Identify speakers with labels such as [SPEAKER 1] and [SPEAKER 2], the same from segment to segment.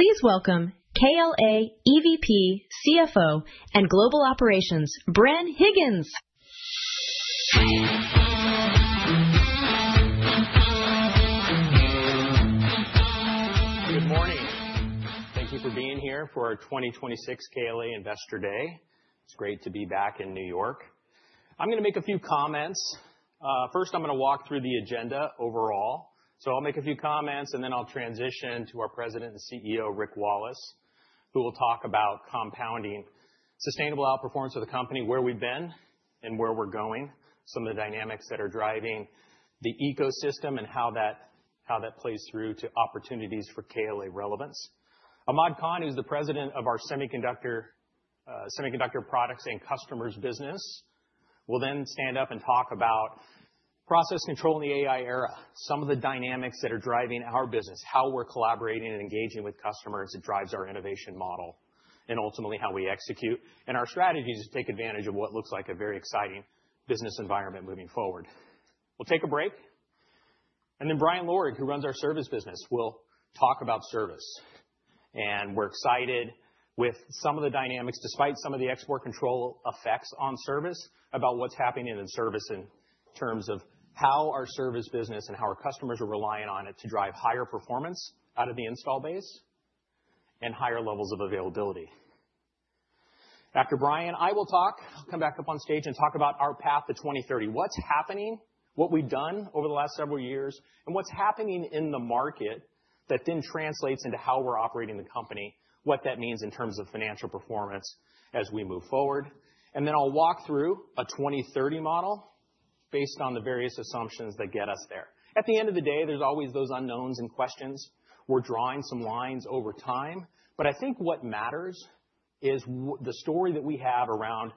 [SPEAKER 1] Please welcome KLA EVP, CFO, and Global Operations, Bren Higgins.
[SPEAKER 2] Good morning. Thank you for being here for our 2026 KLA Investor Day. It's great to be back in New York. I'm gonna make a few comments. First, I'm gonna walk through the agenda overall. I'll make a few comments, and then I'll transition to our President and CEO, Rick Wallace, who will talk about compounding sustainable outperformance of the company, where we've been and where we're going, some of the dynamics that are driving the ecosystem and how that plays through to opportunities for KLA relevance. Ahmad Khan, who's the President of our Semiconductor Products and Customers business, will then stand up and talk about process control in the AI era, some of the dynamics that are driving our business, how we're collaborating and engaging with customers that drives our innovation model, and ultimately, how we execute. Our strategy is to take advantage of what looks like a very exciting business environment moving forward. We'll take a break, and then Brian Lorig, who runs our service business, will talk about service. We're excited with some of the dynamics, despite some of the export control effects on service, about what's happening in service in terms of how our service business and how our customers are relying on it to drive higher performance out of the install base and higher levels of availability. After Brian, I will talk, come back up on stage and talk about our path to 2030. What's happening, what we've done over the last several years, and what's happening in the market that then translates into how we're operating the company, what that means in terms of financial performance as we move forward. I'll walk through a 2030 model based on the various assumptions that get us there. At the end of the day, there's always those unknowns and questions. We're drawing some lines over time, but I think what matters is the story that we have around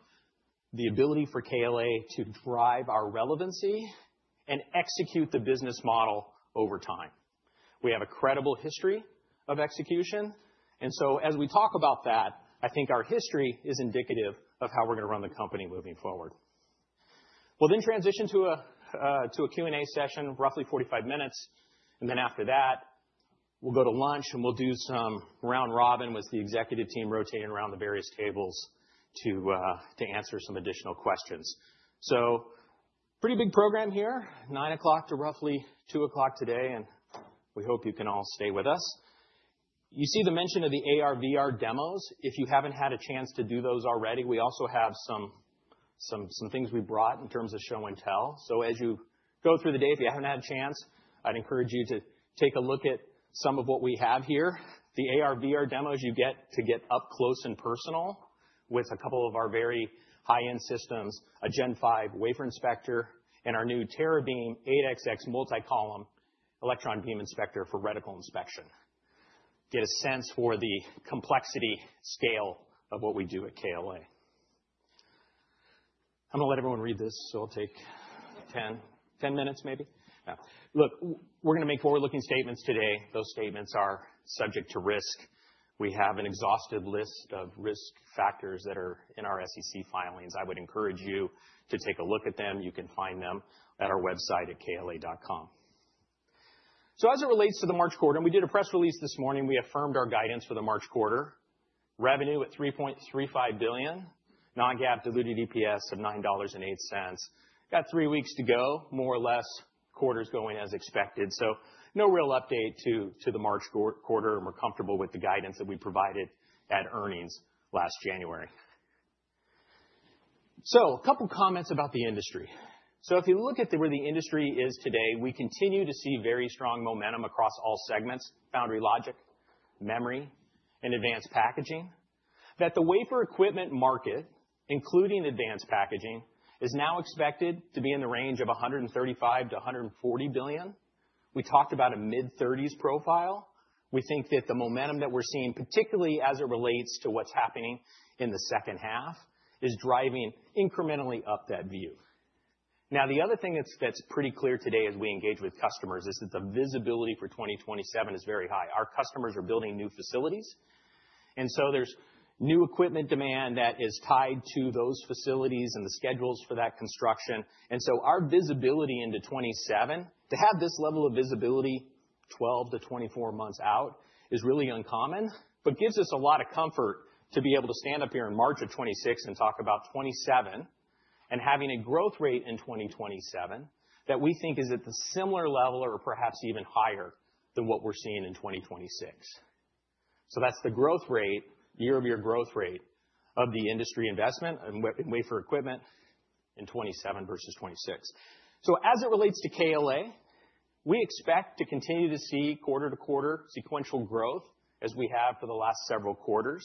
[SPEAKER 2] the ability for KLA to drive our relevancy and execute the business model over time. We have a credible history of execution, and so as we talk about that, I think our history is indicative of how we're gonna run the company moving forward. We'll then transition to a to a Q&A session, roughly 45 minutes, and then after that, we'll go to lunch, and we'll do some round robin with the executive team rotating around the various tables to to answer some additional questions. Pretty big program here, 9:00 A.M. to roughly 2:00 P.M. today, and we hope you can all stay with us. You see the mention of the AR/VR demos. If you haven't had a chance to do those already, we also have some things we brought in terms of show and tell. As you go through the day, if you haven't had a chance, I'd encourage you to take a look at some of what we have here. The AR/VR demos you get to get up close and personal with a couple of our very high-end systems, a Gen5 wafer inspector, and our new Teron beam 8xx multi-column electron beam inspector for reticle inspection. Get a sense for the complexity scale of what we do at KLA. I'm gonna let everyone read this, so I'll take 10 minutes maybe. Now, look, we're gonna make forward-looking statements today. Those statements are subject to risk. We have an exhaustive list of risk factors that are in our SEC filings. I would encourage you to take a look at them. You can find them at our website at kla.com. As it relates to the March quarter, and we did a press release this morning, we affirmed our guidance for the March quarter. Revenue at $3.35 billion, non-GAAP diluted EPS of $9.08. Got three weeks to go, more or less quarter's going as expected. No real update to the March quarter, and we're comfortable with the guidance that we provided at earnings last January. A couple comments about the industry. If you look at where the industry is today, we continue to see very strong momentum across all segments, foundry logic, memory, and advanced packaging, that the wafer equipment market, including advanced packaging, is now expected to be in the range of $135 billion-$140 billion. We talked about a mid-30s profile. We think that the momentum that we're seeing, particularly as it relates to what's happening in the second half, is driving incrementally up that view. Now, the other thing that's pretty clear today as we engage with customers is that the visibility for 2027 is very high. Our customers are building new facilities, and so there's new equipment demand that is tied to those facilities and the schedules for that construction. Our visibility into 2027, to have this level of visibility 12-24 months out is really uncommon, but gives us a lot of comfort to be able to stand up here in March 2026 and talk about 2027 and having a growth rate in 2027 that we think is at the similar level or perhaps even higher than what we're seeing in 2026. That's the growth rate, year-over-year growth rate of the industry investment in wafer equipment in 2027 versus 2026. As it relates to KLA, we expect to continue to see quarter-to-quarter sequential growth as we have for the last several quarters.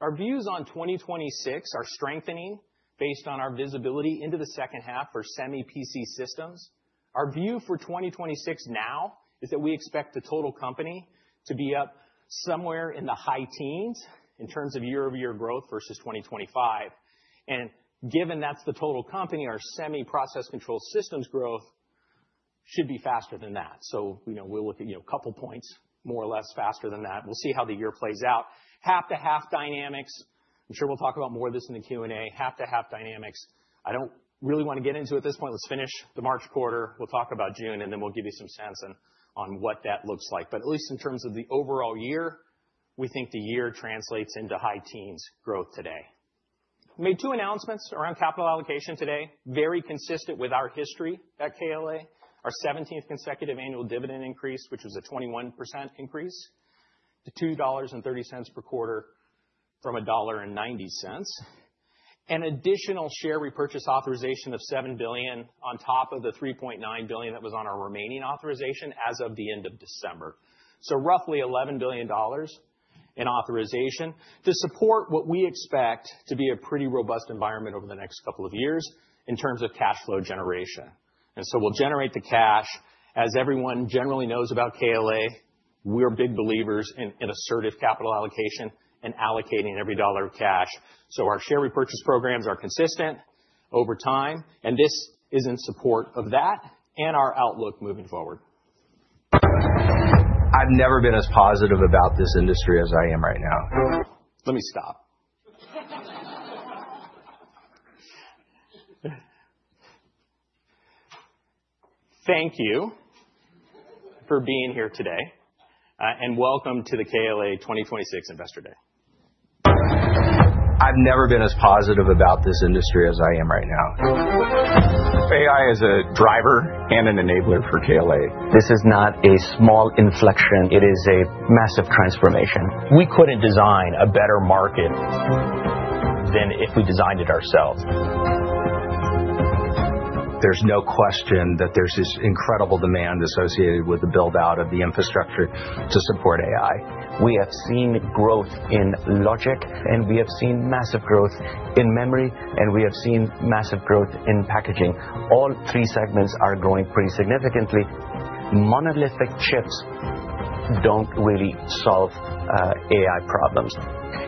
[SPEAKER 2] Our views on 2026 are strengthening based on our visibility into the second half for semi-cap systems. Our view for 2026 now is that we expect the total company to be up somewhere in the high teens in terms of year-over-year growth versus 2025. Given that's the total company, our semi-process control systems growth should be faster than that. You know, we'll look at, you know, couple points more or less faster than that. We'll see how the year plays out. Half-to-half dynamics. I'm sure we'll talk about more of this in the Q&A, half to half dynamics. I don't really want to get into it at this point. Let's finish the March quarter. We'll talk about June, and then we'll give you some sense on what that looks like. At least in terms of the overall year, we think the year translates into high teens growth today. Made two announcements around capital allocation today, very consistent with our history at KLA. Our 17th consecutive annual dividend increase, which is a 21% increase to $2.30 per quarter from $1.90. An additional share repurchase authorization of $7 billion on top of the $3.9 billion that was on our remaining authorization as of the end of December. Roughly $11 billion in authorization to support what we expect to be a pretty robust environment over the next couple of years in terms of cash flow generation. We'll generate the cash. As everyone generally knows about KLA, we're big believers in assertive capital allocation and allocating every dollar of cash. Our share repurchase programs are consistent over time, and this is in support of that and our outlook moving forward. I've never been as positive about this industry as I am right now. Let me stop. Thank you for being here today, and welcome to the KLA 2026 Investor Day. I've never been as positive about this industry as I am right now.
[SPEAKER 3] AI is a driver and an enabler for KLA. This is not a small inflection. It is a massive transformation. We couldn't design a better market than if we designed it ourselves. There's no question that there's this incredible demand associated with the build-out of the infrastructure to support AI. We have seen growth in logic, and we have seen massive growth in memory, and we have seen massive growth in packaging. All three segments are growing pretty significantly. Monolithic chips don't really solve AI problems.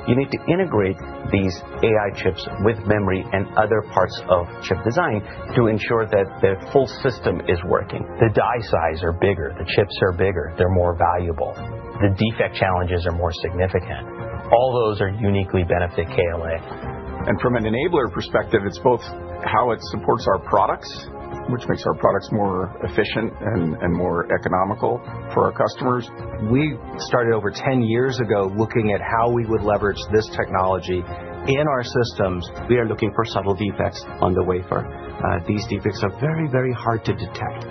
[SPEAKER 3] You need to integrate these AI chips with memory and other parts of chip design to ensure that the full system is working. The die size are bigger, the chips are bigger. They're more valuable. The defect challenges are more significant. All those are uniquely benefit KLA. From an enabler perspective, it's both how it supports our products, which makes our products more efficient and more economical for our customers. We started over 10 years ago looking at how we would leverage this technology in our systems. We are looking for subtle defects on the wafer. These defects are very, very hard to detect.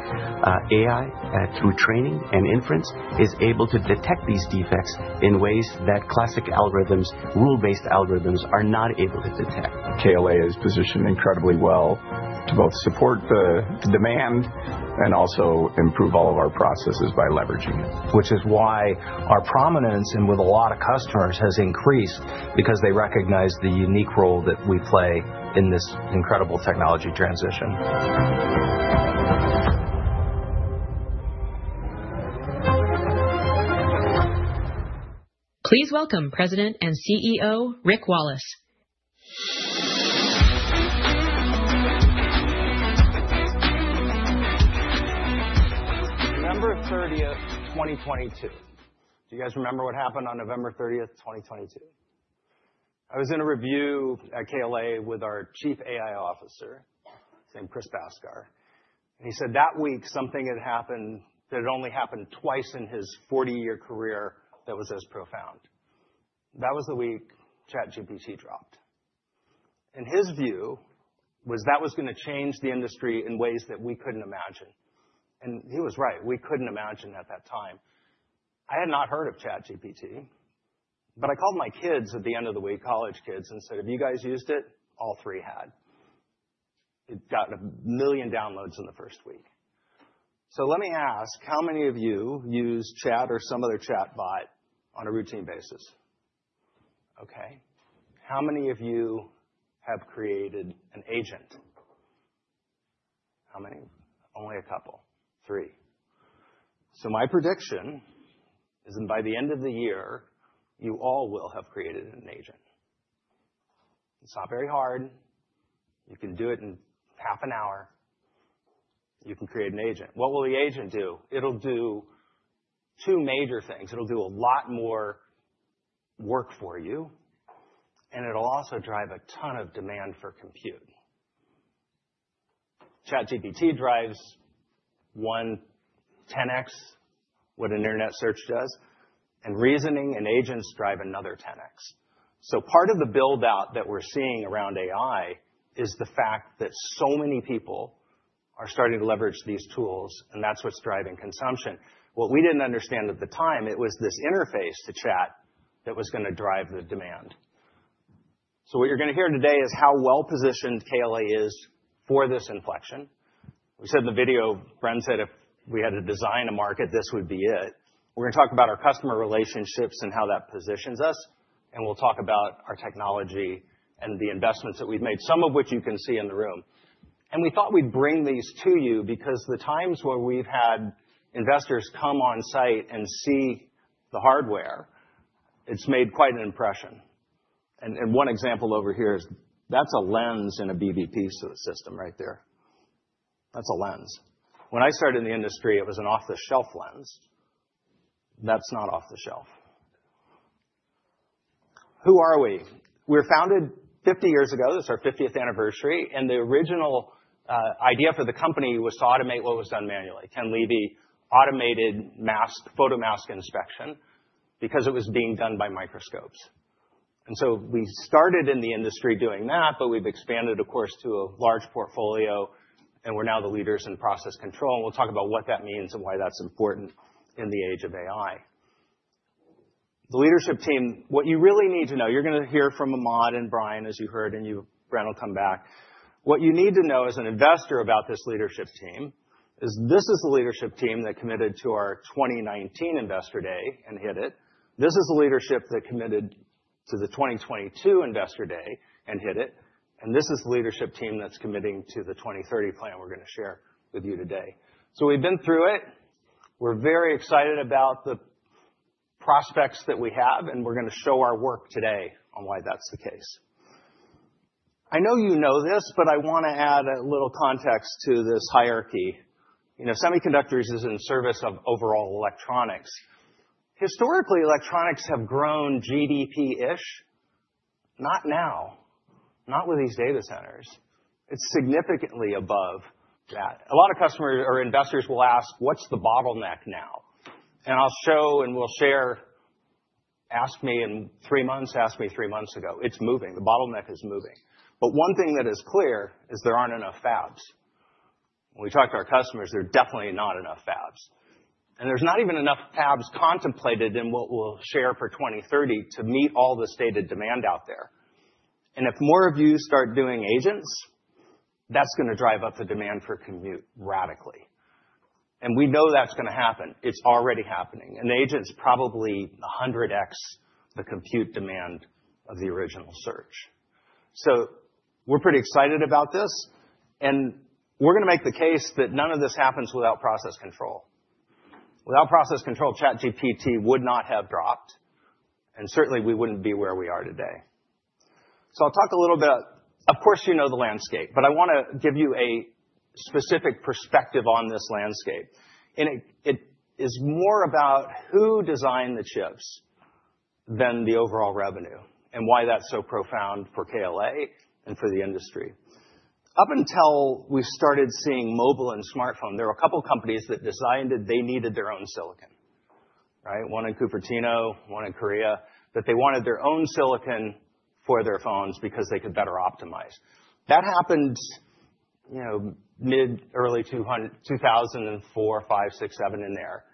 [SPEAKER 3] AI, through training and inference, is able to detect these defects in ways that classic algorithms, rule-based algorithms are not able to detect. KLA is positioned incredibly well to both support the demand and also improve all of our processes by leveraging it. Which is why our prominence with a lot of customers has increased because they recognize the unique role that we play in this incredible technology transition.
[SPEAKER 1] Please welcome President and CEO, Rick Wallace.
[SPEAKER 4] November 30th, 2022. Do you guys remember what happened on November 30th, 2022? I was in a review at KLA with our Chief AI Officer, his name Kris Bhaskar, and he said that week something had happened that had only happened twice in his 40-year career that was as profound. That was the week ChatGPT dropped. His view was that was gonna change the industry in ways that we couldn't imagine. He was right. We couldn't imagine at that time. I had not heard of ChatGPT, but I called my kids at the end of the week, college kids, and said, "Have you guys used it?" All three had. It got 1 million downloads in the first week. Let me ask, how many of you use Chat or some other chatbot on a routine basis? Okay. How many of you have created an agent? How many? Only a couple. Three. My prediction is that by the end of the year, you all will have created an agent. It's not very hard. You can do it in half an hour. You can create an agent. What will the agent do? It'll do two major things. It'll do a lot more work for you, and it'll also drive a ton of demand for compute. ChatGPT drives one 10X what an internet search does, and reasoning and agents drive another 10X. Part of the build-out that we're seeing around AI is the fact that so many people are starting to leverage these tools, and that's what's driving consumption. What we didn't understand at the time, it was this interface to chat that was gonna drive the demand. What you're gonna hear today is how well-positioned KLA is for this inflection. We said in the video, Bren said if we had to design a market, this would be it. We're gonna talk about our customer relationships and how that positions us, and we'll talk about our technology and the investments that we've made, some of which you can see in the room. We thought we'd bring these to you because the times where we've had investors come on-site and see the hardware, it's made quite an impression. One example over here is that's a lens in a BBP system right there. That's a lens. When I started in the industry, it was an off-the-shelf lens. That's not off the shelf. Who are we? We're founded 50 years ago. This is our 50th anniversary, and the original idea for the company was to automate what was done manually. Ken Levy automated photomask inspection because it was being done by microscopes. We started in the industry doing that, but we've expanded, of course, to a large portfolio, and we're now the leaders in process control. We'll talk about what that means and why that's important in the age of AI. The leadership team. What you really need to know, you're gonna hear from Ahmad and Brian, as you heard, and you, Brian will come back. What you need to know as an investor about this leadership team is this is the leadership team that committed to our 2019 Investor Day and hit it. This is the leadership that committed to the 2022 Investor Day and hit it. This is the leadership team that's committing to the 2030 plan we're gonna share with you today. We've been through it. We're very excited about the prospects that we have, and we're gonna show our work today on why that's the case. I know you know this, but I wanna add a little context to this hierarchy. You know, semiconductors is in service of overall electronics. Historically, electronics have grown GDP-ish. Not now, not with these data centers. It's significantly above that. A lot of customers or investors will ask, "What's the bottleneck now?" I'll show and we'll share, ask me in three months, ask me three months ago. It's moving. The bottleneck is moving. But one thing that is clear is there aren't enough fabs. When we talk to our customers, there are definitely not enough fabs. There's not even enough fabs contemplated in what we'll share for 2030 to meet all the stated demand out there. If more of you start doing agents, that's gonna drive up the demand for compute radically. We know that's gonna happen. It's already happening. The agent's probably 100x the compute demand of the original search. We're pretty excited about this, and we're gonna make the case that none of this happens without process control. Without process control, ChatGPT would not have dropped, and certainly we wouldn't be where we are today. I'll talk a little bit. Of course, you know the landscape, but I wanna give you a specific perspective on this landscape. It is more about who designed the chips than the overall revenue, and why that's so profound for KLA and for the industry. Up until we started seeing mobile and smartphone, there were a couple companies that designed it. They needed their own silicon. Right? One in Cupertino, one in Korea, that they wanted their own silicon for their phones because they could better optimize. That happened, you know, mid-early 2004, 2005, 2006, 2007 in there,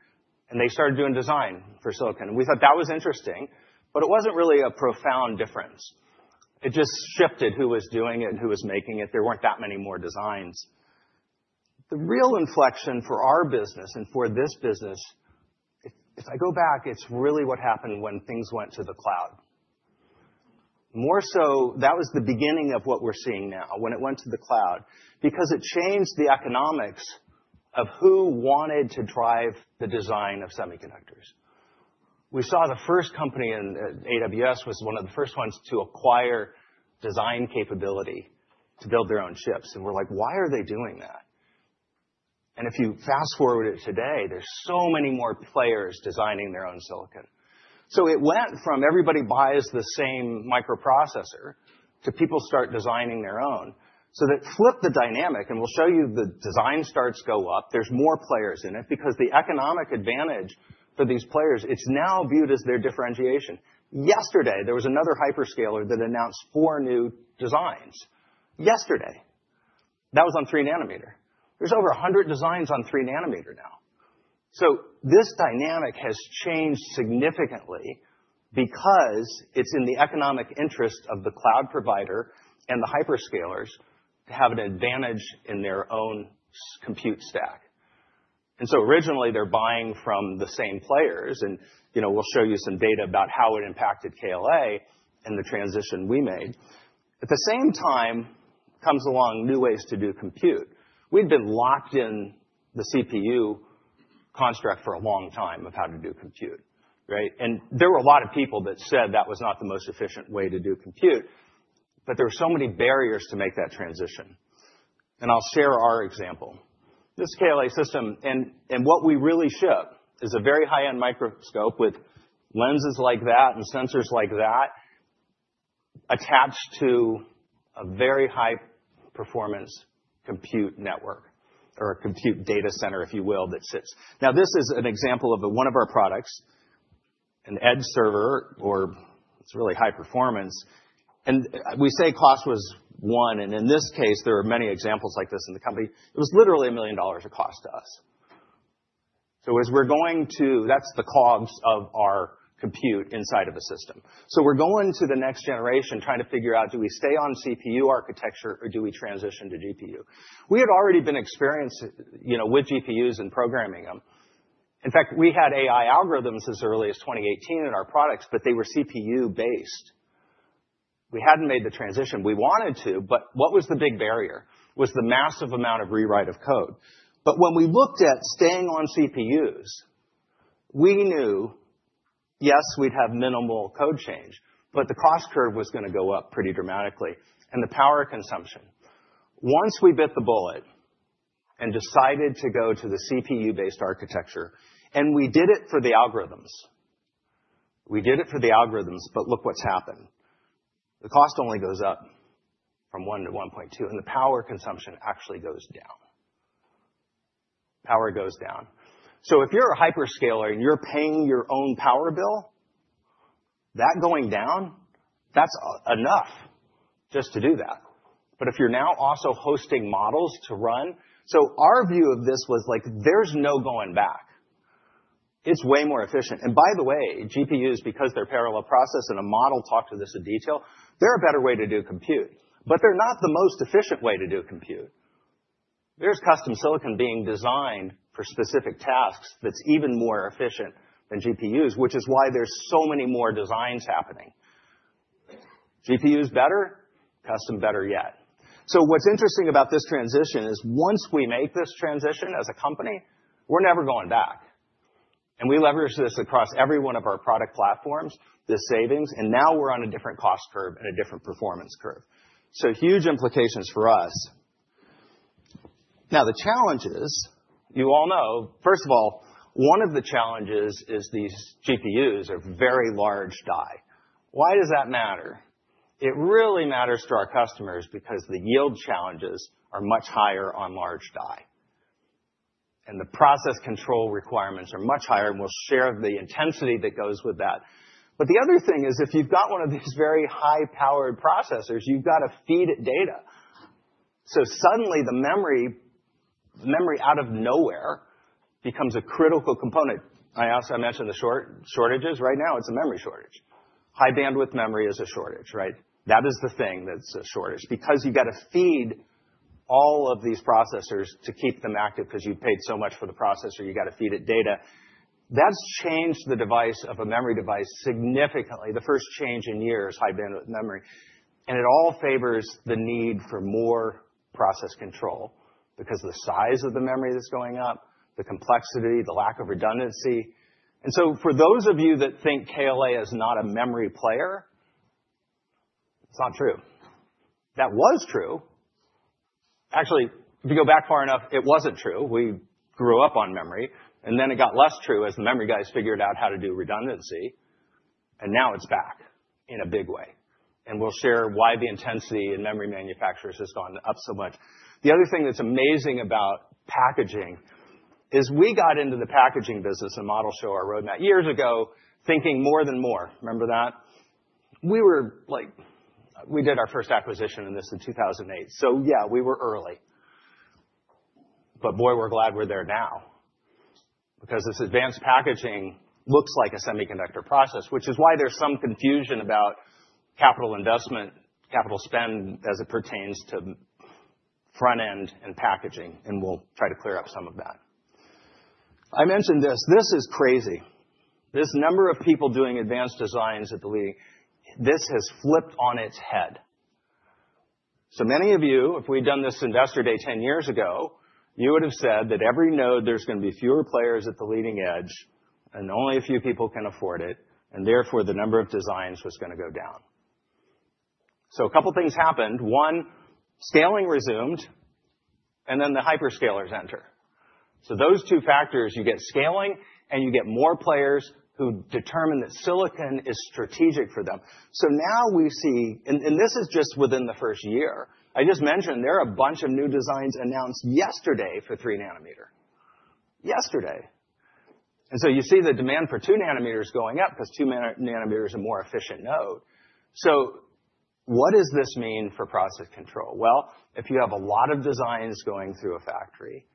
[SPEAKER 4] and they started doing design for silicon. We thought that was interesting, but it wasn't really a profound difference. It just shifted who was doing it, who was making it. There weren't that many more designs. The real inflection for our business and for this business, if I go back, it's really what happened when things went to the cloud. More so, that was the beginning of what we're seeing now, when it went to the cloud, because it changed the economics of who wanted to drive the design of semiconductors. We saw the first company, and AWS was one of the first ones to acquire design capability to build their own chips, and we're like, "Why are they doing that?" If you fast-forward it today, there's so many more players designing their own silicon. It went from everybody buys the same microprocessor to people start designing their own. That flipped the dynamic, and we'll show you the design starts go up. There's more players in it because the economic advantage for these players, it's now viewed as their differentiation. Yesterday, there was another hyperscaler that announced four new designs. Yesterday. That was on 3 nm. There's over 100 designs on 3 nm now. This dynamic has changed significantly because it's in the economic interest of the cloud provider and the hyperscalers to have an advantage in their own compute stack. Originally, they're buying from the same players, and, you know, we'll show you some data about how it impacted KLA and the transition we made. At the same time comes along new ways to do compute. We've been locked in the CPU construct for a long time of how to do compute, right? There were a lot of people that said that was not the most efficient way to do compute, but there were so many barriers to make that transition. I'll share our example. This KLA system, and what we really ship is a very high-end microscope with lenses like that and sensors like that attached to a very high-performance compute network or a compute data center, if you will, that sits. Now this is an example of one of our products, an edge server, or it's really high performance. We saw cost was one, and in this case, there are many examples like this in the company. It was literally $1 million of cost to us. That's the cost of our compute inside of a system. We're going to the next generation trying to figure out, do we stay on CPU architecture or do we transition to GPU? We had already had experience, you know, with GPUs and programming them. In fact, we had AI algorithms as early as 2018 in our products, but they were CPU-based. We hadn't made the transition. We wanted to, but what was the big barrier? It was the massive amount of rewrite of code. When we looked at staying on CPUs, we knew. Yes, we'd have minimal code change, but the cost curve was gonna go up pretty dramatically and the power consumption. Once we bit the bullet and decided to go to the CPU-based architecture, and we did it for the algorithms. We did it for the algorithms, but look what's happened. The cost only goes up from $1 million to $1.2 million, and the power consumption actually goes down. Power goes down. If you're a hyperscaler and you're paying your own power bill, that going down, that's enough just to do that. If you're now also hosting models to run. Our view of this was like, there's no going back. It's way more efficient. By the way, GPUs, because they're parallel process, and Ahmad Khan talked to this in detail, they're a better way to do compute, but they're not the most efficient way to do compute. There's custom silicon being designed for specific tasks that's even more efficient than GPUs, which is why there's so many more designs happening. GPU is better, custom better yet. What's interesting about this transition is once we make this transition as a company, we're never going back. We leverage this across every one of our product platforms, the savings, and now we're on a different cost curve and a different performance curve. Huge implications for us. Now, the challenges, you all know, first of all, one of the challenges is these GPUs are very large die. Why does that matter? It really matters to our customers because the yield challenges are much higher on large die. The process control requirements are much higher, and we'll share the intensity that goes with that. The other thing is, if you've got one of these very high-powered processors, you've got to feed it data. Suddenly, the memory out of nowhere becomes a critical component. I also mentioned the shortages. Right now, it's a memory shortage. High bandwidth memory is a shortage, right? That is the thing that's a shortage. Because you gotta feed all of these processors to keep them active, 'cause you paid so much for the processor, you gotta feed it data. That's changed the device of a memory device significantly, the first change in years, high bandwidth memory. It all favors the need for more process control because of the size of the memory that's going up, the complexity, the lack of redundancy. For those of you that think KLA is not a memory player, it's not true. That was true. Actually, if you go back far enough, it wasn't true. We grew up on memory, and then it got less true as the memory guys figured out how to do redundancy, and now it's back in a big way. We'll share why the intensity in memory manufacturers has gone up so much. The other thing that's amazing about packaging is we got into the packaging business, and Ahmad Khan show our roadmap, years ago, thinking more than Moore. Remember that? We were like. We did our first acquisition in this in 2008. Yeah, we were early. Boy, we're glad we're there now because this advanced packaging looks like a semiconductor process, which is why there's some confusion about capital investment, capital spend as it pertains to front-end and packaging, and we'll try to clear up some of that. I mentioned this. This is crazy. This number of people doing advanced designs at the leading. This has flipped on its head. Many of you, if we'd done this Investor Day 10 years ago, you would have said that every node, there's gonna be fewer players at the leading edge, and only a few people can afford it, and therefore, the number of designs was gonna go down. A couple things happened. One, scaling resumed, and then the hyperscalers enter. Those two factors, you get scaling and you get more players who determine that silicon is strategic for them. Now we see, this is just within the first year, I just mentioned there are a bunch of new designs announced yesterday for 3 nm. Yesterday. You see the demand for 2 nm going up because 2 nm are more efficient node. What does this mean for process control? Well, if you have a lot of designs going through a factory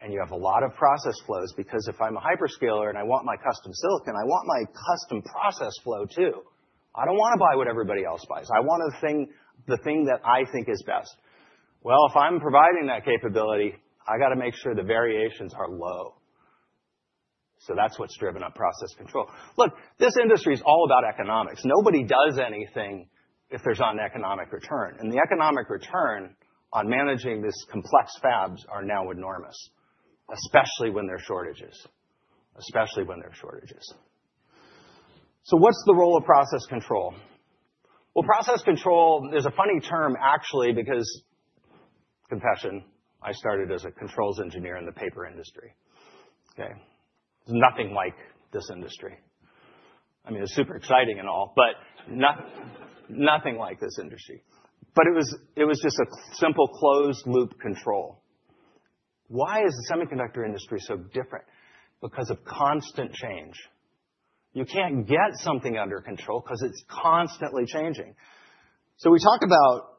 [SPEAKER 4] and you have a lot of process flows, because if I'm a hyperscaler and I want my custom silicon, I want my custom process flow too. I don't wanna buy what everybody else buys. I want the thing that I think is best. Well, if I'm providing that capability, I gotta make sure the variations are low. That's what's driven up process control. Look, this industry is all about economics. Nobody does anything if there's not an economic return, and the economic return on managing these complex fabs are now enormous, especially when there are shortages. What's the role of process control? Well, process control is a funny term actually because, confession, I started as a controls engineer in the paper industry. Okay? It's nothing like this industry. I mean, it's super exciting and all, but nothing like this industry. But it was just a simple closed-loop control. Why is the semiconductor industry so different? Because of constant change. You can't get something under control 'cause it's constantly changing. So we talk about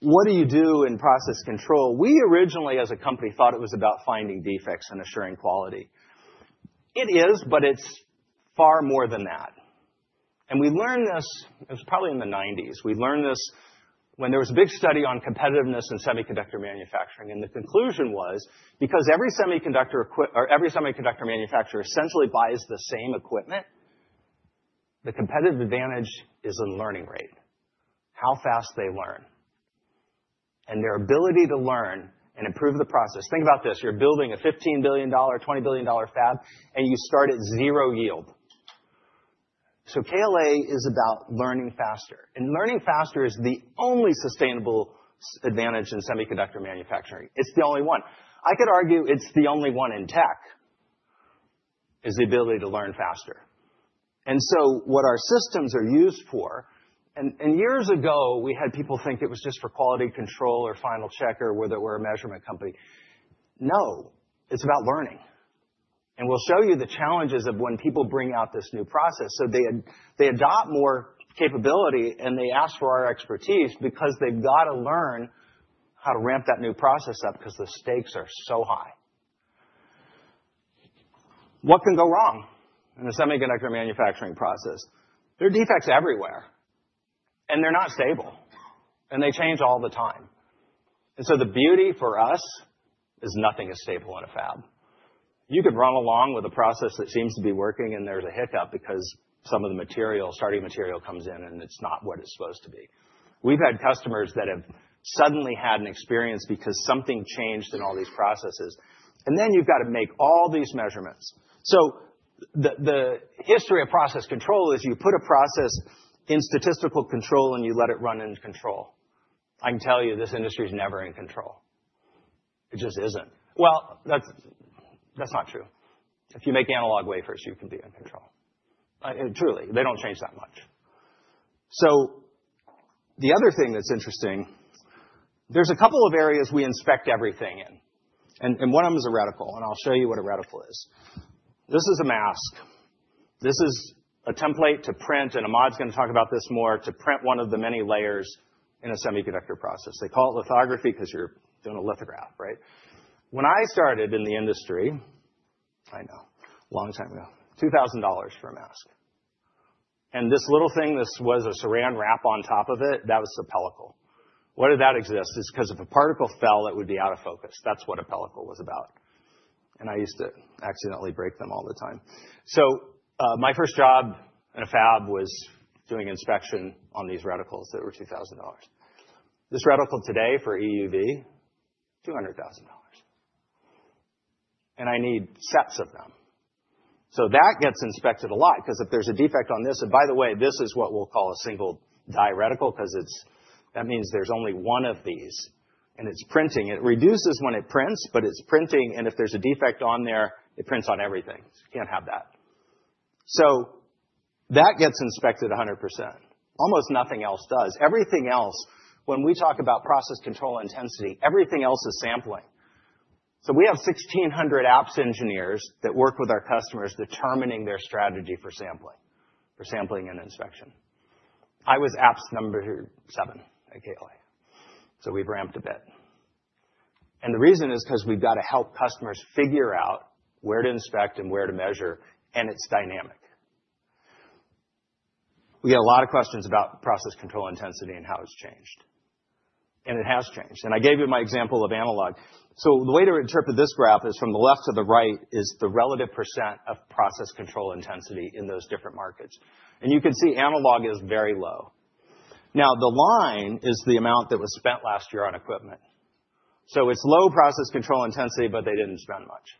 [SPEAKER 4] what do you do in process control. We originally, as a company, thought it was about finding defects and assuring quality. It is, but it's far more than that. We learned this, it was probably in the 1990s. We learned this when there was a big study on competitiveness in semiconductor manufacturing, and the conclusion was, because every semiconductor manufacturer essentially buys the same equipment, the competitive advantage is in learning rate, how fast they learn. Their ability to learn and improve the process. Think about this, you're building a $15 billion, $20 billion fab, and you start at zero yield. KLA is about learning faster, and learning faster is the only sustainable advantage in semiconductor manufacturing. It's the only one. I could argue it's the only one in tech, is the ability to learn faster. What our systems are used for. Years ago, we had people think it was just for quality control or final check or whether we're a measurement company. No, it's about learning. We'll show you the challenges of when people bring out this new process. They adopt more capability, and they ask for our expertise because they've got to learn how to ramp that new process up because the stakes are so high. What can go wrong in a semiconductor manufacturing process? There are defects everywhere, and they're not stable, and they change all the time. The beauty for us is nothing is stable in a fab. You could run along with a process that seems to be working, and there's a hiccup because some of the material, starting material comes in and it's not what it's supposed to be. We've had customers that have suddenly had an experience because something changed in all these processes. Then you've got to make all these measurements. The history of process control is you put a process in statistical control, and you let it run in control. I can tell you this industry is never in control. It just isn't. That's not true. If you make analog wafers, you can be in control. Truly, they don't change that much. The other thing that's interesting, there's a couple of areas we inspect everything in, and one of them is a reticle, and I'll show you what a reticle is. This is a mask. This is a template to print, and Ahmad's going to talk about this more, to print one of the many layers in a semiconductor process. They call it lithography because you're doing a lithograph, right? When I started in the industry, I know, long time ago, $2,000 for a mask. This little thing, this was a Saran wrap on top of it, that was the pellicle. Why did that exist? It's 'cause if a particle fell, it would be out of focus. That's what a pellicle was about. I used to accidentally break them all the time. My first job in a fab was doing inspection on these reticles that were $2,000. This reticle today for EUV, $200,000. I need sets of them. That gets inspected a lot because if there's a defect on this, and by the way, this is what we'll call a single die reticle because that means there's only one of these, and it's printing. It reduces when it prints, but it's printing, and if there's a defect on there, it prints on everything. You can't have that. That gets inspected 100%. Almost nothing else does. Everything else, when we talk about process control intensity, everything else is sampling. We have 1,600 apps engineers that work with our customers determining their strategy for sampling, for sampling and inspection. I was apps number seven at KLA, so we've ramped a bit. The reason is 'cause we've got to help customers figure out where to inspect and where to measure, and it's dynamic. We get a lot of questions about process control intensity and how it's changed, and it has changed. I gave you my example of analog. The way to interpret this graph is from the left to the right is the relative % of process control intensity in those different markets. You can see analog is very low. Now, the line is the amount that was spent last year on equipment. It's low process control intensity, but they didn't spend much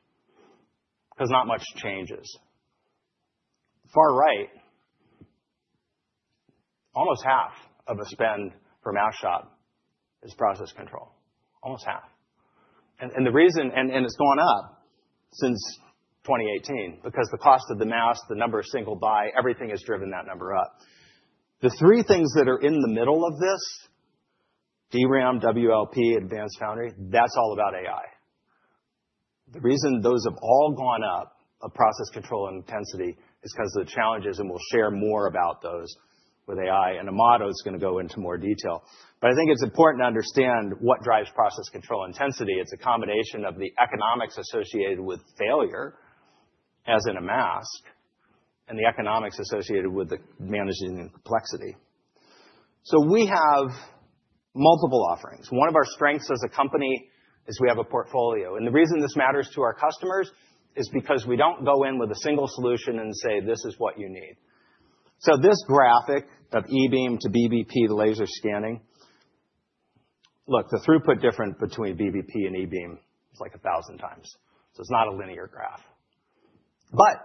[SPEAKER 4] 'cause not much changes. Far right, almost half of a spend for mask shop is process control. Almost half. The reason it's gone up since 2018 because the cost of the mask, the number of single buy, everything has driven that number up. The three things that are in the middle of this, DRAM, WLP, advanced foundry, that's all about AI. The reason those have all gone up of process control intensity is 'cause of the challenges, and we'll share more about those with AI, and Ahmad's gonna go into more detail. I think it's important to understand what drives process control intensity. It's a combination of the economics associated with failure, as in a mask, and the economics associated with managing the complexity. We have multiple offerings. One of our strengths as a company is we have a portfolio, and the reason this matters to our customers is because we don't go in with a single solution and say, "This is what you need." This graphic of E-beam to BBP to laser scanning. Look, the throughput difference between BBP and E-beam is like 1,000x, so it's not a linear graph.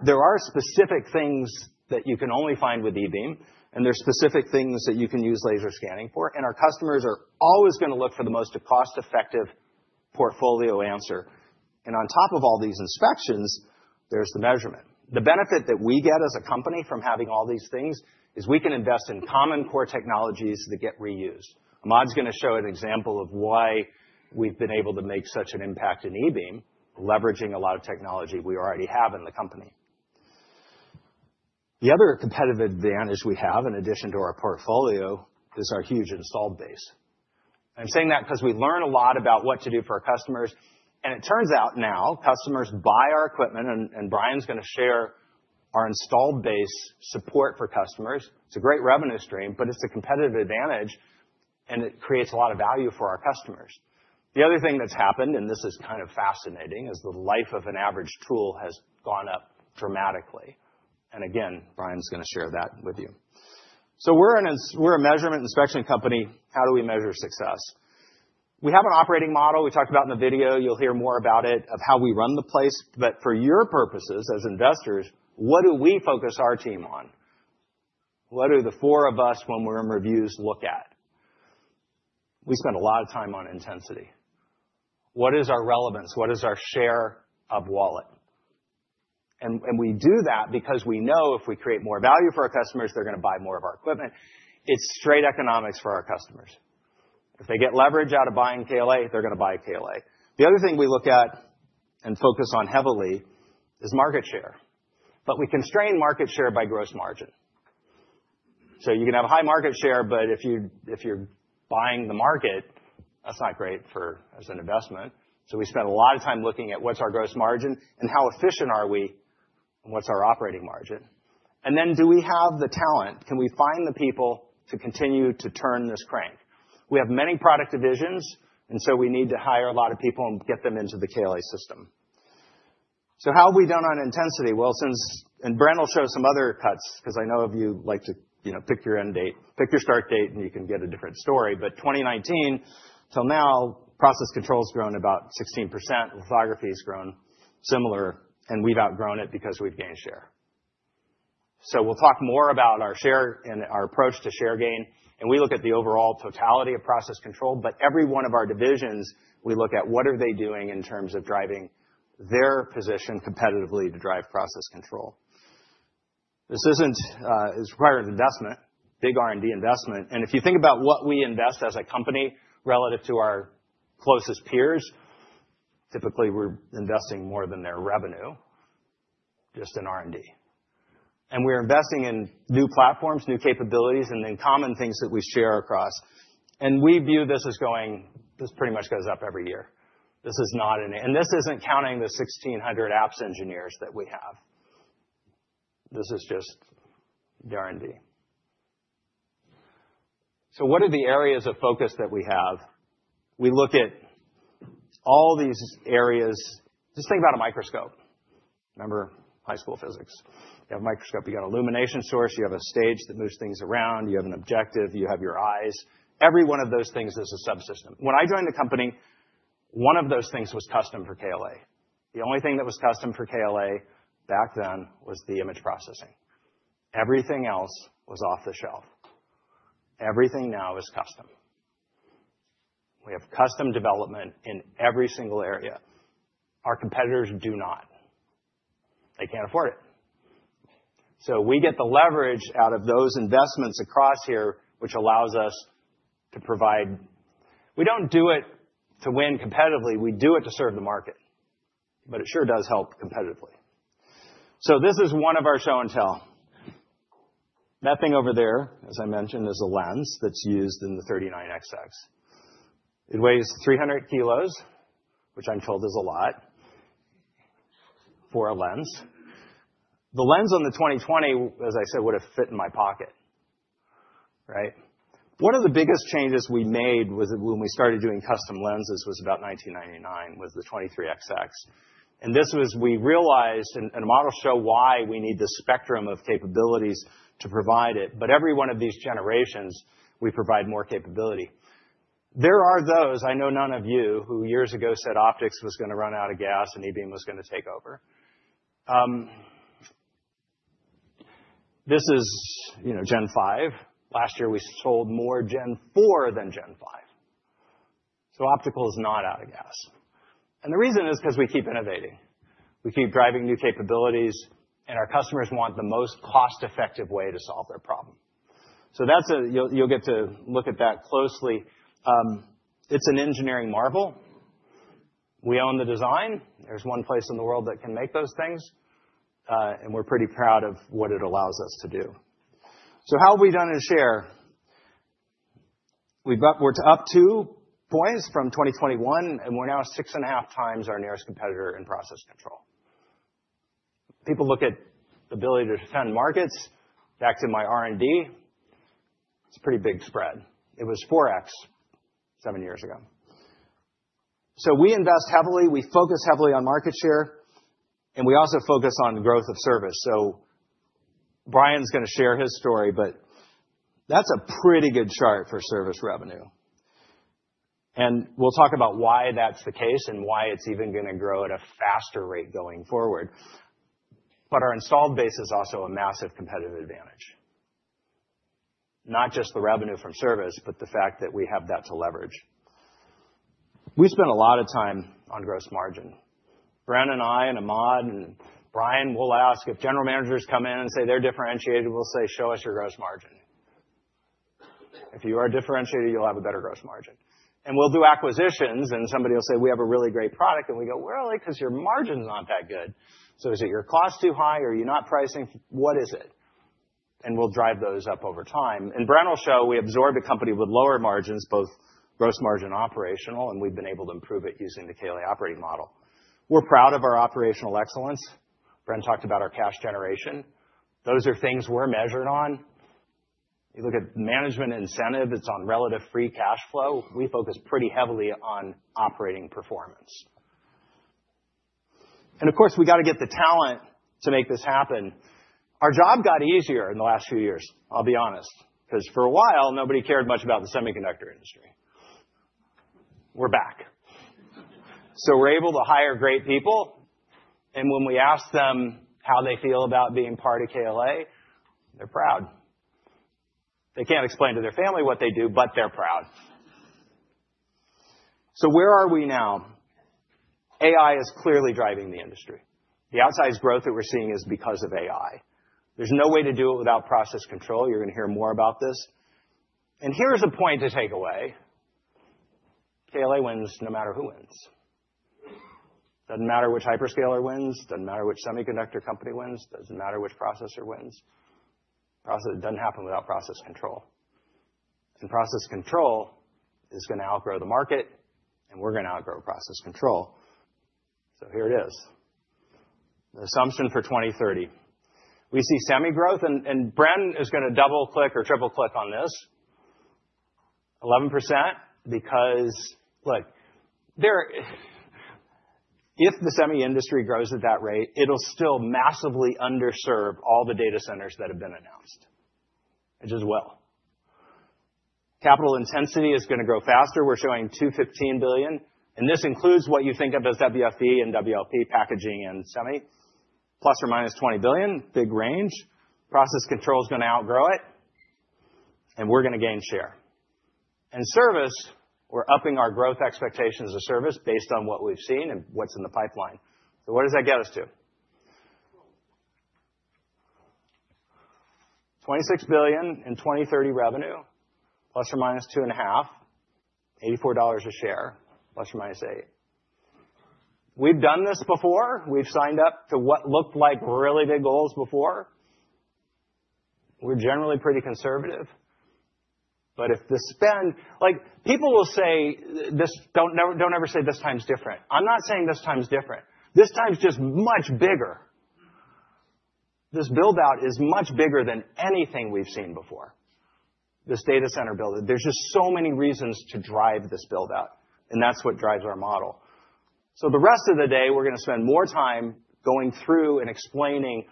[SPEAKER 4] There are specific things that you can only find with E-beam, and there are specific things that you can use laser scanning for, and our customers are always gonna look for the most cost-effective portfolio answer. On top of all these inspections, there's the measurement. The benefit that we get as a company from having all these things is we can invest in common core technologies that get reused. Ahmad's gonna show an example of why we've been able to make such an impact in E-beam, leveraging a lot of technology we already have in the company. The other competitive advantage we have in addition to our portfolio is our huge installed base. I'm saying that because we learn a lot about what to do for our customers, and it turns out now customers buy our equipment, and Brian's gonna share our installed base support for customers. It's a great revenue stream, but it's a competitive advantage, and it creates a lot of value for our customers. The other thing that's happened, and this is kind of fascinating, is the life of an average tool has gone up dramatically. Again, Brian's gonna share that with you. We're a measurement inspection company. How do we measure success? We have an operating model we talked about in the video. You'll hear more about it, of how we run the place. For your purposes as investors, what do we focus our team on? What do the four of us when we're in reviews look at? We spend a lot of time on intensity. What is our relevance? What is our share of wallet? And we do that because we know if we create more value for our customers, they're gonna buy more of our equipment. It's straight economics for our customers. If they get leverage out of buying KLA, they're gonna buy KLA. The other thing we look at and focus on heavily is market share. We constrain market share by gross margin. You can have high market share, but if you're buying the market, that's not great as an investment. We spend a lot of time looking at what's our gross margin and how efficient are we and what's our operating margin. Then do we have the talent? Can we find the people to continue to turn this crank? We have many product divisions, and so we need to hire a lot of people and get them into the KLA system. How have we done on intensity? Bren will show some other cuts, 'cause I know of you who like to, you know, pick your start date, and you can get a different story. 2019 till now, process control's grown about 16%, lithography has grown similar, and we've outgrown it because we've gained share. We'll talk more about our share and our approach to share gain, and we look at the overall totality of process control. Every one of our divisions, we look at what are they doing in terms of driving their position competitively to drive process control. This isn't, this requires a big R&D investment. If you think about what we invest as a company relative to our closest peers, typically, we're investing more than their revenue, just in R&D. We're investing in new platforms, new capabilities, and then common things that we share across. We view this as going, "This pretty much goes up every year." This isn't counting the 1,600 apps engineers that we have. This is just the R&D. What are the areas of focus that we have? We look at all these areas. Just think about a microscope. Remember high school physics. You have a microscope, you got illumination source, you have a stage that moves things around, you have an objective, you have your eyes. Every one of those things is a subsystem. When I joined the company, one of those things was custom for KLA. The only thing that was custom for KLA back then was the image processing. Everything else was off the shelf. Everything now is custom. We have custom development in every single area. Our competitors do not. They can't afford it. We get the leverage out of those investments across here, which allows us to provide. We don't do it to win competitively. We do it to serve the market, but it sure does help competitively. This is one of our show and tell. That thing over there, as I mentioned, is a lens that's used in the 39xx. It weighs 300 kilos, which I'm told is a lot for a lens. The lens on the 2020, as I said, would have fit in my pocket, right? One of the biggest changes we made was when we started doing custom lenses was about 1999, was the 23xx. This was we realized, and models show why we need the spectrum of capabilities to provide it, but every one of these generations, we provide more capability. There are those, I know none of you, who years ago said optics was gonna run out of gas and e-beam was gonna take over. This is, you know, Gen5. Last year, we sold more Gen4 than Gen5. Optical is not out of gas. The reason is 'cause we keep innovating. We keep driving new capabilities, and our customers want the most cost-effective way to solve their problem. You'll get to look at that closely. It's an engineering marvel. We own the design. There's one place in the world that can make those things, and we're pretty proud of what it allows us to do. How have we done in share? We're up 2 points from 2021, and we're now 6.5x our nearest competitor in process control. People look at the ability to defend markets. Back to my R&D, it's a pretty big spread. It was 4x seven years ago. We invest heavily, we focus heavily on market share, and we also focus on growth of service. Brian's gonna share his story, but that's a pretty good chart for service revenue. We'll talk about why that's the case and why it's even gonna grow at a faster rate going forward. Our installed base is also a massive competitive advantage. Not just the revenue from service, but the fact that we have that to leverage. We spend a lot of time on gross margin. Bren and I and Ahmad and Brian will ask if general managers come in and say they're differentiated, we'll say, "Show us your gross margin." If you are differentiated, you'll have a better gross margin. We'll do acquisitions, and somebody will say, "We have a really great product." And we go, "Well, really? 'Cause your margin's not that good. So is it your cost too high? Are you not pricing? What is it?" And we'll drive those up over time. Bren will show we absorb a company with lower margins, both gross margin and operational, and we've been able to improve it using the KLA operating model. We're proud of our operational excellence. Bren talked about our cash generation. Those are things we're measured on. You look at management incentive, it's on relative free cash flow. We focus pretty heavily on operating performance. Of course, we got to get the talent to make this happen. Our job got easier in the last few years, I'll be honest, because for a while, nobody cared much about the semiconductor industry. We're back. We're able to hire great people, and when we ask them how they feel about being part of KLA, they're proud. They can't explain to their family what they do, but they're proud. Where are we now? AI is clearly driving the industry. The outsized growth that we're seeing is because of AI. There's no way to do it without process control. You're going to hear more about this. Here's a point to take away. KLA wins no matter who wins. Doesn't matter which hyperscaler wins, doesn't matter which semiconductor company wins, doesn't matter which processor wins. It doesn't happen without process control. Process control is going to outgrow the market, and we're going to outgrow process control. Here it is. The assumption for 2030. We see semi growth, and Bren is going to double click or triple click on this. 11%, because, look, if the semi industry grows at that rate, it'll still massively underserve all the data centers that have been announced, which is well. Capital intensity is going to grow faster. We're showing $215 billion, and this includes what you think of as WFE and WLP packaging and semi, ± $20 billion, big range. Process control is going to outgrow it, and we're going to gain share. Service, we're upping our growth expectations of service based on what we've seen and what's in the pipeline. What does that get us to? $26 billion in 2030 revenue, ± 2.5, $84 a share, ±8. We've done this before. We've signed up to what looked like really big goals before. We're generally pretty conservative. If the spend. Like, people will say this, don't ever say, this time's different. I'm not saying this time is different. This time is just much bigger. This build-out is much bigger than anything we've seen before. This data center build. There's just so many reasons to drive this build-out, and that's what drives our model. The rest of the day, we're going to spend more time going through and explaining,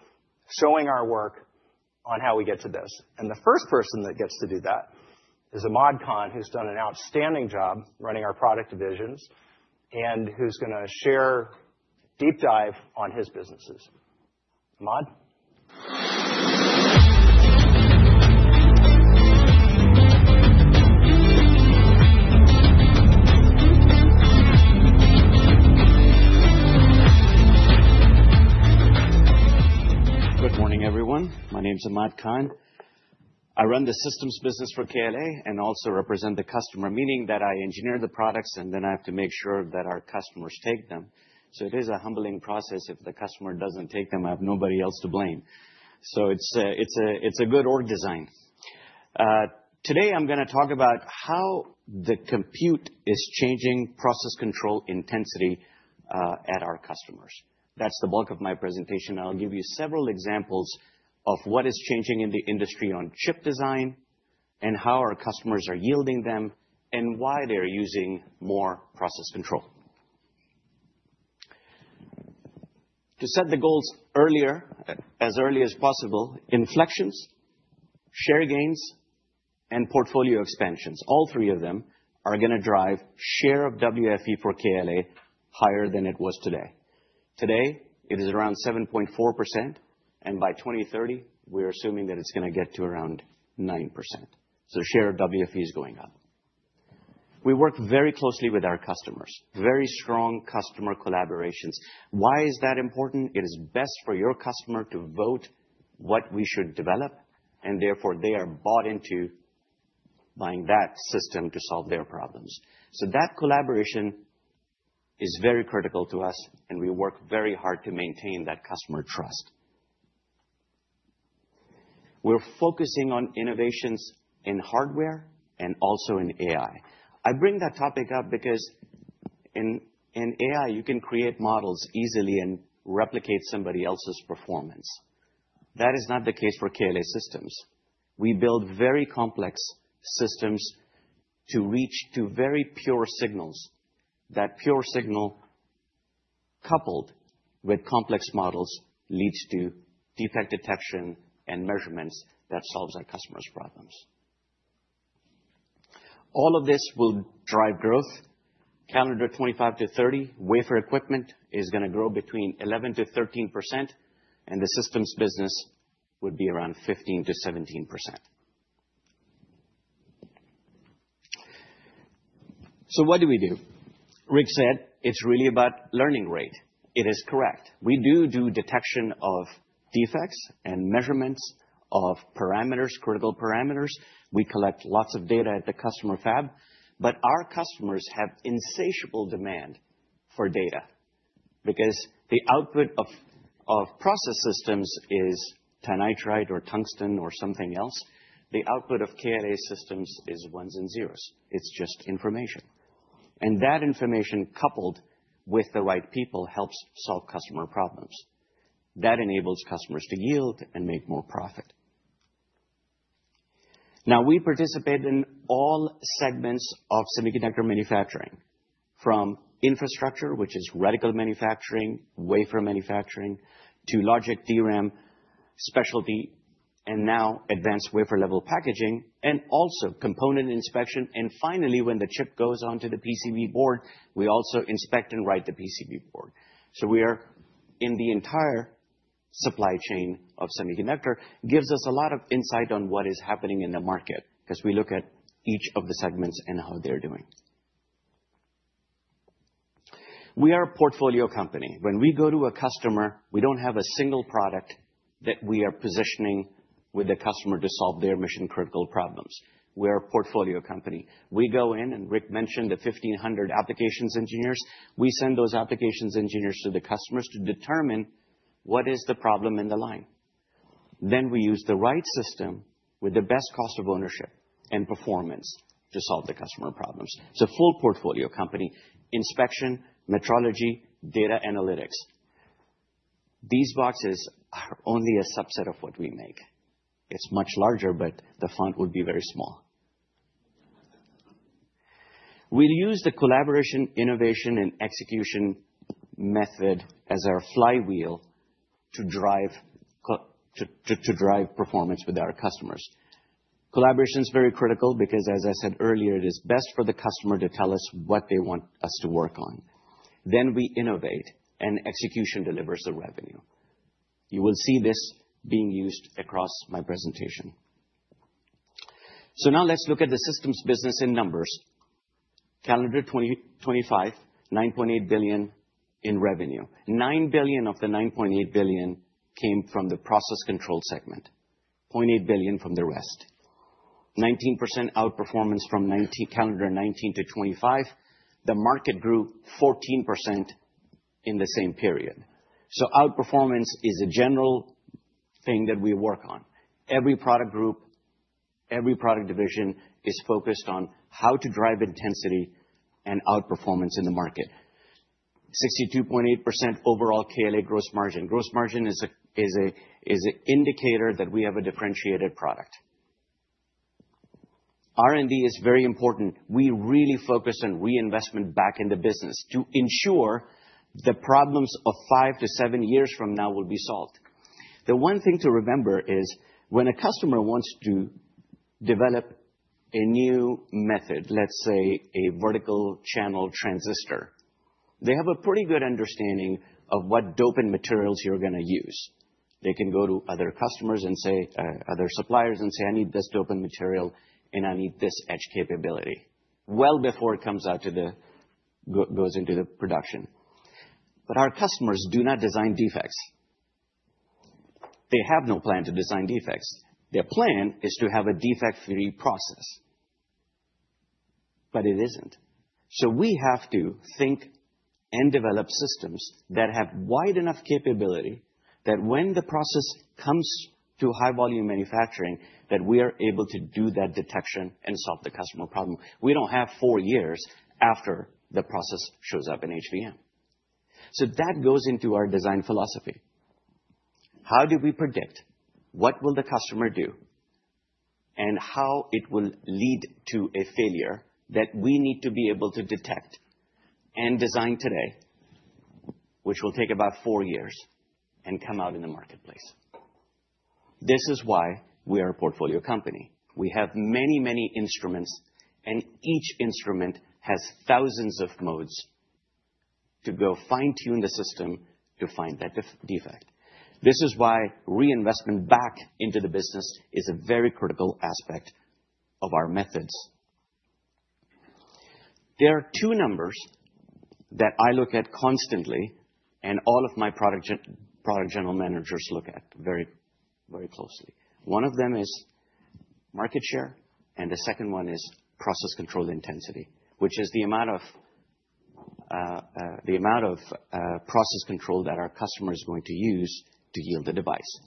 [SPEAKER 4] showing our work on how we get to this. The first person that gets to do that is Ahmad Khan, who's done an outstanding job running our product divisions and who's gonna share deep dive on his businesses. Ahmad.
[SPEAKER 5] Good morning, everyone. My name is Ahmad Khan. I run the systems business for KLA and also represent the customer, meaning that I engineer the products, and then I have to make sure that our customers take them. It is a humbling process. If the customer doesn't take them, I have nobody else to blame. It's a good org design. Today I'm going to talk about how the compute is changing process control intensity at our customers. That's the bulk of my presentation. I'll give you several examples of what is changing in the industry on chip design and how our customers are yielding them and why they're using more process control. To set the goals earlier, as early as possible, inflections, share gains, and portfolio expansions, all three of them are going to drive share of WFE for KLA higher than it was today. Today, it is around 7.4%, and by 2030, we're assuming that it's going to get to around 9%. Share of WFE is going up. We work very closely with our customers, very strong customer collaborations. Why is that important? It is best for your customer to vote what we should develop, and therefore they are bought into buying that system to solve their problems. That collaboration is very critical to us, and we work very hard to maintain that customer trust. We're focusing on innovations in hardware and also in AI. I bring that topic up because in AI, you can create models easily and replicate somebody else's performance. That is not the case for KLA systems. We build very complex systems to reach to very pure signals. That pure signal, coupled with complex models, leads to defect detection and measurements that solves our customers' problems. All of this will drive growth. Calendar 2025-2030, wafer equipment is going to grow between 11%-13%, and the systems business would be around 15%-17%. What do we do? Rick said it's really about learning rate. It is correct. We do detection of defects and measurements of parameters, critical parameters. We collect lots of data at the customer fab, but our customers have insatiable demand for data because the output of process systems is titanium nitride or tungsten or something else. The output of KLA systems is ones and zeros. It's just information. That information, coupled with the right people, helps solve customer problems. That enables customers to yield and make more profit. Now, we participate in all segments of semiconductor manufacturing, from infrastructure, which is reticle manufacturing, wafer manufacturing, to logic, DRAM, specialty, and now advanced wafer-level packaging, and also component inspection. Finally, when the chip goes onto the PCB board, we also inspect and write the PCB board. We are in the entire supply chain of semiconductor, gives us a lot of insight on what is happening in the market because we look at each of the segments and how they're doing. We are a portfolio company. When we go to a customer, we don't have a single product that we are positioning with the customer to solve their mission-critical problems. We're a portfolio company. We go in, and Rick mentioned the 1,500 applications engineers. We send those applications engineers to the customers to determine what is the problem in the line. Then we use the right system with the best cost of ownership and performance to solve the customer problems. It's a full portfolio company, inspection, metrology, data analytics. These boxes are only a subset of what we make. It's much larger, but the font would be very small. We use the collaboration, innovation, and execution method as our flywheel to drive performance with our customers. Collaboration is very critical because, as I said earlier, it is best for the customer to tell us what they want us to work on. Then we innovate, and execution delivers the revenue. You will see this being used across my presentation. Now let's look at the systems business in numbers. Calendar 2025, $9.8 billion in revenue. $9 billion of the $9.8 billion came from the process control segment, $0.8 billion from the rest. 19% outperformance from calendar 2019 to 2025. The market grew 14% in the same period. Outperformance is a general thing that we work on. Every product group, every product division is focused on how to drive intensity and outperformance in the market. 62.8% overall KLA gross margin. Gross margin is an indicator that we have a differentiated product. R&D is very important. We really focus on reinvestment back in the business to ensure the problems of five to seven years from now will be solved. The one thing to remember is when a customer wants to develop a new method, let's say a vertical channel transistor, they have a pretty good understanding of what dopant materials you're gonna use. They can go to other customers and say, other suppliers and say, "I need this dopant material, and I need this etch capability," well before it goes into production. Our customers do not design defects. They have no plan to design defects. Their plan is to have a defect-free process. It isn't. We have to think and develop systems that have wide enough capability that when the process comes to high volume manufacturing, that we are able to do that detection and solve the customer problem. We don't have four years after the process shows up in HVM. That goes into our design philosophy. How do we predict what will the customer do and how it will lead to a failure that we need to be able to detect and design today, which will take about four years and come out in the marketplace? This is why we are a portfolio company. We have many, many instruments, and each instrument has thousands of modes to go fine-tune the system to find that defect. This is why reinvestment back into the business is a very critical aspect of our methods. There are two numbers that I look at constantly and all of my product general managers look at very, very closely. One of them is market share, and the second one is process control intensity, which is the amount of process control that our customer is going to use to yield the device.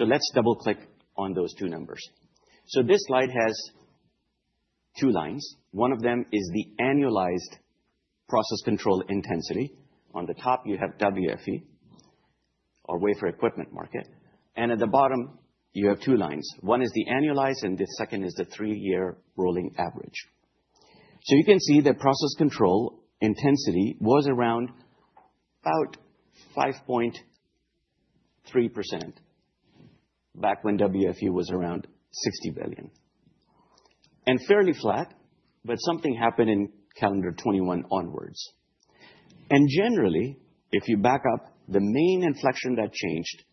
[SPEAKER 5] Let's double-click on those two numbers. This slide has two lines. One of them is the annualized process control intensity. On the top, you have WFE or wafer fab equipment market. At the bottom, you have two lines. One is the annualized, and the second is the three-year rolling average. You can see the process control intensity was around about 5.3% back when WFE was around $60 billion. Fairly flat, but something happened in calendar 2021 onwards. Generally, if you back up, the main inflection that changed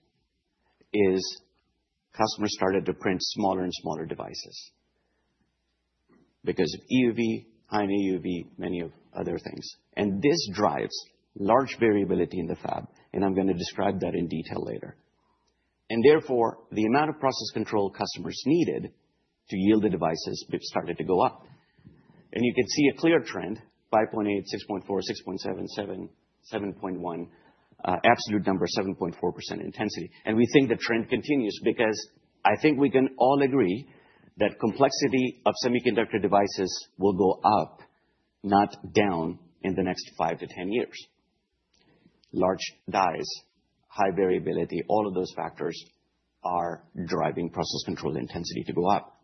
[SPEAKER 5] is customers started to print smaller and smaller devices because of EUV, high-NA EUV, many other things. This drives large variability in the fab, and I'm gonna describe that in detail later. Therefore, the amount of process control customers needed to yield the devices started to go up. You can see a clear trend, 5.8%, 6.4%, 6.7%, 7.1%, absolute number, 7.4% intensity. We think the trend continues because I think we can all agree that complexity of semiconductor devices will go up, not down in the next five to 10 years. Large dies, high variability, all of those factors are driving process control intensity to go up.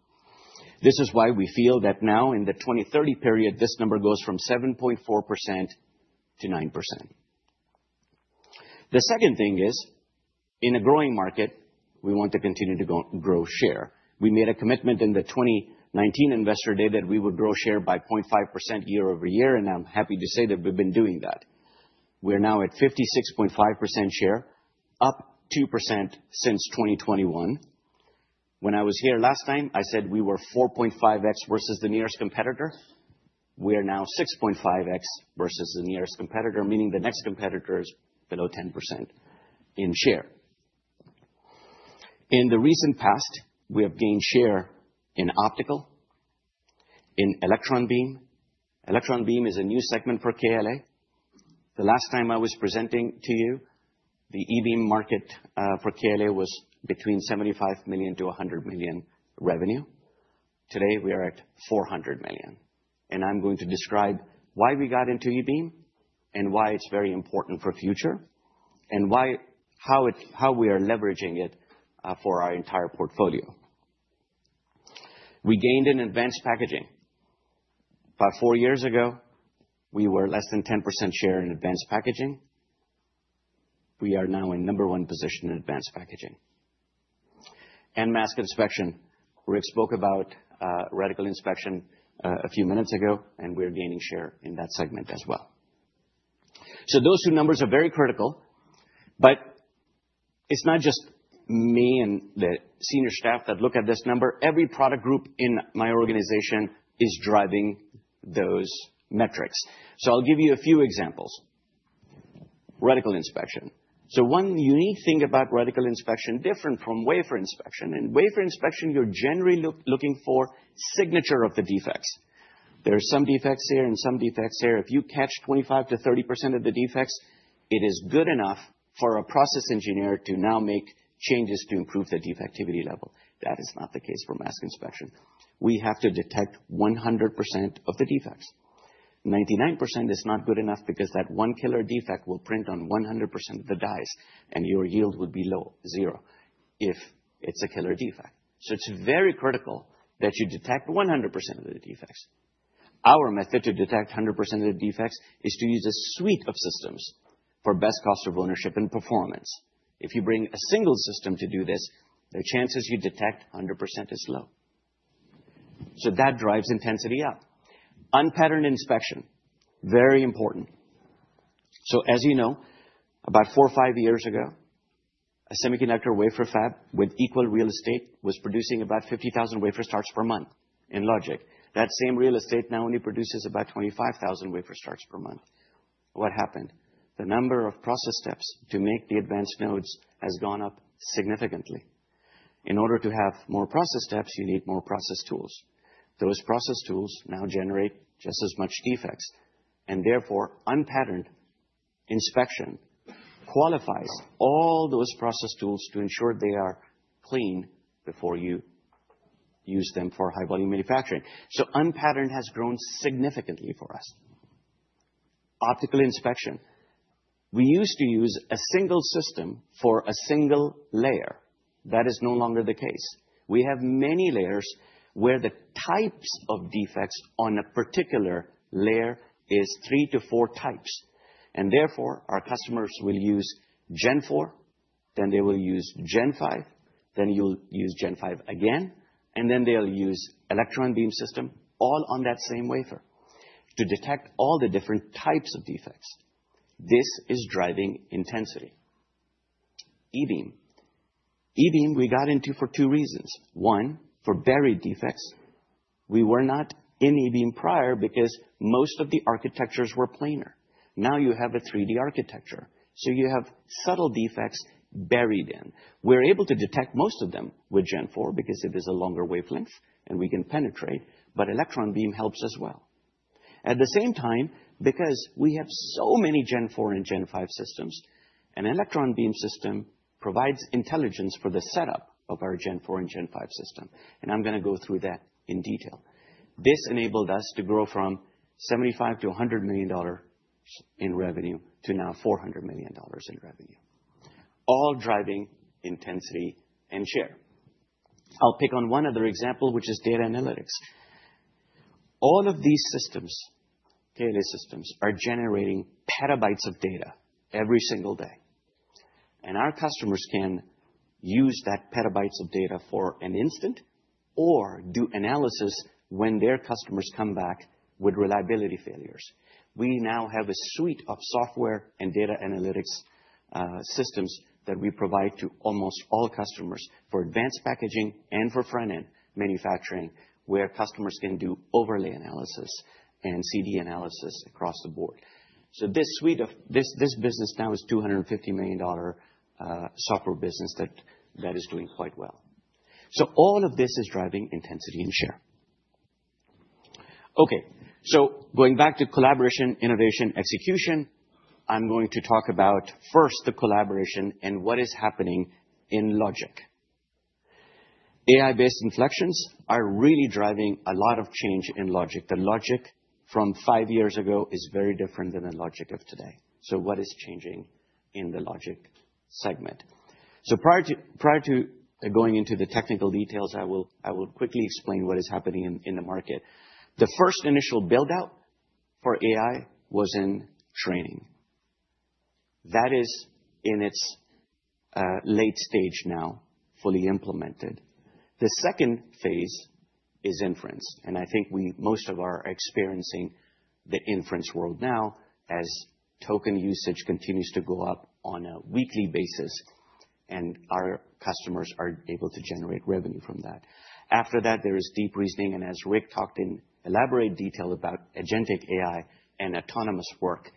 [SPEAKER 5] This is why we feel that now in the 2020-2030 period, this number goes from 7.4% to 9%. The second thing is, in a growing market, we want to continue to grow share. We made a commitment in the 2019 Investor Day that we would grow share by 0.5% year-over-year, and I'm happy to say that we've been doing that. We're now at 56.5% share, up 2% since 2021. When I was here last time, I said we were 4.5x versus the nearest competitor. We are now 6.5x versus the nearest competitor, meaning the next competitor is below 10% in share. In the recent past, we have gained share in optical, in electron beam. Electron beam is a new segment for KLA. The last time I was presenting to you, the E-beam market for KLA was between $75 million-$100 million revenue. Today, we are at $400 million. I'm going to describe why we got into E-beam and why it's very important for future, and how we are leveraging it for our entire portfolio. We gained in advanced packaging. About four years ago, we were less than 10% share in advanced packaging. We are now in number one position in advanced packaging. Mask inspection. Rick spoke about reticle inspection a few minutes ago, and we're gaining share in that segment as well. Those two numbers are very critical, but it's not just me and the senior staff that look at this number. Every product group in my organization is driving those metrics. I'll give you a few examples. Reticle inspection. One unique thing about reticle inspection, different from wafer inspection. In wafer inspection, you're generally looking for signature of the defects. There are some defects here and some defects there. If you catch 25%-30% of the defects, it is good enough for a process engineer to now make changes to improve the defectivity level. That is not the case for mask inspection. We have to detect 100% of the defects. 99% is not good enough because that one killer defect will print on 100% of the dies, and your yield would be low, zero, if it's a killer defect. It's very critical that you detect 100% of the defects. Our method to detect 100% of the defects is to use a suite of systems for best cost of ownership and performance. If you bring a single system to do this, the chances you detect 100% is low. That drives intensity up. Unpatterned inspection, very important. As you know, about four or five years ago, a semiconductor wafer fab with equal real estate was producing about 50,000 wafer starts per month in logic. That same real estate now only produces about 25,000 wafer starts per month. What happened? The number of process steps to make the advanced nodes has gone up significantly. In order to have more process steps, you need more process tools. Those process tools now generate just as much defects, and therefore unpatterned inspection qualifies all those process tools to ensure they are clean before you use them for high volume manufacturing. Unpatterned has grown significantly for us. Optical inspection. We used to use a single system for a single layer. That is no longer the case. We have many layers where the types of defects on a particular layer is three to four types. Therefore, our customers will use Gen4, then they will use Gen5, then you'll use Gen5 again, and then they'll use electron beam system all on that same wafer to detect all the different types of defects. This is driving intensity. E-beam. E-beam we got into for two reasons. One, for buried defects. We were not in E-beam prior because most of the architectures were planar. Now you have a 3D architecture, so you have subtle defects buried in. We're able to detect most of them with Gen4 because it is a longer wavelength and we can penetrate, but electron beam helps as well. At the same time, because we have so many Gen4 and Gen5 systems, an electron beam system provides intelligence for the setup of our Gen4 and Gen5 system. I'm gonna go through that in detail. This enabled us to grow from $75 million to $100 million in revenue, to now $400 million in revenue, all driving intensity and share. I'll pick on one other example, which is data analytics. All of these systems, data systems, are generating petabytes of data every single day. Our customers can use that petabytes of data for an instant or do analysis when their customers come back with reliability failures. We now have a suite of software and data analytics systems that we provide to almost all customers for advanced packaging and for front-end manufacturing, where customers can do overlay analysis and CD analysis across the board. This business now is $250 million software business that is doing quite well. So all of this is driving intensity and share. Okay. Going back to collaboration, innovation, execution, I'm going to talk about first the collaboration and what is happening in logic. AI-based inflections are really driving a lot of change in logic. The logic from five years ago is very different than the logic of today. What is changing in the logic segment? Prior to going into the technical details, I will quickly explain what is happening in the market. The first initial build-out for AI was in training. That is in its late stage now, fully implemented. The second phase is inference, and I think most of our customers are experiencing the inference world now as token usage continues to go up on a weekly basis, and our customers are able to generate revenue from that. After that, there is deep reasoning, and as Rick talked in elaborate detail about agentic AI and autonomous work,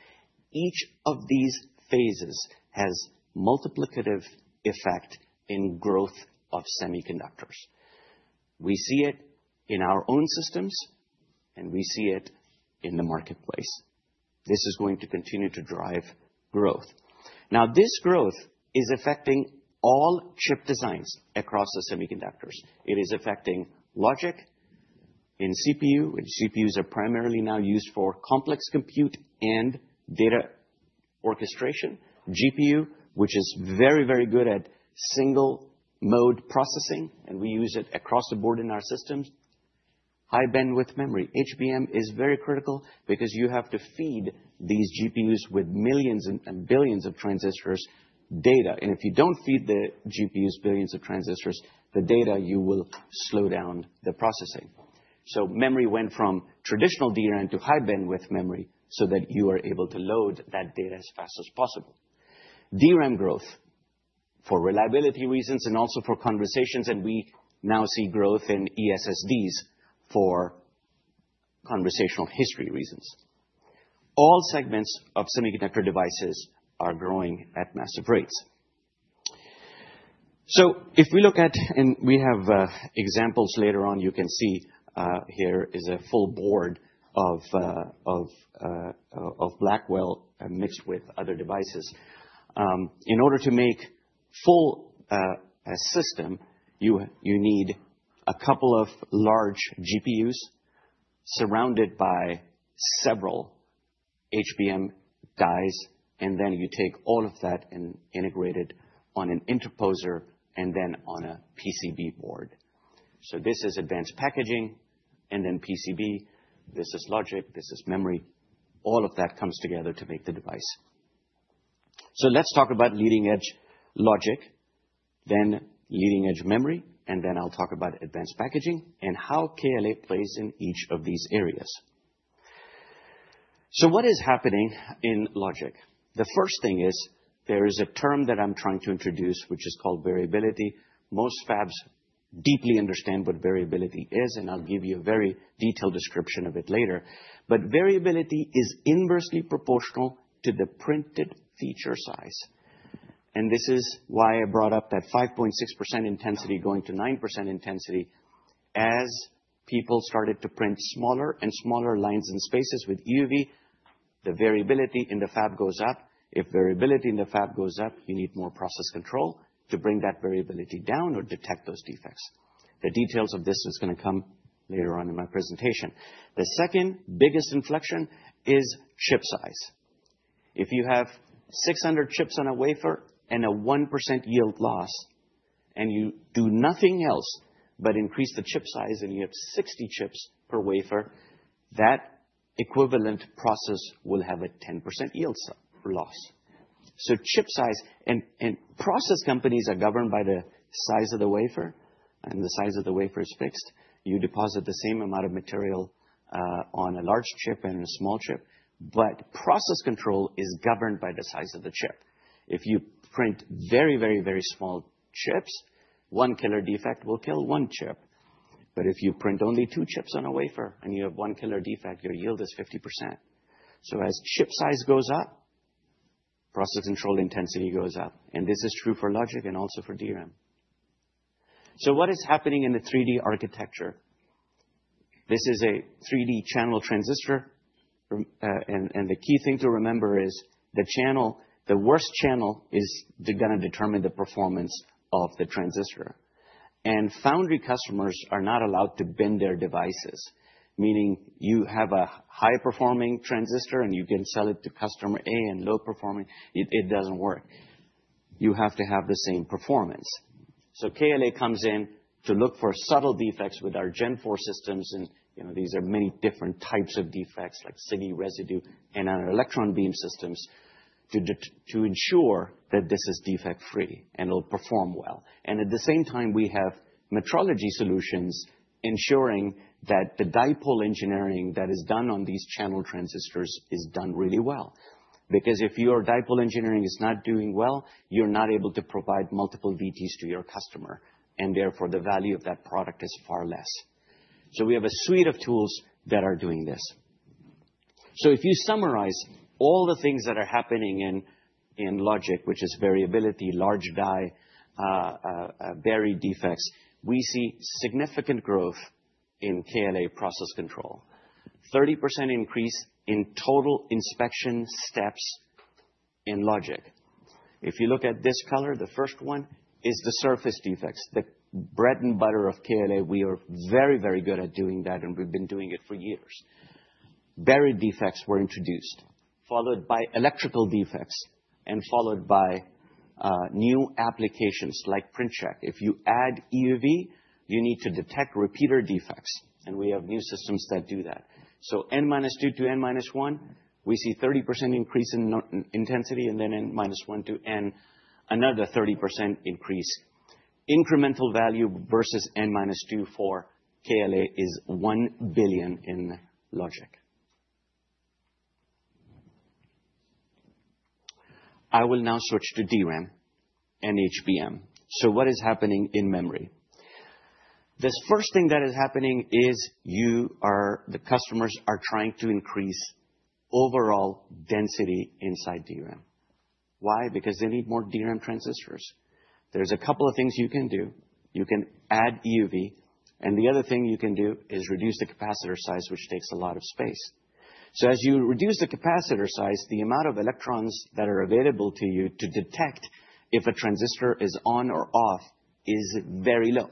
[SPEAKER 5] each of these phases has multiplicative effect in growth of semiconductors. We see it in our own systems, and we see it in the marketplace. This is going to continue to drive growth. Now, this growth is affecting all chip designs across the semiconductors. It is affecting logic in CPU, which CPUs are primarily now used for complex compute and data orchestration. GPU, which is very, very good at single-mode processing, and we use it across the board in our systems. High bandwidth memory. HBM is very critical because you have to feed these GPUs with millions and billions of transistors data. If you don't feed the GPUs billions of transistors the data, you will slow down the processing. Memory went from traditional DRAM to high bandwidth memory so that you are able to load that data as fast as possible. DRAM growth, for reliability reasons and also for conversations, and we now see growth in eSSDs for conversational history reasons. All segments of semiconductor devices are growing at massive rates. If we look at and we have examples later on, you can see here is a full board of Blackwell mixed with other devices. In order to make full system, you need a couple of large GPUs surrounded by several HBM dies, and then you take all of that and integrate it on an interposer and then on a PCB board. This is advanced packaging and then PCB. This is logic, this is memory. All of that comes together to make the device. Let's talk about leading-edge logic, then leading-edge memory, and then I'll talk about advanced packaging and how KLA plays in each of these areas. What is happening in logic? The first thing is there is a term that I'm trying to introduce, which is called variability. Most fabs deeply understand what variability is, and I'll give you a very detailed description of it later. But variability is inversely proportional to the printed feature size, and this is why I brought up that 5.6% intensity going to 9% intensity. As people started to print smaller and smaller lines and spaces with EUV, the variability in the fab goes up. If variability in the fab goes up, you need more process control to bring that variability down or detect those defects. The details of this is gonna come later on in my presentation. The second biggest inflection is chip size. If you have 600 chips on a wafer and a 1% yield loss, and you do nothing else but increase the chip size, and you have 60 chips per wafer, that equivalent process will have a 10% yield loss. Chip size and process complexity are governed by the size of the wafer, and the size of the wafer is fixed. You deposit the same amount of material on a large chip and a small chip, but process control is governed by the size of the chip. If you print very, very, very small chips, one killer defect will kill one chip. But if you print only two chips on a wafer and you have one killer defect, your yield is 50%. As chip size goes up, process control intensity goes up. This is true for logic and also for DRAM. What is happening in the 3D architecture? This is a 3D channel transistor, and the key thing to remember is the channel, the worst channel, is gonna determine the performance of the transistor. Foundry customers are not allowed to bend their devices, meaning you have a high-performing transistor and you can sell it to customer A and low performing. It doesn't work. You have to have the same performance. KLA comes in to look for subtle defects with our Gen4 systems, and, you know, these are many different types of defects like silicide residue and our electron beam systems to ensure that this is defect-free and will perform well. At the same time, we have metrology solutions ensuring that the doping engineering that is done on these channel transistors is done really well. Because if your doping engineering is not doing well, you're not able to provide multiple Vts to your customer, and therefore, the value of that product is far less. We have a suite of tools that are doing this. If you summarize all the things that are happening in logic, which is variability, large die, buried defects, we see significant growth in KLA process control. 30% increase in total inspection steps in logic. If you look at this color, the first one is the surface defects, the bread and butter of KLA. We are very, very good at doing that, and we've been doing it for years. Buried defects were introduced, followed by electrical defects, and followed by new applications like Print Check. If you add EUV, you need to detect repeater defects, and we have new systems that do that. N minus two to N minus one, we see 30% increase in n-intensity, and then N minus one to N, another 30% increase. Incremental value versus N minus two for KLA is $1 billion in logic. I will now switch to DRAM and HBM. What is happening in memory? This first thing that is happening is the customers are trying to increase overall density inside DRAM. Why? Because they need more DRAM transistors. There's a couple of things you can do. You can add EUV, and the other thing you can do is reduce the capacitor size, which takes a lot of space. As you reduce the capacitor size, the amount of electrons that are available to you to detect if a transistor is on or off is very low.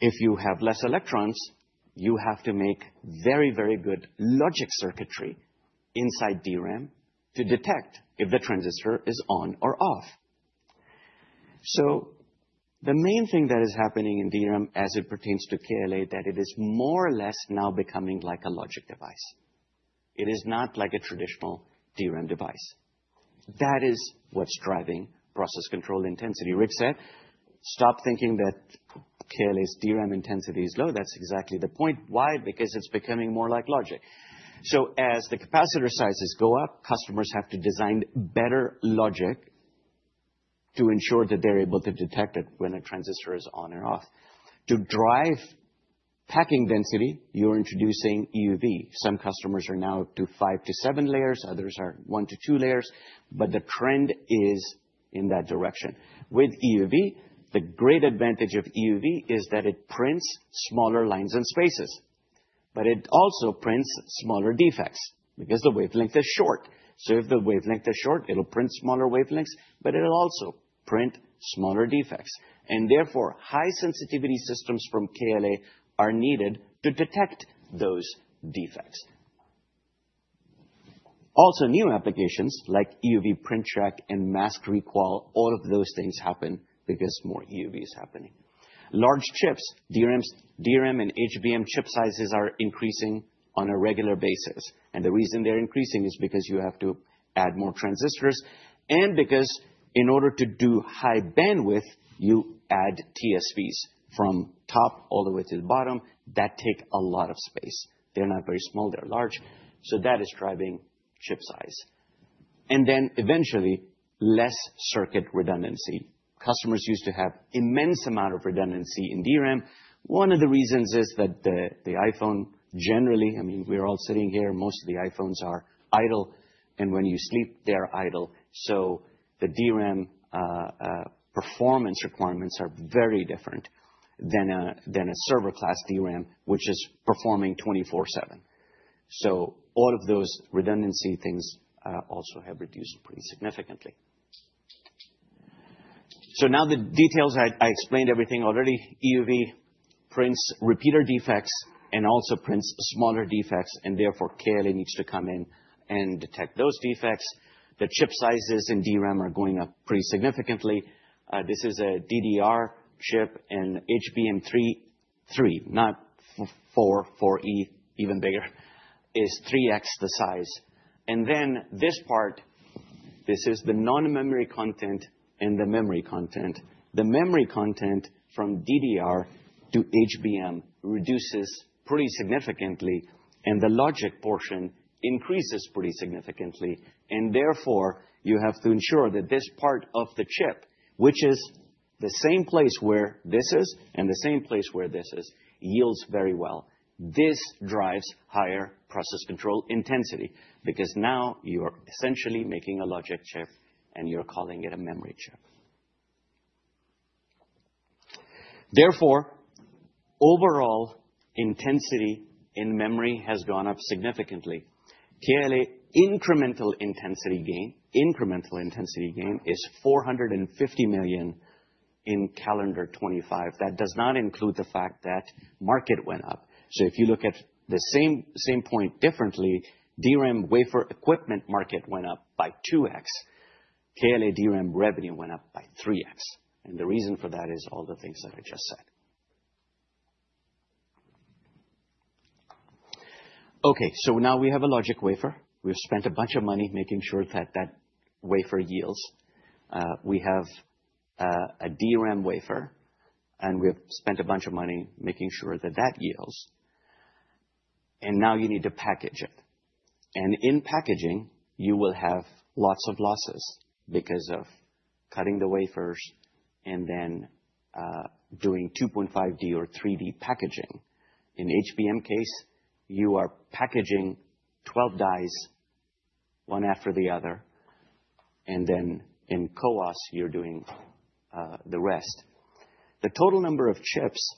[SPEAKER 5] If you have less electrons, you have to make very, very good logic circuitry inside DRAM to detect if the transistor is on or off. The main thing that is happening in DRAM as it pertains to KLA, that it is more or less now becoming like a logic device. It is not like a traditional DRAM device. That is what's driving process control intensity. Rick said, "Stop thinking that KLA's DRAM intensity is low." That's exactly the point. Why? Because it's becoming more like logic. As the capacitor sizes go up, customers have to design better logic to ensure that they're able to detect it when a transistor is on or off. To drive packing density, you're introducing EUV. Some customers are now up to five to seven layers, others are one to two layers, but the trend is in that direction. With EUV, the great advantage of EUV is that it prints smaller lines and spaces, but it also prints smaller defects because the wavelength is short. If the wavelength is short, it'll print smaller wavelengths, but it'll also print smaller defects. Therefore, high sensitivity systems from KLA are needed to detect those defects. Also, new applications like EUV Print Check and mask requalification, all of those things happen because more EUV is happening. Large chips, DRAMs. DRAM and HBM chip sizes are increasing on a regular basis. The reason they're increasing is because you have to add more transistors, and because in order to do high bandwidth, you add TSVs from top all the way to the bottom that take a lot of space. They're not very small, they're large. That is driving chip size. Eventually, less circuit redundancy. Customers used to have immense amount of redundancy in DRAM. One of the reasons is that the iPhone, generally, I mean, we are all sitting here, most of the iPhones are idle, and when you sleep, they are idle. The DRAM performance requirements are very different than a server class DRAM, which is performing 24/7. All of those redundancy things also have reduced pretty significantly. Now the details. I explained everything already. EUV prints repeater defects and also prints smaller defects, and therefore KLA needs to come in and detect those defects. The chip sizes in DRAM are going up pretty significantly. This is a DDR chip and HBM3, HBM3E, not HBM4, HBM4E, even bigger, is 3x the size. Then this part, this is the non-memory content and the memory content. The memory content from DDR to HBM reduces pretty significantly, and the logic portion increases pretty significantly. Therefore, you have to ensure that this part of the chip, which is the same place where this is and the same place where this is, yields very well. This drives higher process control intensity because now you're essentially making a logic chip and you're calling it a memory chip. Therefore, overall intensity in memory has gone up significantly. KLA incremental intensity gain is $450 million in calendar 2025. That does not include the fact that market went up. If you look at the same point differently, DRAM wafer equipment market went up by 2x. KLA DRAM revenue went up by 3x. The reason for that is all the things that I just said. Now we have a logic wafer. We've spent a bunch of money making sure that wafer yields. We have a DRAM wafer, and we've spent a bunch of money making sure that yields. Now you need to package it. In packaging, you will have lots of losses because of cutting the wafers and then doing 2.5D or 3D packaging. In HBM case, you are packaging 12 dies one after the other. In CoWoS, you're doing the rest. The total number of chips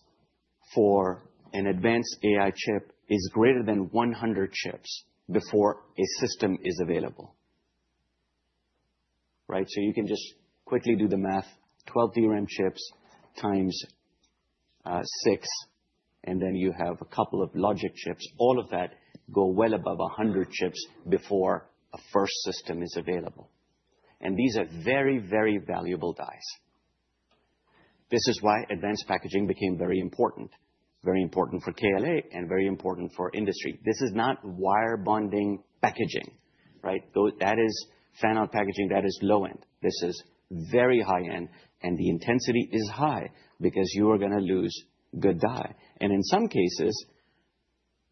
[SPEAKER 5] for an advanced AI chip is greater than 100 chips before a system is available, right? You can just quickly do the math, 12 DRAM chips times six, and then you have a couple of logic chips. All of that go well above 100 chips before a first system is available. These are very, very valuable dies. This is why advanced packaging became very important, very important for KLA and very important for industry. This is not wire bonding packaging, right? Though that is fan-out packaging, that is low end. This is very high end, and the intensity is high because you are gonna lose good die. In some cases,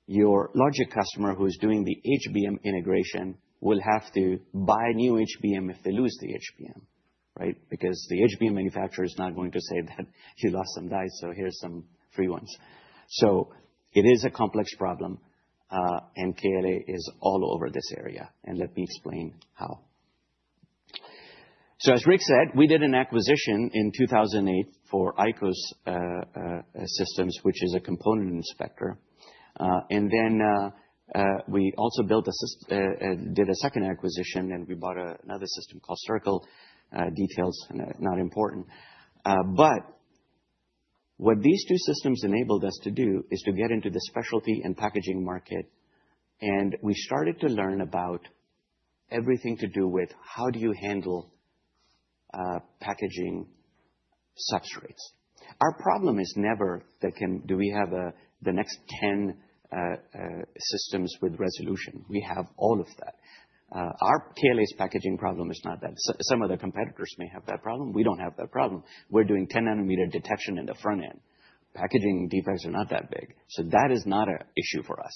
[SPEAKER 5] your logic customer who is doing the HBM integration will have to buy new HBM if they lose the HBM, right? Because the HBM manufacturer is not going to say that you lost some dies, so here's some free ones. It is a complex problem, and KLA is all over this area, and let me explain how. As Rick said, we did an acquisition in 2008 for ICOS Systems, which is a component inspector. And then we also did a second acquisition, and we bought another system called CIRCL. Details not important. But what these two systems enabled us to do is to get into the specialty and packaging market, and we started to learn about everything to do with how do you handle packaging substrates. Our problem is never, do we have the next 10 systems with resolution. We have all of that. Our KLA's packaging problem is not that. Some of the competitors may have that problem. We don't have that problem. We're doing 10 nm detection in the front end. Packaging defects are not that big. That is not an issue for us.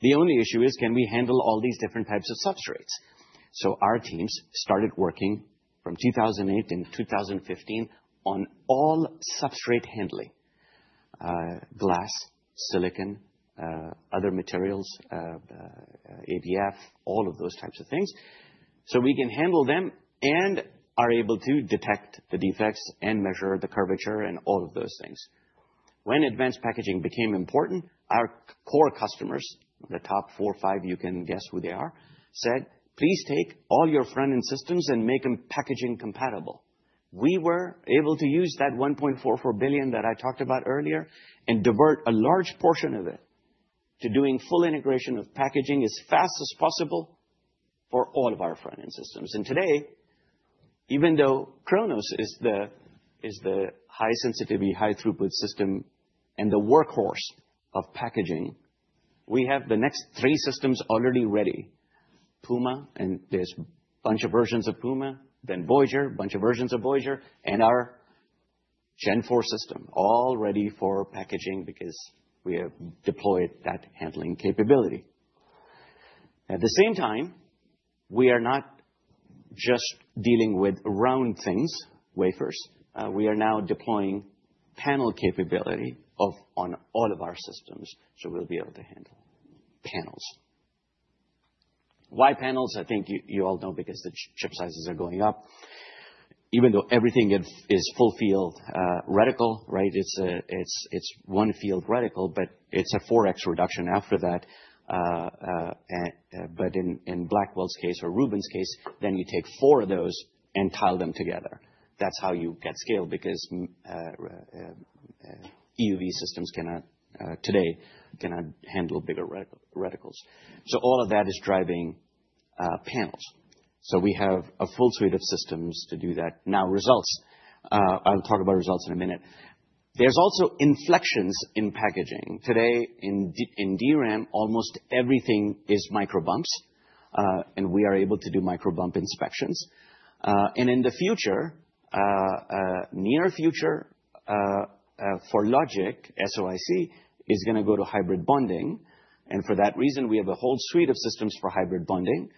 [SPEAKER 5] The only issue is can we handle all these different types of substrates? Our teams started working from 2008 and 2015 on all substrate handling, glass, silicon, other materials, ABF, all of those types of things, so we can handle them and are able to detect the defects and measure the curvature and all of those things. When advanced packaging became important, our core customers, the top four or five, you can guess who they are, said, "Please take all your front-end systems and make them packaging compatible." We were able to use that $1.44 billion that I talked about earlier and divert a large portion of it to doing full integration of packaging as fast as possible for all of our front-end systems. Today, even though Kronos is the high sensitivity, high throughput system and the workhorse of packaging, we have the next three systems already ready. Puma, and there's a bunch of versions of Puma, then Voyager, a bunch of versions of Voyager, and our Gen4 system, all ready for packaging because we have deployed that handling capability. At the same time, we are not just dealing with round things, wafers. We are now deploying panel capability on all of our systems, so we'll be able to handle panels. Why panels? I think you all know because the chip sizes are going up. Even though everything is full field reticle, right? It's one field reticle, but it's a 4x reduction after that. But in Blackwell's case or Rubin's case, then you take four of those and tile them together. That's how you get scale because EUV systems cannot today handle bigger reticles. So all of that is driving panels. So we have a full suite of systems to do that. Now results. I'll talk about results in a minute. There's also inflections in packaging. Today in 3D-in DRAM, almost everything is micro bumps, and we are able to do micro bump inspections. In the near future, for logic, SoIC is gonna go to hybrid bonding. For that reason, we have a whole suite of systems for hybrid bonding.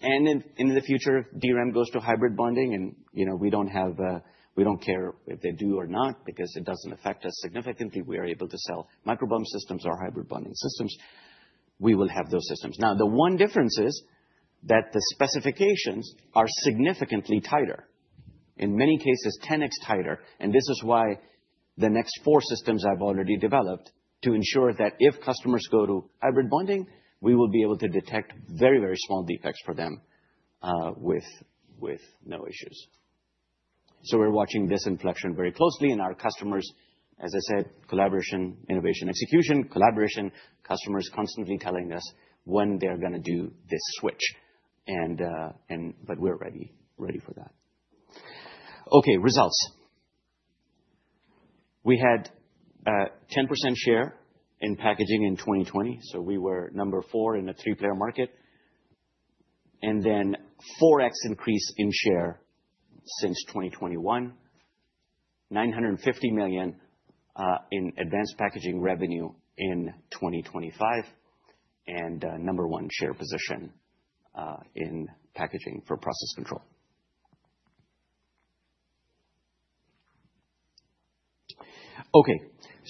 [SPEAKER 5] In the future, DRAM goes to hybrid bonding, and you know, we don't care if they do or not because it doesn't affect us significantly. We are able to sell micro bump systems or hybrid bonding systems. We will have those systems. Now, the one difference is that the specifications are significantly tighter. In many cases, 10x tighter. This is why the next four systems I've already developed to ensure that if customers go to hybrid bonding, we will be able to detect very, very small defects for them, with no issues. We're watching this inflection very closely and our customers, as I said, collaboration, innovation, execution, customers constantly telling us when they're gonna do this switch. We're ready for that. Results. We had 10% share in packaging in 2020, so we were number four in a two-player market. Then 4x increase in share since 2021, $950 million in advanced packaging revenue in 2025, and a number one share position in packaging for process control.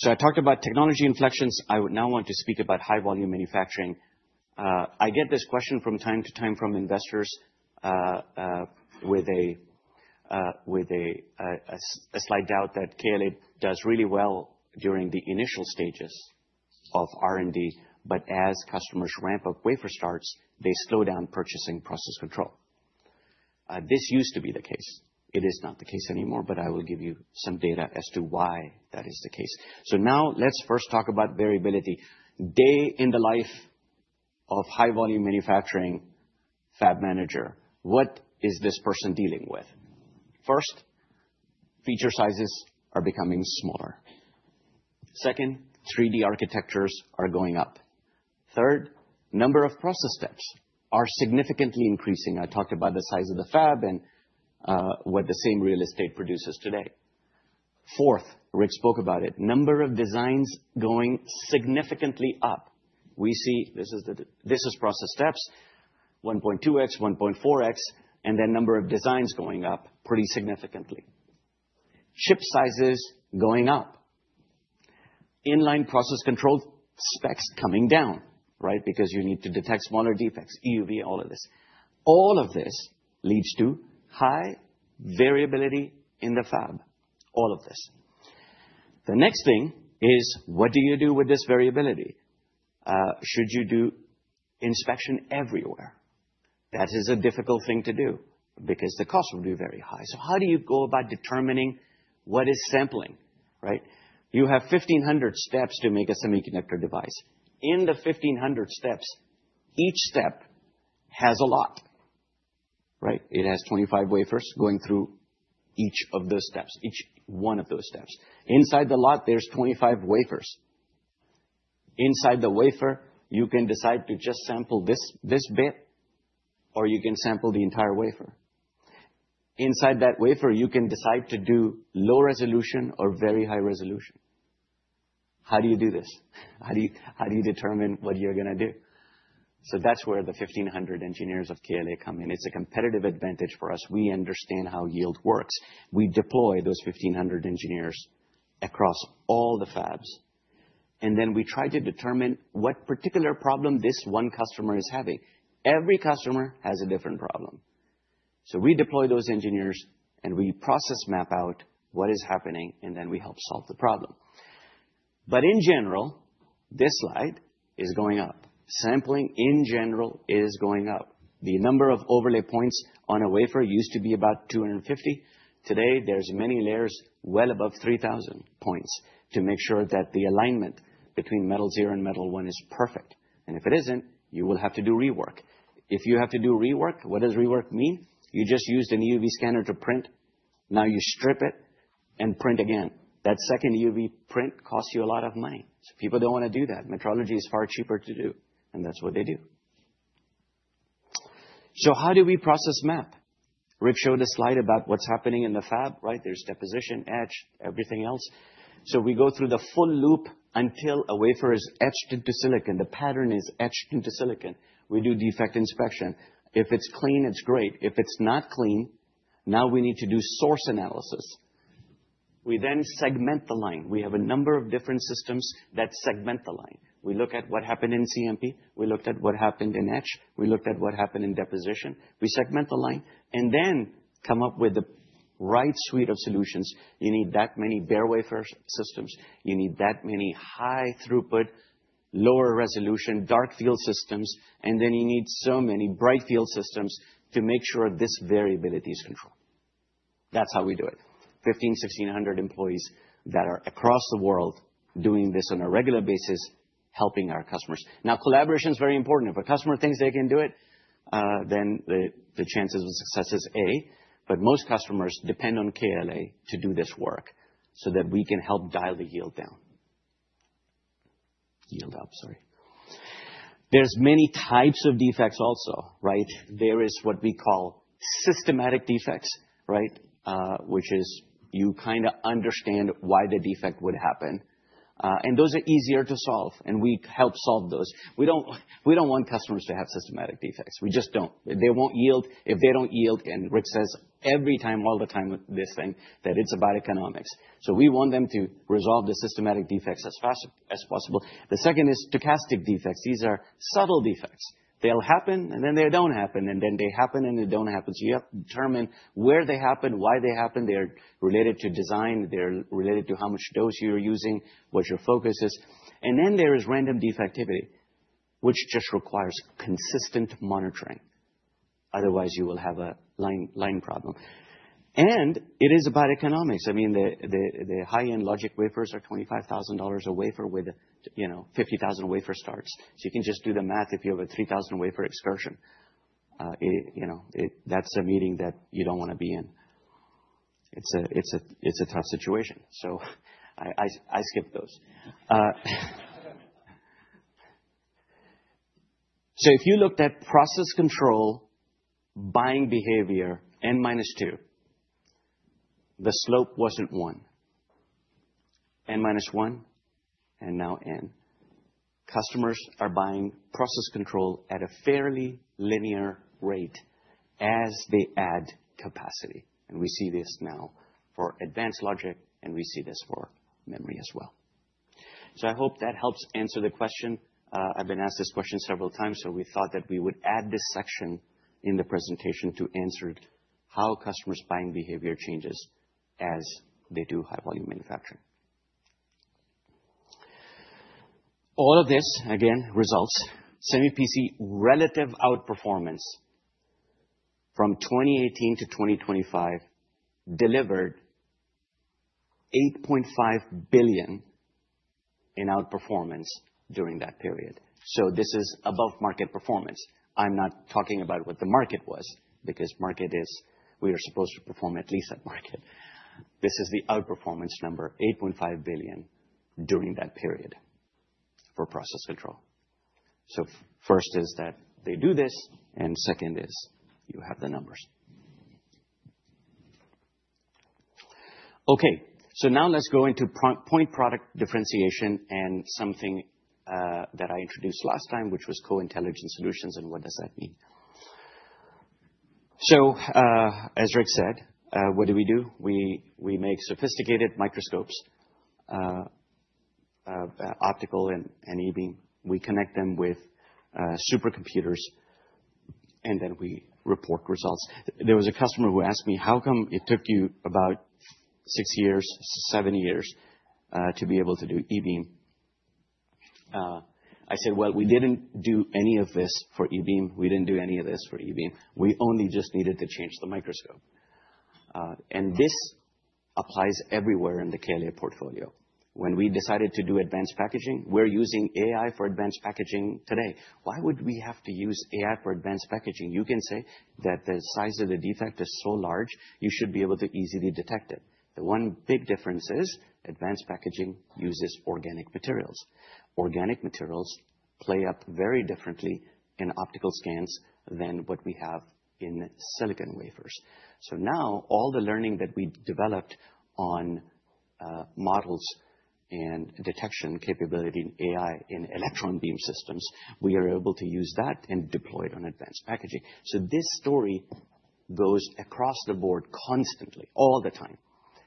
[SPEAKER 5] I talked about technology inflections. I would now want to speak about high volume manufacturing. I get this question from time to time from investors, with a slight doubt that KLA does really well during the initial stages of R&D, but as customers ramp up wafer starts, they slow down purchasing process control. This used to be the case. It is not the case anymore, but I will give you some data as to why that is the case. Now let's first talk about variability. Day in the life of high volume manufacturing fab manager, what is this person dealing with? First, feature sizes are becoming smaller. Second, 3D architectures are going up. Third, number of process steps are significantly increasing. I talked about the size of the fab and what the same real estate produces today. Fourth, Rick spoke about it, number of designs going significantly up. We see this is process steps 1.2x, 1.4x, and then number of designs going up pretty significantly. Ship sizes going up. Inline process control specs coming down, right? Because you need to detect smaller defects, EUV, all of this. All of this leads to high variability in the fab. All of this. The next thing is, what do you do with this variability? Should you do inspection everywhere? That is a difficult thing to do because the cost will be very high. How do you go about determining what is sampling, right? You have 1,500 steps to make a semiconductor device. In the 1,500 steps, each step has a lot, right? It has 25 wafers going through each of those steps, each one of those steps. Inside the lot, there's 25 wafers. Inside the wafer, you can decide to just sample this bit, or you can sample the entire wafer. Inside that wafer, you can decide to do low resolution or very high resolution. How do you do this? How do you determine what you're gonna do? That's where the 1,500 engineers of KLA come in. It's a competitive advantage for us. We understand how yield works. We deploy those 1,500 engineers across all the fabs, and then we try to determine what particular problem this one customer is having. Every customer has a different problem. We deploy those engineers, and we process map out what is happening, and then we help solve the problem. In general, this slide is going up. Sampling in general is going up. The number of overlay points on a wafer used to be about 250 nm. Today, there's many layers, well above 3,000 points to make sure that the alignment between metal zero and metal one is perfect. If it isn't, you will have to do rework. If you have to do rework, what does rework mean? You just used an EUV scanner to print. Now you strip it and print again. That second EUV print costs you a lot of money, so people don't want to do that. Metrology is far cheaper to do, and that's what they do. How do we process map? Rick showed a slide about what's happening in the fab, right? There's deposition, etch, everything else. We go through the full loop until a wafer is etched into silicon. The pattern is etched into silicon. We do defect inspection. If it's clean, it's great. If it's not clean, now we need to do source analysis. We then segment the line. We have a number of different systems that segment the line. We look at what happened in CMP. We looked at what happened in etch. We looked at what happened in deposition. We segment the line and then come up with the right suite of solutions. You need that many bare wafer systems. You need that many high throughput, lower resolution, dark field systems, and then you need so many bright field systems to make sure this variability is controlled. That's how we do it. 1,500-1,600 employees that are across the world doing this on a regular basis, helping our customers. Now, collaboration is very important. If a customer thinks they can do it, then the chances of success is A. Most customers depend on KLA to do this work so that we can help dial the yield down. Yield up, sorry. There's many types of defects also, right? There is what we call systematic defects, right? Which is you kinda understand why the defect would happen. And those are easier to solve, and we help solve those. We don't want customers to have systematic defects. We just don't. They won't yield if they don't yield, and Rick says every time, all the time with this thing that it's about economics. We want them to resolve the systematic defects as fast as possible. The second is stochastic defects. These are subtle defects. They'll happen, and then they don't happen, and then they happen, and they don't happen. You have to determine where they happen, why they happen. They're related to design. They're related to how much dose you're using, what your focus is. Then there is random defectivity, which just requires consistent monitoring. Otherwise you will have a line problem. It is about economics. I mean, the high-end logic wafers are $25,000 a wafer with, you know, 50,000 wafer starts. You can just do the math. If you have a 3,000 wafer excursion, that's a meeting that you don't wanna be in. It's a tough situation. I skip those. If you looked at process control buying behavior N minus two, the slope wasn't one. N minus one and now N. Customers are buying process control at a fairly linear rate as they add capacity. We see this now for advanced logic, and we see this for memory as well. I hope that helps answer the question. I've been asked this question several times, so we thought that we would add this section in the presentation to answer it, how customers' buying behavior changes as they do high-volume manufacturing. All of this, again, results semi-cap relative outperformance from 2018 to 2025 delivered $8.5 billion in outperformance during that period. This is above market performance. I'm not talking about what the market was because market is we are supposed to perform at least at market. This is the outperformance number, $8.5 billion during that period for process control. First is that they do this, and second is you have the numbers. Okay, now let's go into point product differentiation and something that I introduced last time, which was co-intelligent solutions and what does that mean. As Rick said, what do we do? We make sophisticated microscopes, optical and E-beam. We connect them with supercomputers, and then we report results. There was a customer who asked me, "How come it took you about six years, seven years to be able to do E-beam?" I said, "Well, we didn't do any of this for E-beam. We didn't do any of this for E-beam. We only just needed to change the microscope." This applies everywhere in the KLA portfolio. When we decided to do advanced packaging, we're using AI for advanced packaging today. Why would we have to use AI for advanced packaging? You can say that the size of the defect is so large, you should be able to easily detect it. The one big difference is advanced packaging uses organic materials. Organic materials play out very differently in optical scans than what we have in silicon wafers. Now all the learning that we developed on models and detection capability in AI in electron beam systems, we are able to use that and deploy it on advanced packaging. This story goes across the board constantly, all the time.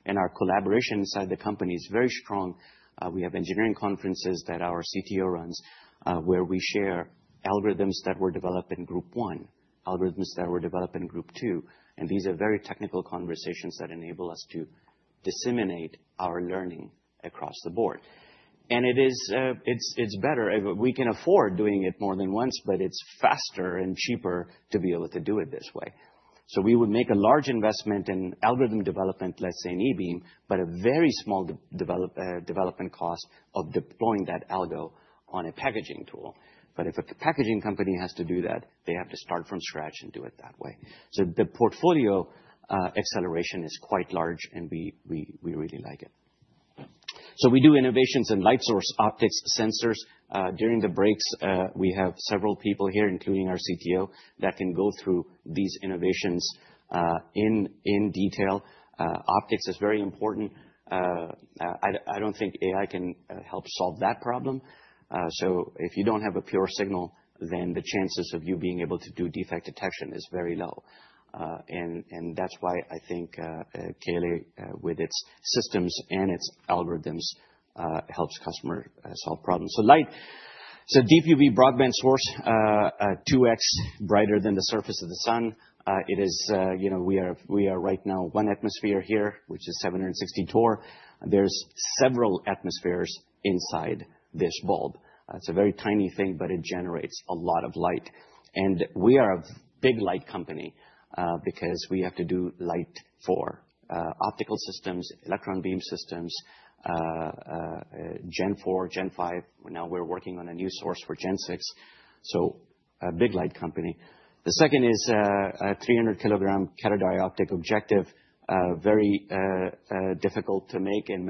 [SPEAKER 5] Our collaboration inside the company is very strong. We have engineering conferences that our CTO runs, where we share algorithms that were developed in group one, algorithms that were developed in group two. These are very technical conversations that enable us to disseminate our learning across the board. It is better. We can afford doing it more than once, but it's faster and cheaper to be able to do it this way. We would make a large investment in algorithm development, let's say in E-beam, but a very small development cost of deploying that algo on a packaging tool. If a packaging company has to do that, they have to start from scratch and do it that way. The portfolio acceleration is quite large and we really like it. We do innovations in light source optics sensors. During the breaks, we have several people here, including our CTO, that can go through these innovations in detail. Optics is very important. I don't think AI can help solve that problem. If you don't have a pure signal, then the chances of you being able to do defect detection is very low. That's why I think KLA with its systems and its algorithms helps customers solve problems. Light. DUV broadband source 2x brighter than the surface of the sun. It is, you know, we are right now one atmosphere here, which is 760 Torr. There's several atmospheres inside this bulb. It's a very tiny thing, but it generates a lot of light. We are a big light company because we have to do light for optical systems, electron beam systems, Gen4, Gen5. Now we're working on a new source for Gen6. We are a big light company. The second is a 300 kg catadioptric objective, very difficult to make and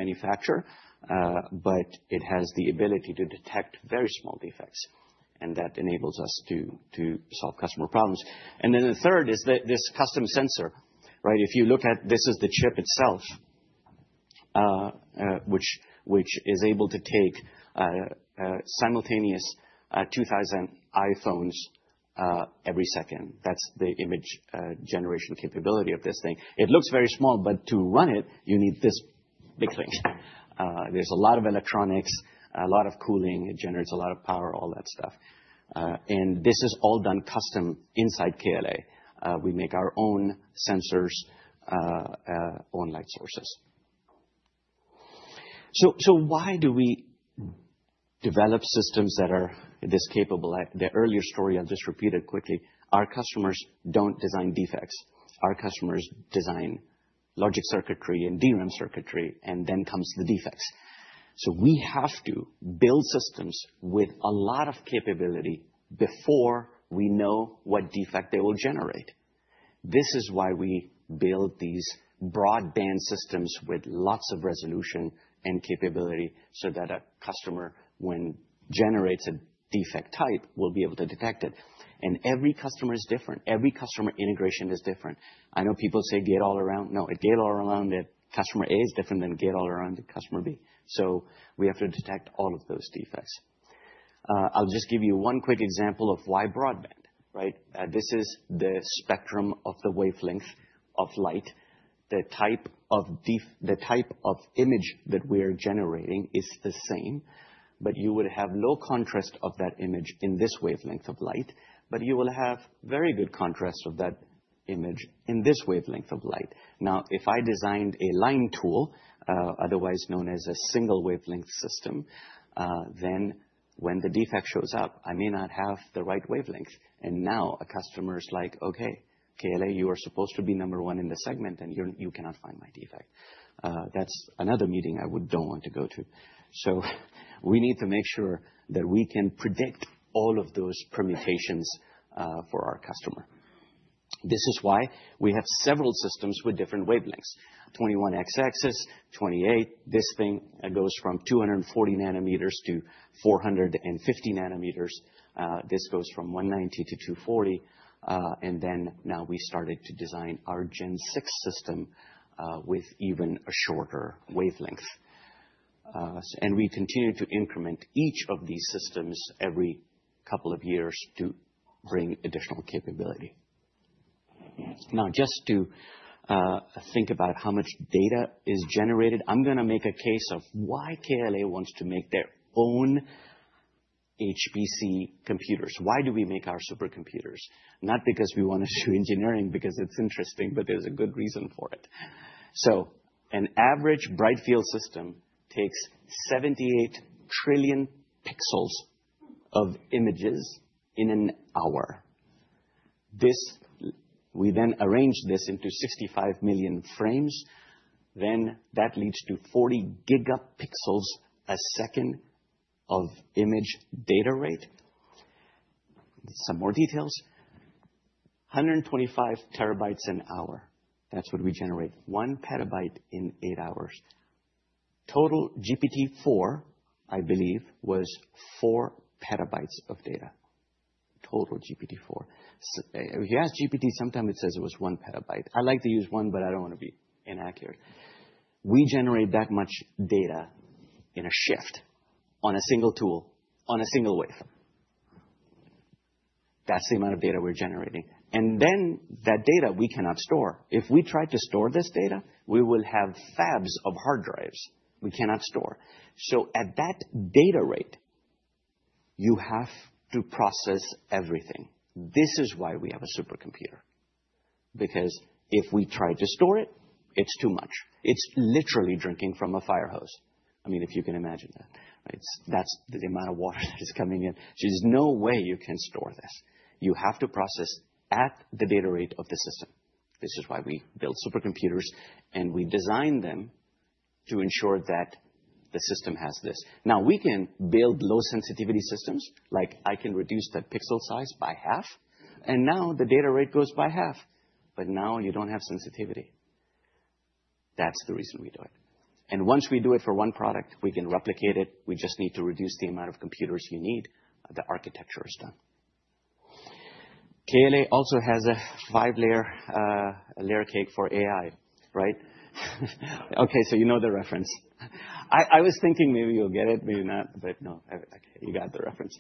[SPEAKER 5] manufacture, but it has the ability to detect very small defects, and that enables us to solve customer problems. The third is this custom sensor, right? If you look at this is the chip itself, which is able to take simultaneous 2000 images every second. That's the image generation capability of this thing. It looks very small, but to run it, you need this big thing. There's a lot of electronics, a lot of cooling. It generates a lot of power, all that stuff. This is all done custom inside KLA. We make our own sensors, own light sources. Why do we develop systems that are this capable? As in the earlier story, I'll just repeat it quickly. Our customers don't design defects. Our customers design logic circuitry and DRAM circuitry, and then comes the defects. We have to build systems with a lot of capability before we know what defect they will generate. This is why we build these broadband systems with lots of resolution and capability, so that a customer, when generates a defect type, we'll be able to detect it. Every customer is different. Every customer integration is different. I know people say gate-all-around. No, a gate-all-around at customer A is different than gate-all-around at customer B. We have to detect all of those defects. I'll just give you one quick example of why broadband, right? This is the spectrum of the wavelength of light. The type of image that we are generating is the same, but you would have low contrast of that image in this wavelength of light, but you will have very good contrast of that image in this wavelength of light. Now, if I designed a line tool, otherwise known as a single wavelength system, then when the defect shows up, I may not have the right wavelength. Now a customer is like, "Okay, KLA, you are supposed to be number one in the segment, and you cannot find my defect." That's another meeting I don't want to go to. We need to make sure that we can predict all of those permutations for our customer. This is why we have several systems with different wavelengths. 21xx, 28xx. This thing goes from 240 nm to 450 nm. This goes from 190 nm to 240 nm, and then now we started to design our Gen6 system with even a shorter wavelength. We continue to increment each of these systems every couple of years to bring additional capability. Now, just to think about how much data is generated, I'm gonna make a case of why KLA wants to make their own HPC computers. Why do we make our supercomputers? Not because we want to show engineering, because it's interesting, but there's a good reason for it. An average Brightfield system takes 78 trillion pixels of images in an hour. We then arrange this into 65 million frames, then that leads to 40 gigapixels a second of image data rate. Some more details. 125 Tb an hour. That's what we generate. One petabyte in eight hours. Total GPT-4, I believe, was four petabytes of data. Total GPT-4. If you ask GPT, sometimes it says it was one petabyte. I like to use one, but I don't wanna be inaccurate. We generate that much data in a shift on a single tool, on a single wafer. That's the amount of data we're generating. That data we cannot store. If we try to store this data, we will have fabs of hard drives. We cannot store. At that data rate, you have to process everything. This is why we have a supercomputer, because if we try to store it's too much. It's literally drinking from a fire hose. I mean, if you can imagine that, right? That's the amount of water that is coming in. There's no way you can store this. You have to process at the data rate of the system. This is why we build supercomputers, and we design them to ensure that the system has this. Now, we can build low sensitivity systems. Like, I can reduce that pixel size by half, and now the data rate goes by half. But now you don't have sensitivity. That's the reason we do it. Once we do it for one product, we can replicate it. We just need to reduce the amount of computers you need. The architecture is done. KLA also has a five-layer layer cake for AI, right? Okay, so you know the reference. I was thinking maybe you'll get it, maybe not, but no, okay, you got the reference.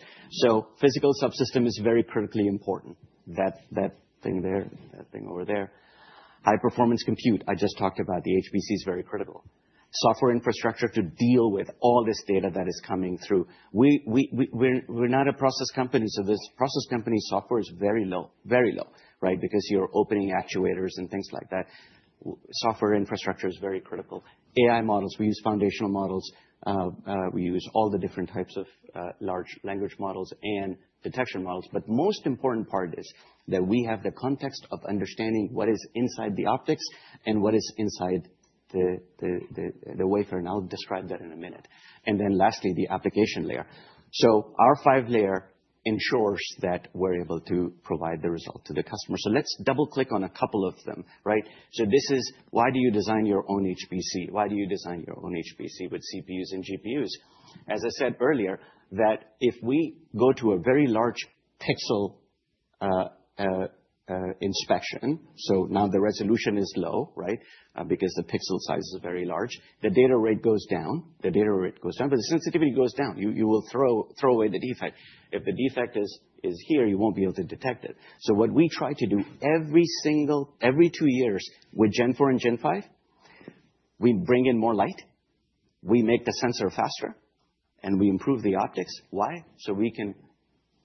[SPEAKER 5] Physical subsystem is very critically important. That thing there, that thing over there. High performance compute, I just talked about. The HPC is very critical. Software infrastructure to deal with all this data that is coming through. We're not a process company, so this process company software is very low, very low, right? Because you're opening actuators and things like that. Software infrastructure is very critical. AI models, we use foundational models. We use all the different types of large language models and detection models. Most important part is that we have the context of understanding what is inside the optics and what is inside the wafer, and I'll describe that in a minute. Lastly, the application layer. Our five layer ensures that we're able to provide the result to the customer. Let's double-click on a couple of them, right? This is why do you design your own HPC? Why do you design your own HPC with CPUs and GPUs? As I said earlier, that if we go to a very large pixel inspection, now the resolution is low, right? Because the pixel size is very large. The data rate goes down, but the sensitivity goes down. You will throw away the defect. If the defect is here, you won't be able to detect it. What we try to do every two years with Gen4 and Gen5, we bring in more light, we make the sensor faster, and we improve the optics. Why? We can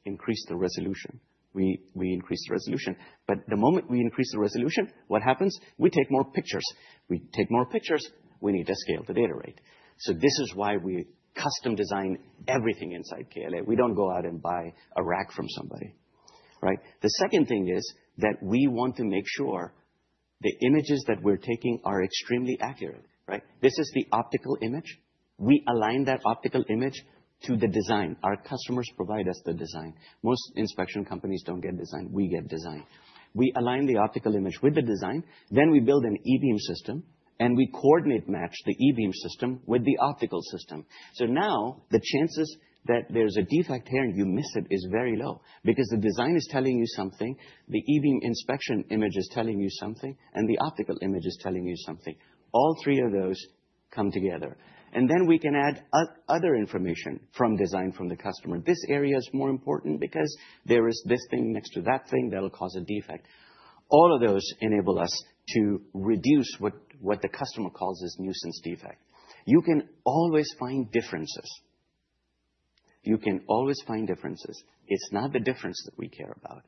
[SPEAKER 5] increase the resolution. We increase the resolution. The moment we increase the resolution, what happens? We take more pictures. We take more pictures, we need to scale the data rate. This is why we custom design everything inside KLA. We don't go out and buy a rack from somebody, right? The second thing is that we want to make sure the images that we're taking are extremely accurate, right? This is the optical image. We align that optical image to the design. Our customers provide us the design. Most inspection companies don't get design, we get design. We align the optical image with the design, then we build an E-beam system, and we coordinate match the E-beam system with the optical system. Now the chances that there's a defect here and you miss it is very low because the design is telling you something, the E-beam inspection image is telling you something, and the optical image is telling you something. All three of those come together, and then we can add other information from design from the customer. This area is more important because there is this thing next to that thing that will cause a defect. All of those enable us to reduce what the customer calls as nuisance defect. You can always find differences. It's not the difference that we care about.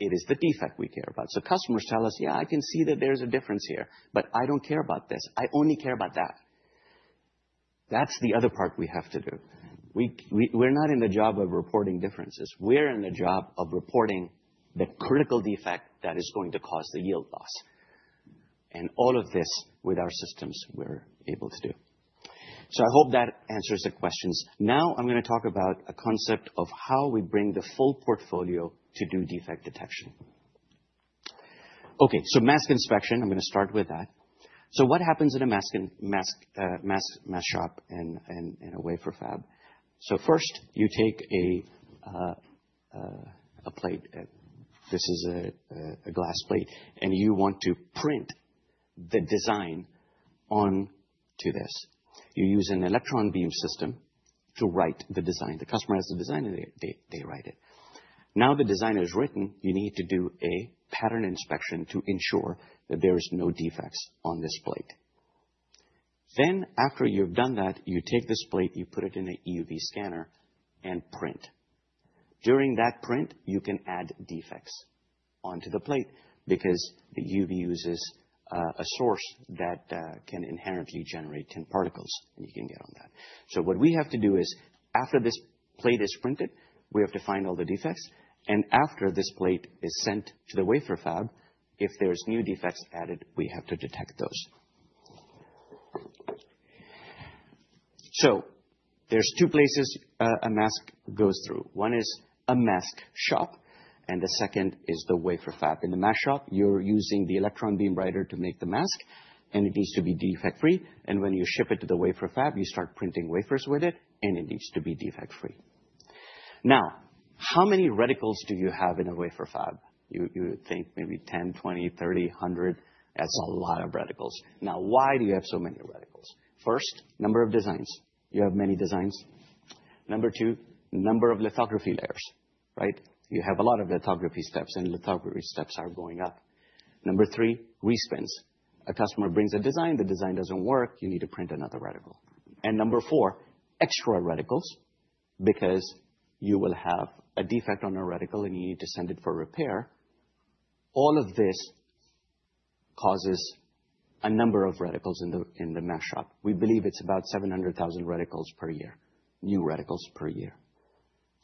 [SPEAKER 5] It is the defect we care about. Customers tell us, "Yeah, I can see that there's a difference here, but I don't care about this. I only care about that." That's the other part we have to do. We're not in the job of reporting differences. We're in the job of reporting the critical defect that is going to cause the yield loss. All of this with our systems, we're able to do. I hope that answers the questions. Now I'm gonna talk about a concept of how we bring the full portfolio to do defect detection. Okay, mask inspection, I'm gonna start with that. What happens in a mask shop and in a wafer fab? First you take a plate. This is a glass plate, and you want to print the design on to this. You use an electron beam system to write the design. The customer has the design, and they write it. Now the design is written, you need to do a pattern inspection to ensure that there is no defects on this plate. After you've done that, you take this plate, you put it in a EUV scanner and print. During that print, you can add defects onto the plate because the EUV uses a source that can inherently generate 10 particles, and you can get on that. What we have to do is, after this plate is printed, we have to find all the defects, and after this plate is sent to the wafer fab, if there's new defects added, we have to detect those. There's two places a mask goes through. One is a mask shop, and the second is the wafer fab. In the mask shop, you're using the electron beam writer to make the mask, and it needs to be defect-free. When you ship it to the wafer fab, you start printing wafers with it, and it needs to be defect-free. Now, how many reticles do you have in a wafer fab? You would think maybe 10, 20, 30, 100. That's a lot of reticles. Now, why do you have so many reticles? First, number of designs. You have many designs. Number two, number of lithography layers, right? You have a lot of lithography steps, and lithography steps are going up. Number three, respins. A customer brings a design, the design doesn't work, you need to print another reticle. Number four, extra reticles, because you will have a defect on a reticle, and you need to send it for repair. All of this causes a number of reticles in the mask shop. We believe it's about 700,000 reticles per year, new reticles per year.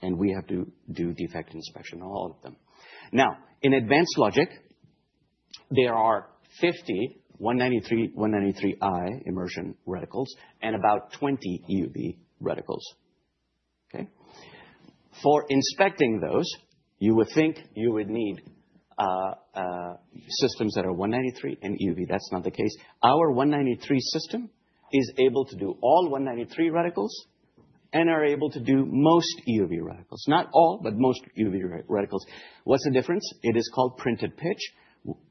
[SPEAKER 5] We have to do defect inspection on all of them. Now, in advanced logic, there are 50 193, 193i immersion reticles and about 20 EUV reticles. Okay? For inspecting those, you would think you would need systems that are 193 and EUV. That's not the case. Our 193 system is able to do all 193 reticles and are able to do most EUV reticles. Not all, but most EUV reticles. What's the difference? It is called printed pitch.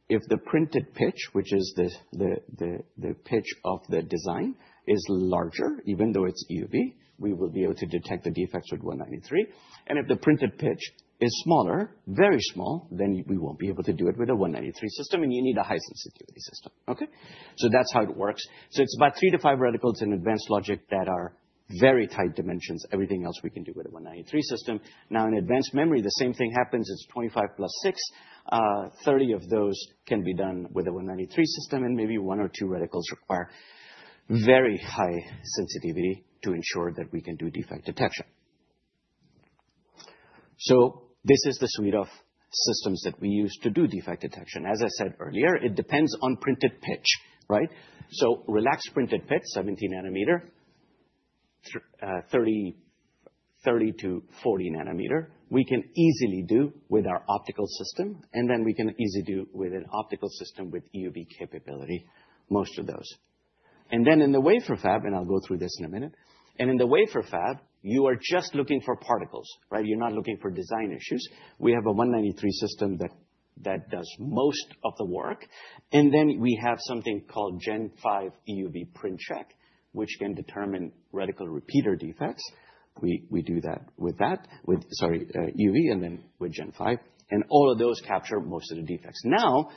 [SPEAKER 5] If the printed pitch, which is the pitch of the design, is larger, even though it's EUV, we will be able to detect the defects with 193. If the printed pitch is smaller, very small, then we won't be able to do it with a 193 system, and you need a high sensitivity system. Okay? That's how it works. It's about three to five reticles in advanced logic that are very tight dimensions. Everything else we can do with a 193 system. Now in advanced memory, the same thing happens. It's 25 + 6. 30 of those can be done with a 193 system and maybe one or two reticles require very high sensitivity to ensure that we can do defect detection. This is the suite of systems that we use to do defect detection. As I said earlier, it depends on printed pitch, right? Relaxed printed pitch, 17 nm, 30 nm to 40 nm, we can easily do with our optical system, and then we can easily do with an optical system with EUV capability, most of those. Then in the wafer fab, I'll go through this in a minute. In the wafer fab, you are just looking for particles, right? You're not looking for design issues. We have a 193 system that does most of the work. We have something called Gen5 EUV Print Check, which can determine reticle repeater defects. We do that with that. With EUV and then with Gen5. All of those capture most of the defects. Now,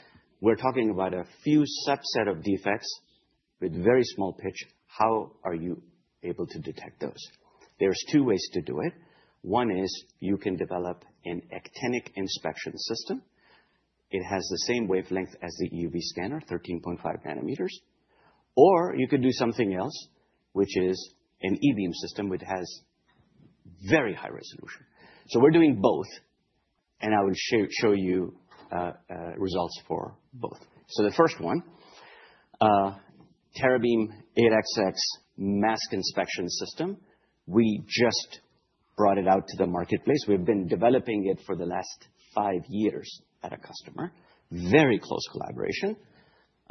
[SPEAKER 5] we're talking about a few subset of defects with very small pitch. How are you able to detect those? There's two ways to do it. One is you can develop an actinic inspection system. It has the same wavelength as the EUV scanner, 13.5 nm. You could do something else, which is an E-beam system, which has very high resolution. We're doing both, and I will show you results for both. The first one, Teron beam 8xx mask inspection system, we just brought it out to the marketplace. We've been developing it for the last five years at a customer. Very close collaboration,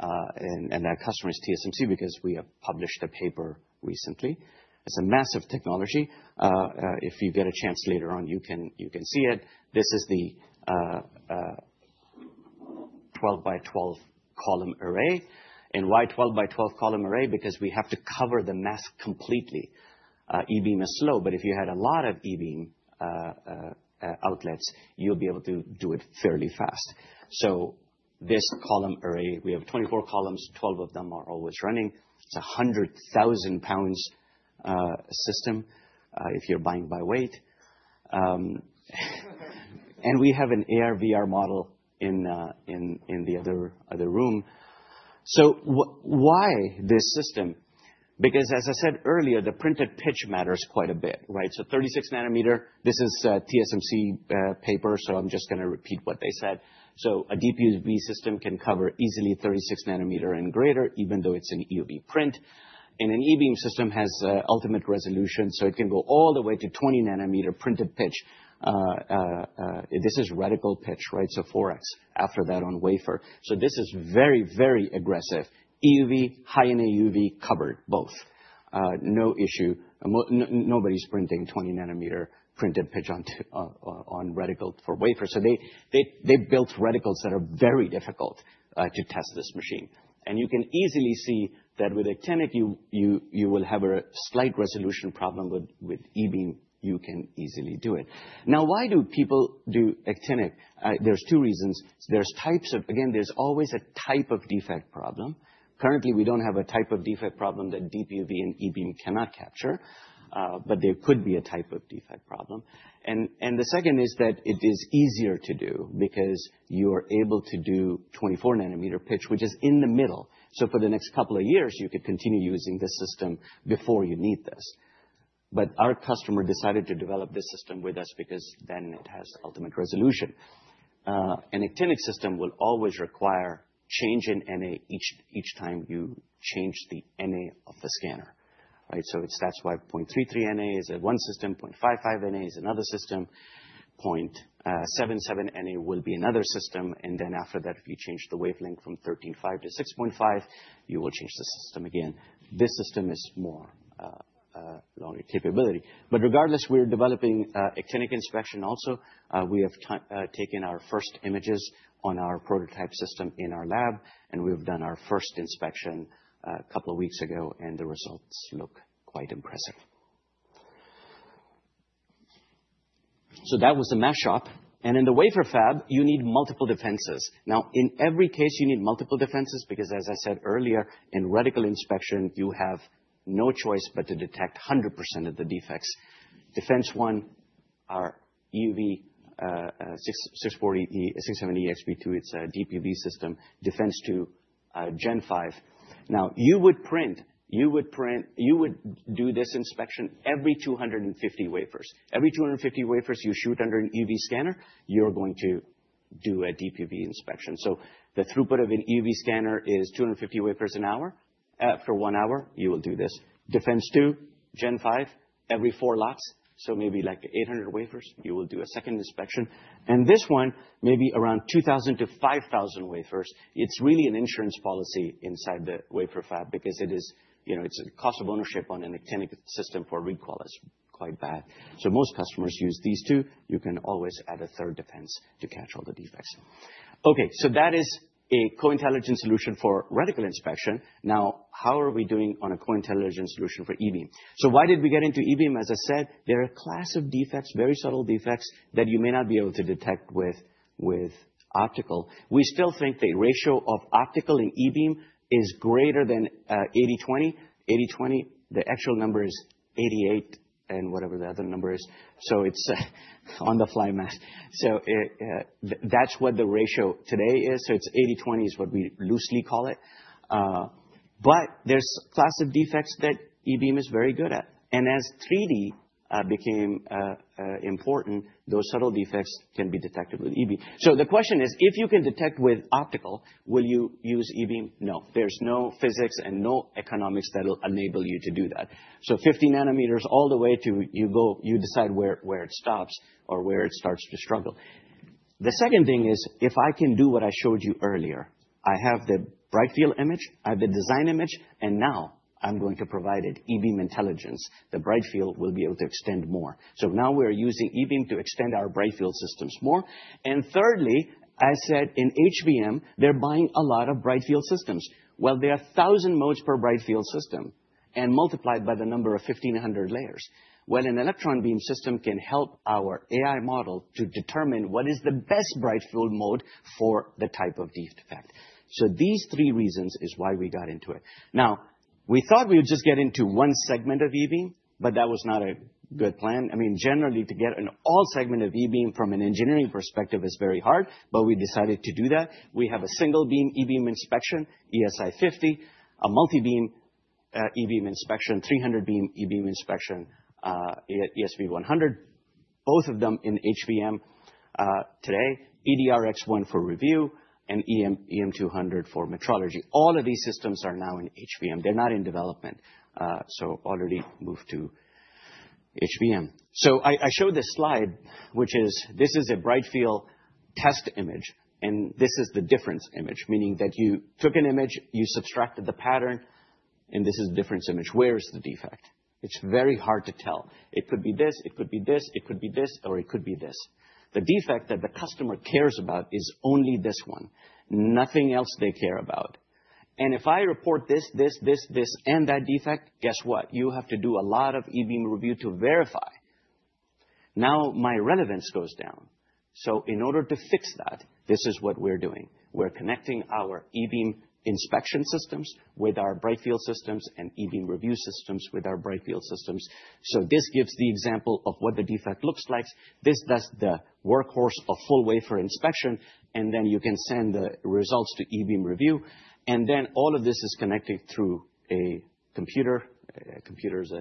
[SPEAKER 5] and that customer is TSMC, because we have published a paper recently. It's a massive technology. If you get a chance later on, you can see it. This is the twelve by twelve column array. Why twelve by twelve column array? Because we have to cover the mask completely. E-beam is slow, but if you had a lot of E-beam outlets, you'll be able to do it fairly fast. This column array, we have 24 columns, 12 of them are always running. It's a 100,000 pounds system, if you're buying by weight. We have an AR/VR model in the other room. Why this system? Because as I said earlier, the printed pitch matters quite a bit, right? 36 nm, this is TSMC paper, so I'm just gonna repeat what they said. A DUV system can cover easily 36 nm and greater, even though it's an EUV print. An e-beam system has ultimate resolution, so it can go all the way to 20 nm printed pitch. This is reticle pitch, right? 4x after that on wafer. This is very aggressive. EUV, high-NA EUV covered both. No issue. Nobody's printing 20 nm printed pitch onto reticle for wafer. They built reticles that are very difficult to test this machine. You can easily see that with actinic you will have a slight resolution problem with e-beam, you can easily do it. Now, why do people do actinic? There's two reasons. Again, there's always a type of defect problem. Currently, we don't have a type of defect problem that DUV and E-beam cannot capture, but there could be a type of defect problem. The second is that it is easier to do because you are able to do 24 nm pitch, which is in the middle. For the next couple of years, you could continue using this system before you need this. Our customer decided to develop this system with us because then it has ultimate resolution. An actinic system will always require change in NA each time you change the NA of the scanner, right? That's why 0.33 NA is at one system, 0.55 NA is another system, 0.77 NA will be another system, and then after that, if you change the wavelength from 13.5 to 6.5, you will change the system again. This system is more longer capability. Regardless, we're developing actinic inspection also. We have taken our first images on our prototype system in our lab, and we've done our first inspection a couple of weeks ago, and the results look quite impressive. That was the mask shop. In the wafer fab, you need multiple defenses. Now, in every case, you need multiple defenses because as I said earlier, in reticle inspection, you have no choice but to detect 100% of the defects. Defense one, our EUV 670e XP2, it's a DPUV system. Defense two, Gen5. Now, you would do this inspection every 250 wafers. Every 250 wafers you shoot under an EUV scanner, you're going to do a DPUV inspection. The throughput of an EUV scanner is 250 wafers an hour. For one hour, you will do this. Defense two, Gen5, every four laps, so maybe like 800 wafers, you will do a second inspection. This one, maybe around 2000-5000 wafers. It's really an insurance policy inside the wafer fab because it is, you know, it's a cost of ownership on an actinic system for reticle is quite bad. Most customers use these two. You can always add a third defense to catch all the defects. Okay, that is a co-intelligent solution for reticle inspection. Now, how are we doing on a co-intelligent solution for E-beam? Why did we get into E-beam? As I said, there are class of defects, very subtle defects, that you may not be able to detect with optical. We still think the ratio of optical and E-beam is greater than 80/20. 80/20, the actual number is 88, and whatever the other number is. It's on the fly math. That's what the ratio today is, it's 80/20 is what we loosely call it. But there's class of defects that E-beam is very good at. As 3D became important, those subtle defects can be detected with E-beam. The question is, if you can detect with optical, will you use E-beam? No. There's no physics and no economics that'll enable you to do that. 50 nm all the way to, you decide where it starts to struggle. The second thing is, if I can do what I showed you earlier, I have the brightfield image, I have the design image, and now I'm going to provide it E-beam intelligence. The brightfield will be able to extend more. Now we're using E-beam to extend our brightfield systems more. Thirdly, I said in HVM, they're buying a lot of brightfield systems. Well, there are 1,000 modes per brightfield system, and multiplied by the number of 1,500 layers. Well, an electron beam system can help our AI model to determine what is the best brightfield mode for the type of defect. These three reasons is why we got into it. Now, we thought we would just get into one segment of E-beam, but that was not a good plan. I mean, generally, to get into all segments of E-beam from an engineering perspective is very hard, but we decided to do that. We have a single beam E-beam inspection, ESI 50. A multi-beam E-beam inspection, 300 beam E-beam inspection, at ESV 100. Both of them in HVM today, eDRX1 for review and EM200 for metrology. All of these systems are now in HVM. They're not in development, so already moved to HVM. I showed this slide, which is this is a Brightfield test image, and this is the difference image, meaning that you took an image, you subtracted the pattern, and this is the difference image. Where's the defect? It's very hard to tell. It could be this, it could be this, it could be this, or it could be this. The defect that the customer cares about is only this one. Nothing else they care about. If I report this, this, and that defect, guess what? You have to do a lot of e-beam review to verify. Now my relevance goes down. In order to fix that, this is what we're doing. We're connecting our e-beam inspection systems with our Brightfield systems and e-beam review systems with our Brightfield systems. This gives the example of what the defect looks like. This is the workhorse of full wafer inspection, and then you can send the results to e-beam review. All of this is connected through a computer. Computer is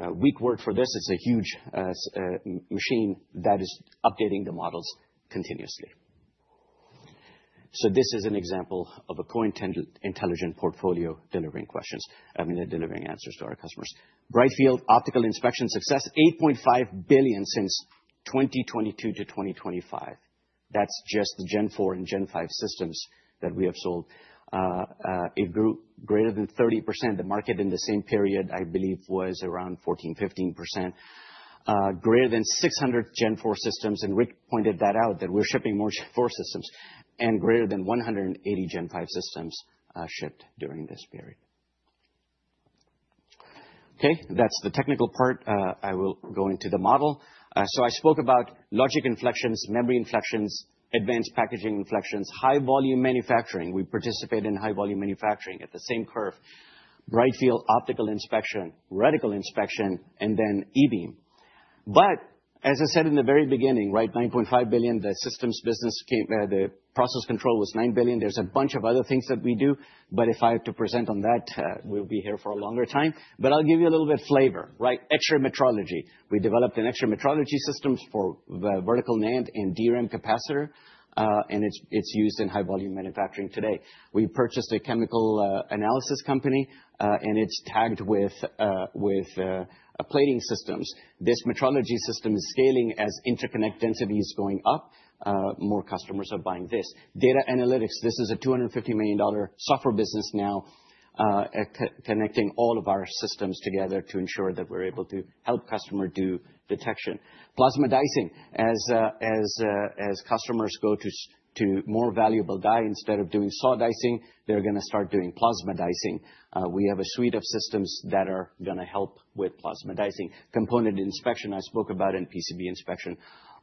[SPEAKER 5] a weak word for this. It's a huge machine that is updating the models continuously. This is an example of a co-intelligent portfolio delivering questions, I mean, delivering answers to our customers. Brightfield optical inspection success, $8.5 billion since 2022 to 2025. That's just the Gen4 and Gen5 systems that we have sold. It grew greater than 30%. The market in the same period, I believe, was around 14%-15%. Greater than 600 Gen4 systems, and Rick pointed that out, that we're shipping more Gen4 systems and greater than 180 Gen5 systems shipped during this period. Okay, that's the technical part. I will go into the model. So I spoke about logic inflections, memory inflections, advanced packaging inflections, high-volume manufacturing. We participate in high-volume manufacturing at the same curve. Brightfield optical inspection, darkfield inspection, and then E-beam. As I said in the very beginning, right, $9.5 billion, the systems business, the process control was $9 billion. There's a bunch of other things that we do, but if I have to present on that, we'll be here for a longer time. I'll give you a little bit of flavor, right? X-ray metrology. We developed an X-ray metrology systems for the vertical NAND and DRAM capacitor, and it's used in high-volume manufacturing today. We purchased a chemical analysis company, and it's tagged with plating systems. This metrology system is scaling as interconnect density is going up, more customers are buying this. Data analytics. This is a $250 million software business now, connecting all of our systems together to ensure that we're able to help customer do detection. Plasma dicing. As customers go to more valuable die, instead of doing saw dicing, they're gonna start doing plasma dicing. We have a suite of systems that are gonna help with plasma dicing. Component inspection I spoke about in PCB inspection.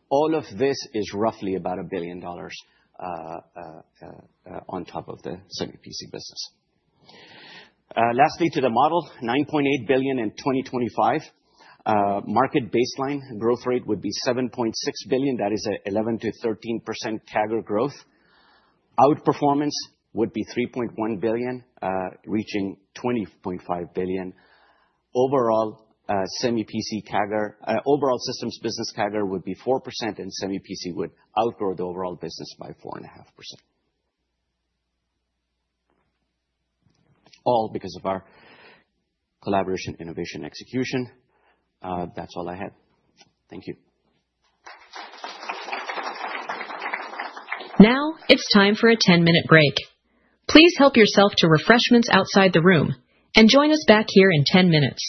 [SPEAKER 5] All of this is roughly about $1 billion on top of the semi-cap business. Lastly to the model, $9.8 billion in 2025. Market baseline growth rate would be $7.6 billion. That is a 11%-13% CAGR growth. Outperformance would be $3.1 billion, reaching $20.5 billion. Overall, semi-cap CAGR, overall systems business CAGR would be 4%, and semi-cap would outgrow the overall business by 4.5%. All because of our collaboration, innovation, execution. That's all I had. Thank you.
[SPEAKER 1] Now it's time for a 10-minute break. Please help yourself to refreshments outside the room and join us back here in 10 minutes.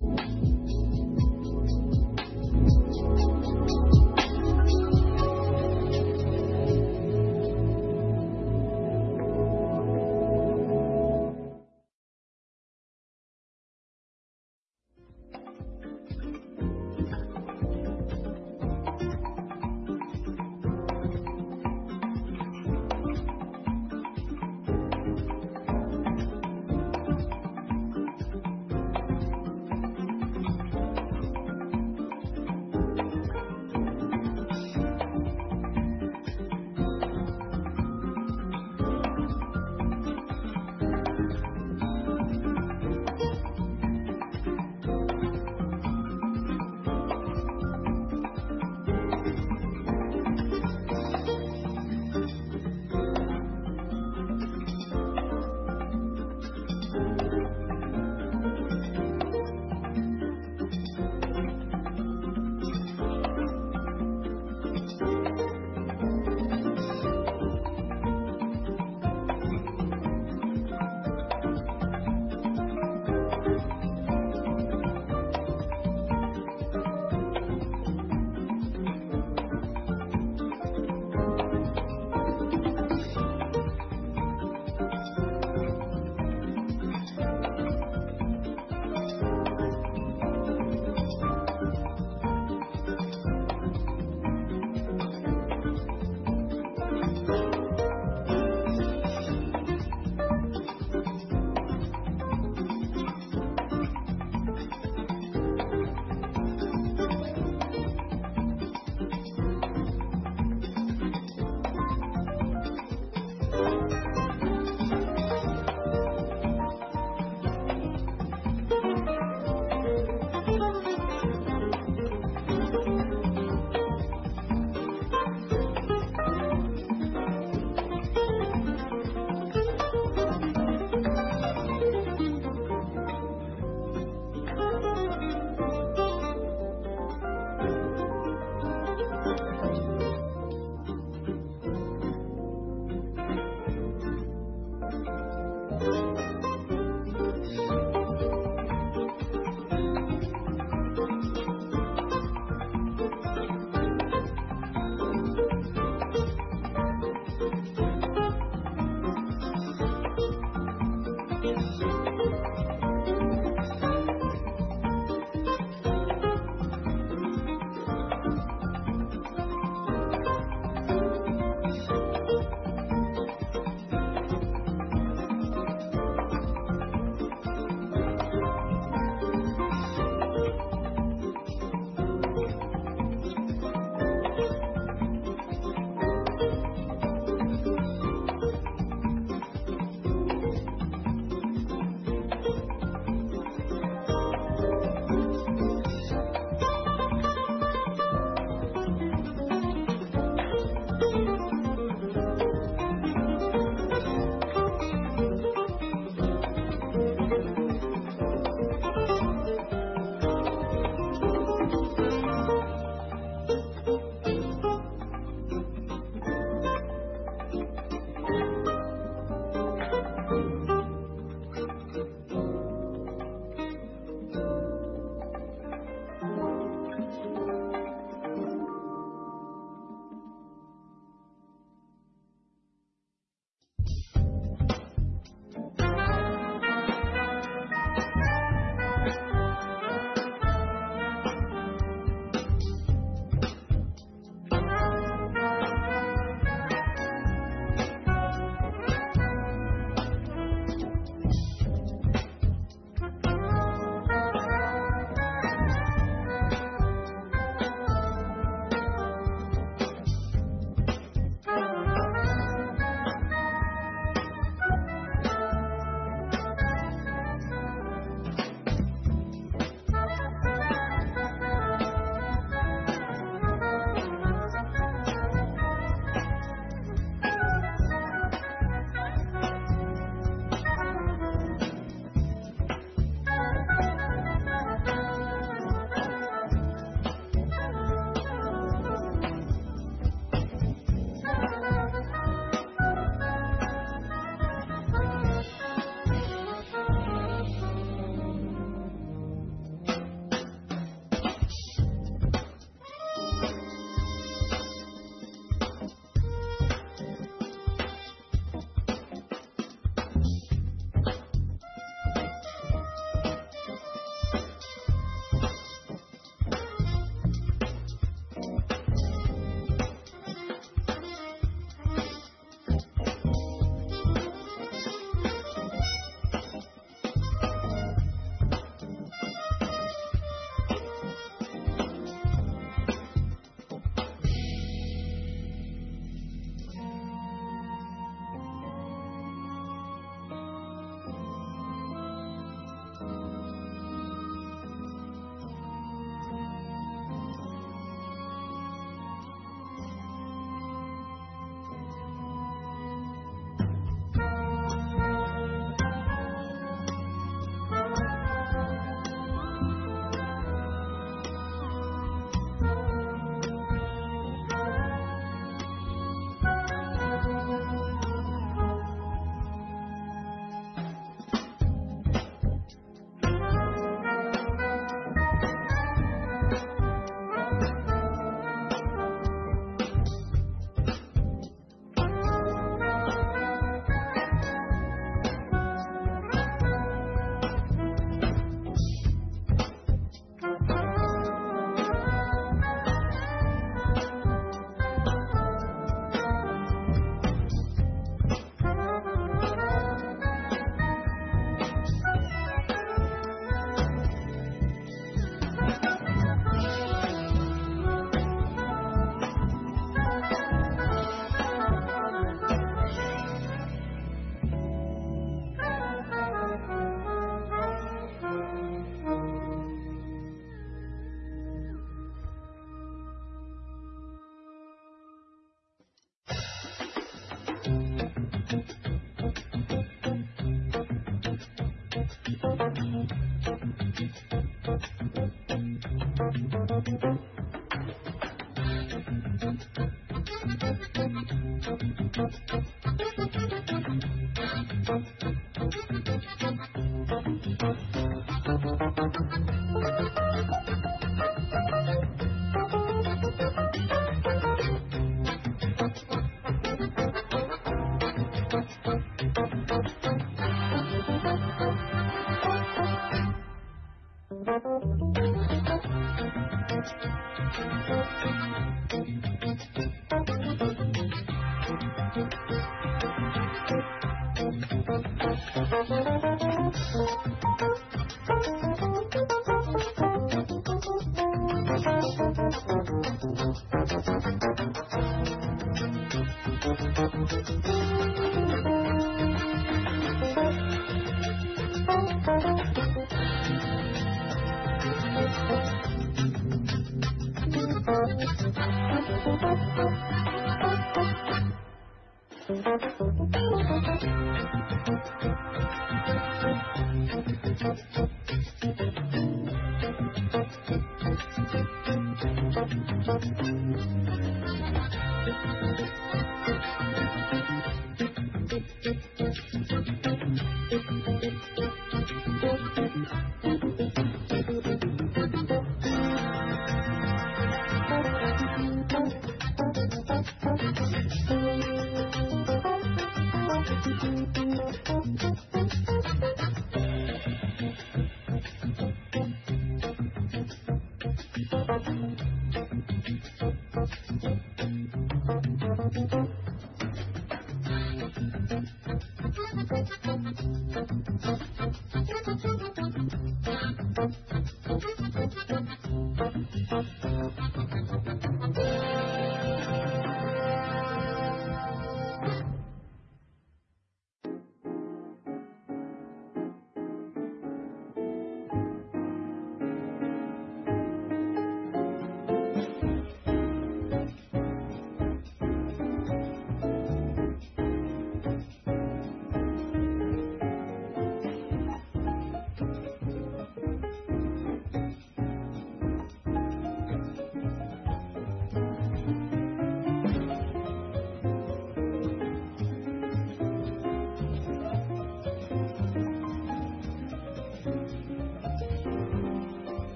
[SPEAKER 6] Right.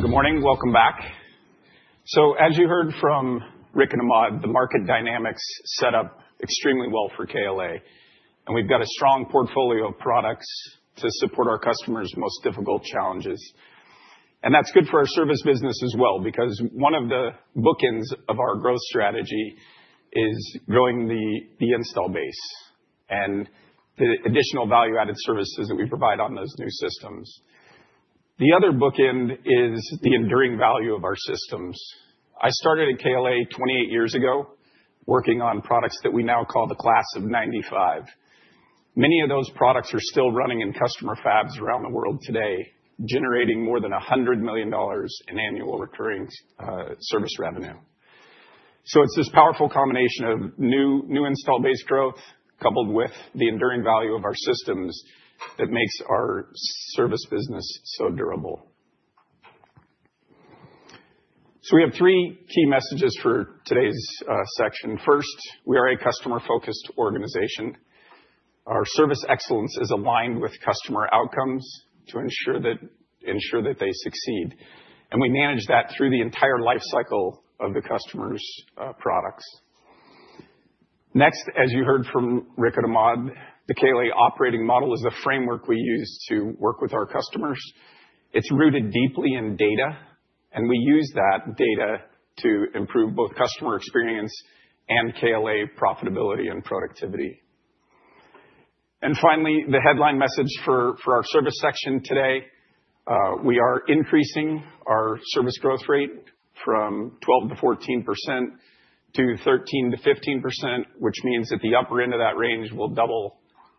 [SPEAKER 6] Good morning. Welcome back. As you heard from Rick and Ahmad, the market dynamics set up extremely well for KLA, and we've got a strong portfolio of products to support our customers' most difficult challenges. That's good for our service business as well, because one of the bookends of our growth strategy is growing the install base and the additional value-added services that we provide on those new systems. The other bookend is the enduring value of our systems. I started at KLA 28 years ago, working on products that we now call the class of 1995. Many of those products are still running in customer fabs around the world today, generating more than $100 million in annual recurring service revenue. It's this powerful combination of new install base growth coupled with the enduring value of our systems that makes our service business so durable. We have three key messages for today's section. First, we are a customer-focused organization. Our service excellence is aligned with customer outcomes to ensure that they succeed. We manage that through the entire lifecycle of the customer's products. Next, as you heard from Rick and Ahmad, the KLA operating model is the framework we use to work with our customers. It's rooted deeply in data, and we use that data to improve both customer experience and KLA profitability and productivity. Finally, the headline message for our service section today, we are increasing our service growth rate from 12%-14% to 13%-15%, which means at the upper end of that range, we'll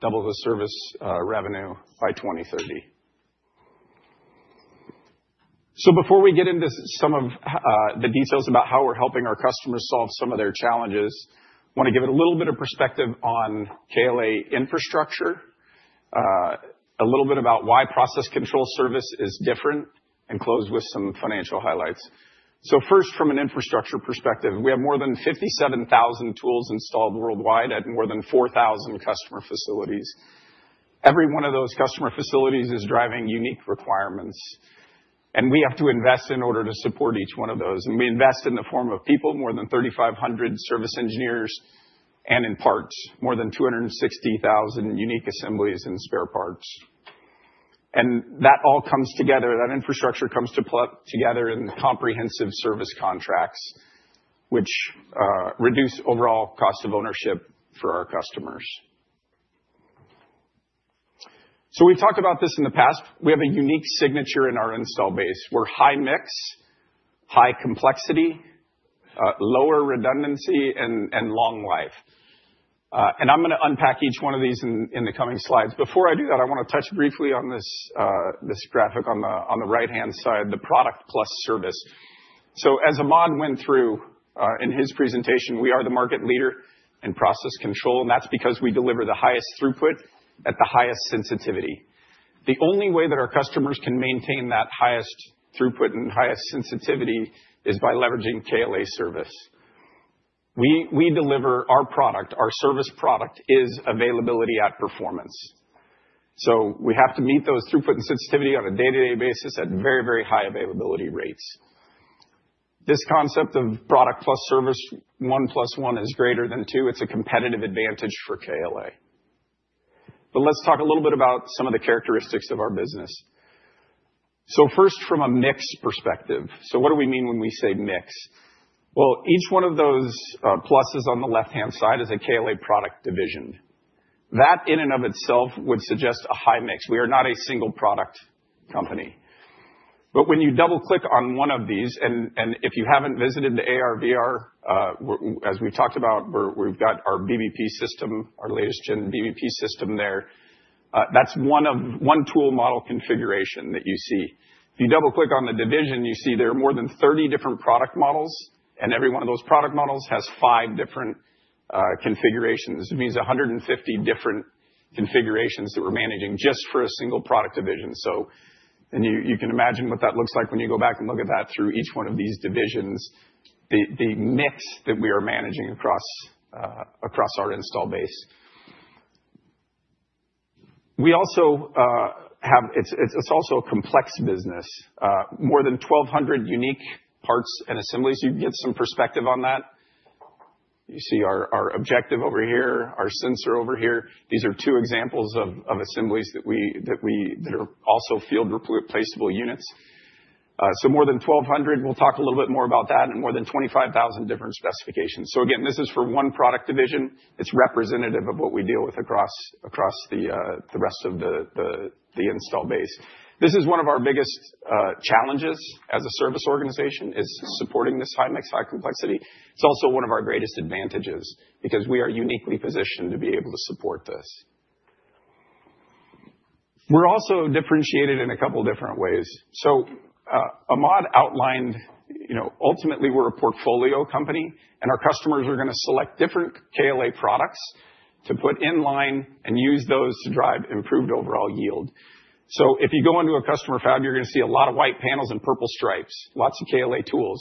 [SPEAKER 6] double the service revenue by 2030. Before we get into some of the details about how we're helping our customers solve some of their challenges, I wanna give it a little bit of perspective on KLA infrastructure, a little bit about why process control service is different, and close with some financial highlights. First, from an infrastructure perspective, we have more than 57,000 tools installed worldwide at more than 4,000 customer facilities. Every one of those customer facilities is driving unique requirements, and we have to invest in order to support each one of those. We invest in the form of people, more than 3,500 service engineers, and in parts, more than 260,000 unique assemblies in spare parts. That all comes together, that infrastructure comes together in comprehensive service contracts, which reduce overall cost of ownership for our customers. We talked about this in the past. We have a unique signature in our install base. We're high mix, high complexity, lower redundancy, and long life. I'm gonna unpack each one of these in the coming slides. Before I do that, I wanna touch briefly on this graphic on the right-hand side, the product plus service. As Ahmad went through in his presentation, we are the market leader in process control, and that's because we deliver the highest throughput at the highest sensitivity. The only way that our customers can maintain that highest throughput and highest sensitivity is by leveraging KLA service. We deliver our product, our service product is availability at performance. We have to meet those throughput and sensitivity on a day-to-day basis at very, very high availability rates. This concept of product plus service, one plus one is greater than two, it's a competitive advantage for KLA. But let's talk a little bit about some of the characteristics of our business. First from a mix perspective. What do we mean when we say mix? Well, each one of those pluses on the left-hand side is a KLA product division. That in and of itself would suggest a high mix. We are not a single product company. When you double-click on one of these, and if you haven't visited the AR/VR, as we talked about, we've got our BBP system, our latest gen BBP system there, that's one of one tool model configuration that you see. If you double-click on the division, you see there are more than 30 different product models, and every one of those product models has five different configurations. It means 150 different configurations that we're managing just for a single product division. You can imagine what that looks like when you go back and look at that through each one of these divisions, the mix that we are managing across our install base. We also have. It's also a complex business. More than 1,200 unique parts and assemblies. You can get some perspective on that. You see our objective over here, our sensor over here. These are two examples of assemblies. They're also field replaceable units. So more than 1,200, we'll talk a little bit more about that, and more than 25,000 different specifications. So again, this is for one product division. It's representative of what we deal with across the rest of the install base. This is one of our biggest challenges as a service organization, is supporting this high mix, high complexity. It's also one of our greatest advantages because we are uniquely positioned to be able to support this. We're also differentiated in a couple different ways. Ahmad outlined, you know, ultimately, we're a portfolio company and our customers are gonna select different KLA products to put in line and use those to drive improved overall yield. If you go onto a customer fab, you're gonna see a lot of white panels and purple stripes, lots of KLA tools.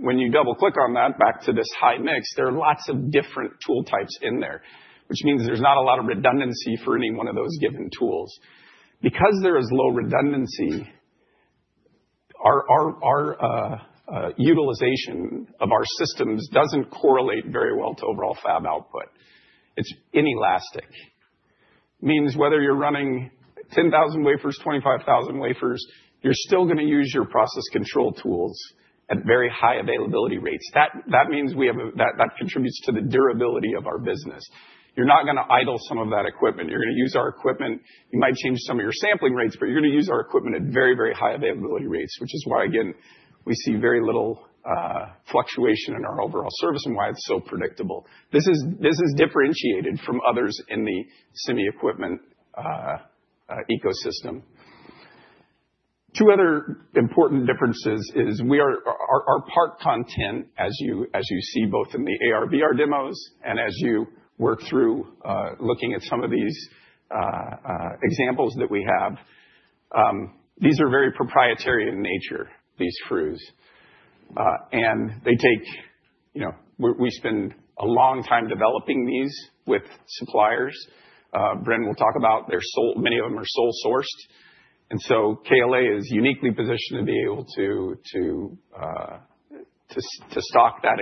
[SPEAKER 6] When you double-click on that back to this high mix, there are lots of different tool types in there, which means there's not a lot of redundancy for any one of those given tools. Because there is low redundancy, our utilization of our systems doesn't correlate very well to overall fab output. It's inelastic, means whether you're running 10,000 wafers, 25,000 wafers, you're still gonna use your process control tools at very high availability rates. That contributes to the durability of our business. You're not gonna idle some of that equipment. You're gonna use our equipment. You might change some of your sampling rates, but you're gonna use our equipment at very, very high availability rates, which is why, again, we see very little fluctuation in our overall service and why it's so predictable. This is differentiated from others in the semi equipment ecosystem. Two other important differences is we are. Our part content, as you see both in the AR/VR demos and as you work through looking at some of these examples that we have, these are very proprietary in nature, these FRUs. And they take. We spend a long time developing these with suppliers. Bren will talk about their sole sourced, many of them are sole sourced, and KLA is uniquely positioned to be able to to stock that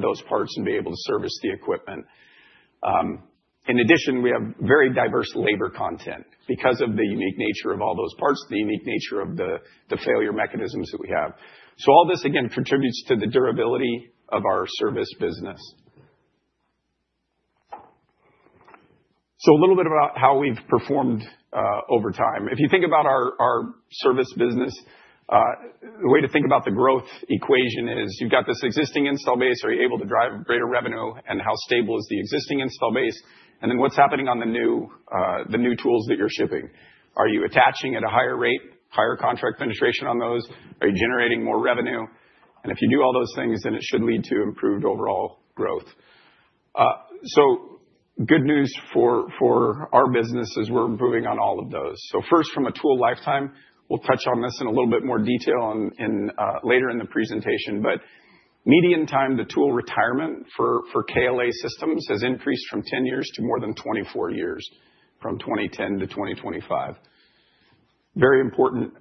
[SPEAKER 6] those parts and be able to service the equipment. In addition, we have very diverse labor content because of the unique nature of all those parts, the unique nature of the failure mechanisms that we have. All this, again, contributes to the durability of our service business. A little bit about how we've performed over time. If you think about our service business, the way to think about the growth equation is you've got this existing install base. Are you able to drive greater revenue, and how stable is the existing install base? Then what's happening on the new the new tools that you're shipping? Are you attaching at a higher rate, higher contract penetration on those? Are you generating more revenue? If you do all those things, then it should lead to improved overall growth. Good news for our business is we're improving on all of those. First, from a tool lifetime, we'll touch on this in a little bit more detail later in the presentation, but median time to tool retirement for KLA systems has increased from 10 years to more than 24 years, from 2010 to 2025. Very important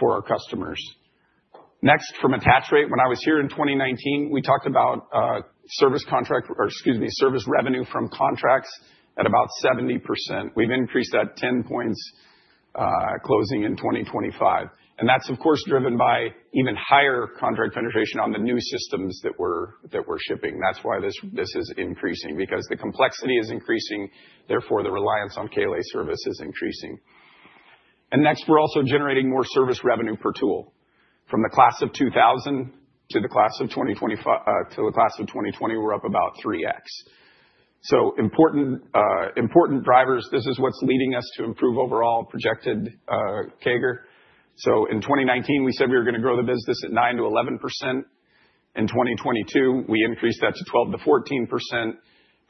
[SPEAKER 6] for our customers. Next, from attach rate. When I was here in 2019, we talked about service revenue from contracts at about 70%. We've increased that 10 points, closing in 2025, and that's of course, driven by even higher contract penetration on the new systems that we're shipping. That's why this is increasing, because the complexity is increasing, therefore, the reliance on KLA service is increasing. Next, we're also generating more service revenue per tool. From the class of 2000 to the class of 2020, we're up about 3x. Important drivers. This is what's leading us to improve overall projected CAGR. In 2019, we said we were gonna grow the business at 9%-11%. In 2022, we increased that to 12%-14%,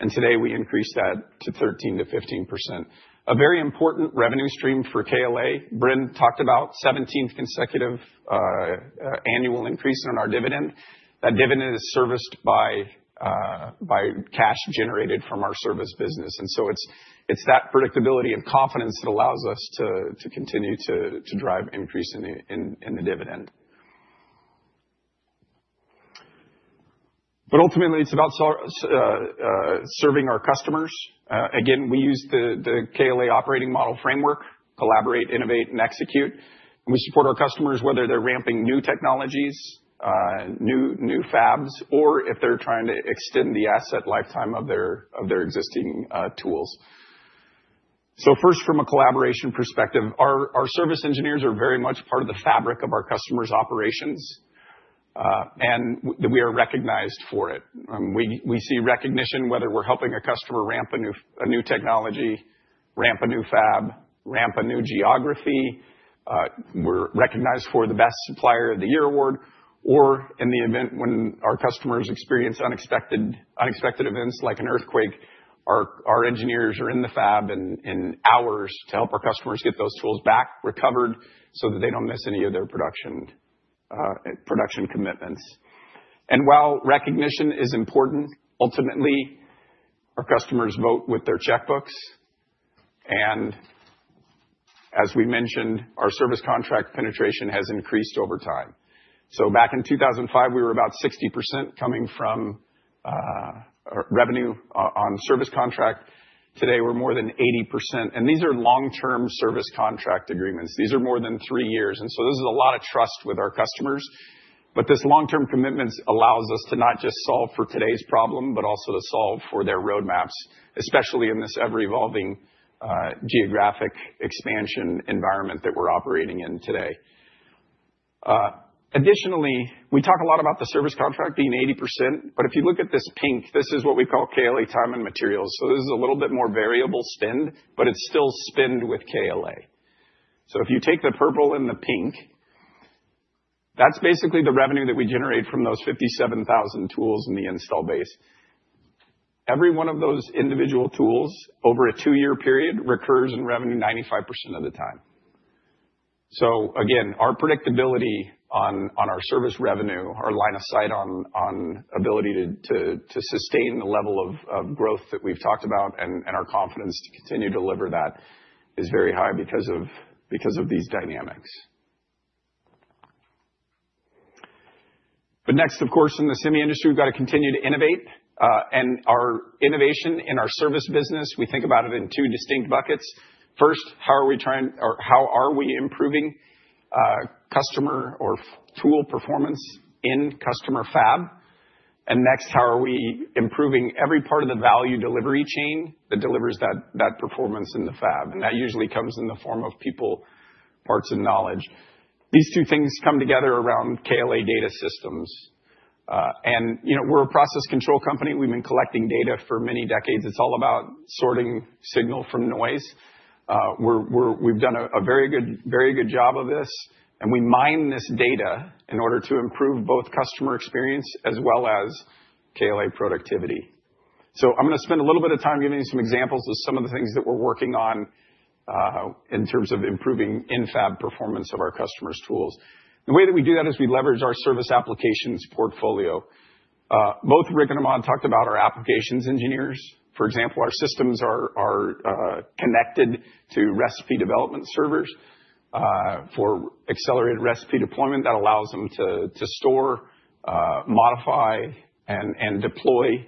[SPEAKER 6] and today we increased that to 13%-15%. A very important revenue stream for KLA. Bren talked about 17th consecutive annual increase on our dividend. That dividend is serviced by cash generated from our service business. It's that predictability and confidence that allows us to continue to drive increase in the dividend. Ultimately, it's about serving our customers. We use the KLA operating model framework, collaborate, innovate, and execute. We support our customers, whether they're ramping new technologies, new fabs, or if they're trying to extend the asset lifetime of their existing tools. First, from a collaboration perspective, our service engineers are very much part of the fabric of our customers' operations, and we are recognized for it. We see recognition whether we're helping a customer ramp a new technology, ramp a new fab, ramp a new geography. We're recognized for the best supplier of the year award or in the event when our customers experience unexpected events like an earthquake, our engineers are in the fab in hours to help our customers get those tools back recovered so that they don't miss any of their production commitments. While recognition is important, ultimately, our customers vote with their checkbooks. As we mentioned, our service contract penetration has increased over time. Back in 2005, we were about 60% coming from revenue on service contract. Today, we're more than 80%. These are long-term service contract agreements. These are more than three years, and so this is a lot of trust with our customers. This long-term commitment allows us to not just solve for today's problem, but also to solve for their roadmaps, especially in this ever-evolving, geographic expansion environment that we're operating in today. Additionally, we talk a lot about the service contract being 80%, but if you look at this pink, this is what we call KLA time and materials. This is a little bit more variable spend, but it's still spend with KLA. If you take the purple and the pink, that's basically the revenue that we generate from those 57,000 tools in the install base. Every one of those individual tools over a two-year period recurs in revenue 95% of the time. Again, our predictability on our service revenue, our line of sight on ability to sustain the level of growth that we've talked about and our confidence to continue to deliver that is very high because of these dynamics. Next, of course, in the semi industry, we've got to continue to innovate. Our innovation in our service business, we think about it in two distinct buckets. First, how are we trying or how are we improving customer tool performance in customer fab? Next, how are we improving every part of the value delivery chain that delivers that performance in the fab? That usually comes in the form of people, parts, and knowledge. These two things come together around KLA data systems. You know, we're a process control company. We've been collecting data for many decades. It's all about sorting signal from noise. We've done a very good job of this, and we mine this data in order to improve both customer experience as well as KLA productivity. I'm gonna spend a little bit of time giving you some examples of some of the things that we're working on, in terms of improving in-fab performance of our customers' tools. The way that we do that is we leverage our service applications portfolio. Both Rick and Ahmad talked about our applications engineers. For example, our systems are connected to recipe development servers for accelerated recipe deployment that allows them to store, modify, and deploy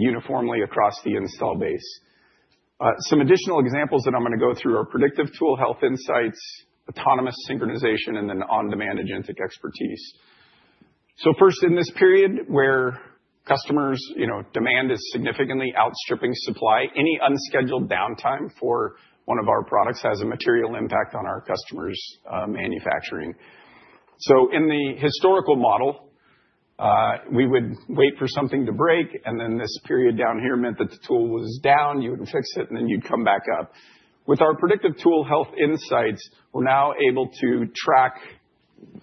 [SPEAKER 6] uniformly across the install base. Some additional examples that I'm gonna go through are predictive tool health insights, autonomous synchronization, and then on-demand agentic expertise. First in this period where customers, you know, demand is significantly outstripping supply, any unscheduled downtime for one of our products has a material impact on our customers', manufacturing. In the historical model, we would wait for something to break, and then this period down here meant that the tool was down. You would fix it, and then you'd come back up. With our predictive tool health insights, we're now able to track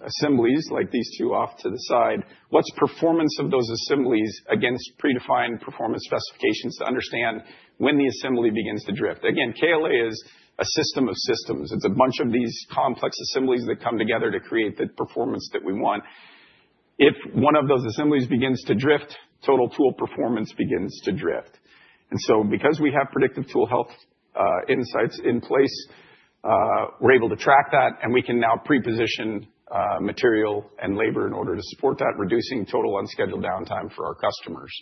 [SPEAKER 6] assemblies like these two off to the side. What's performance of those assemblies against predefined performance specifications to understand when the assembly begins to drift. Again, KLA is a system of systems. It's a bunch of these complex assemblies that come together to create the performance that we want. If one of those assemblies begins to drift, total tool performance begins to drift. Because we have predictive tool health insights in place, we're able to track that, and we can now pre-position material and labor in order to support that, reducing total unscheduled downtime for our customers.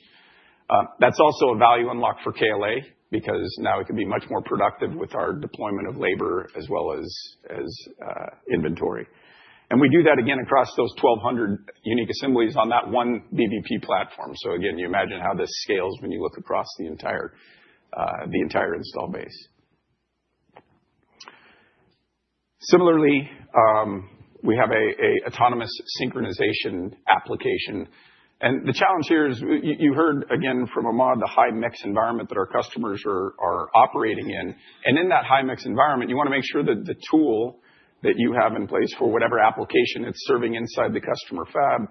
[SPEAKER 6] That's also a value unlock for KLA because now we can be much more productive with our deployment of labor as well as inventory. We do that again across those 1,200 unique assemblies on that one BBP platform. Again, you imagine how this scales when you look across the entire install base. Similarly, we have a autonomous synchronization application, and the challenge here is you heard again from Ahmad, the high-mix environment that our customers are operating in. In that high-mix environment, you wanna make sure that the tool that you have in place for whatever application it's serving inside the customer fab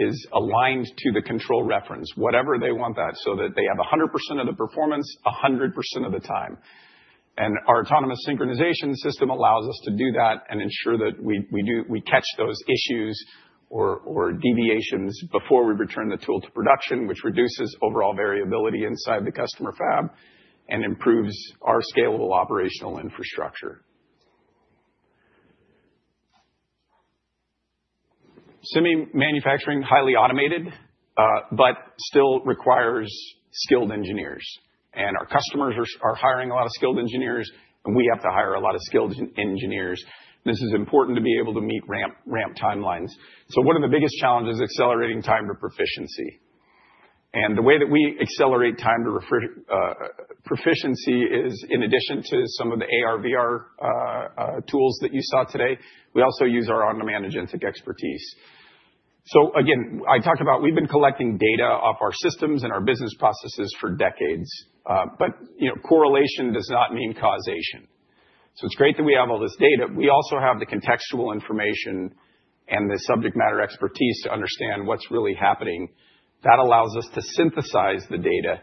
[SPEAKER 6] is aligned to the control reference, whatever they want that, so that they have 100% of the performance 100% of the time. Our autonomous synchronization system allows us to do that and ensure that we catch those issues or deviations before we return the tool to production, which reduces overall variability inside the customer fab and improves our scalable operational infrastructure. Semiconductor manufacturing, highly automated, but still requires skilled engineers. Our customers are hiring a lot of skilled engineers, and we have to hire a lot of skilled engineers. This is important to be able to meet ramp timelines. One of the biggest challenges, accelerating time to proficiency. The way that we accelerate time to proficiency is in addition to some of the AR/VR tools that you saw today, we also use our on-demand agentic expertise. Again, I talked about we've been collecting data off our systems and our business processes for decades, but you know, correlation does not mean causation. It's great that we have all this data. We also have the contextual information and the subject matter expertise to understand what's really happening. That allows us to synthesize the data,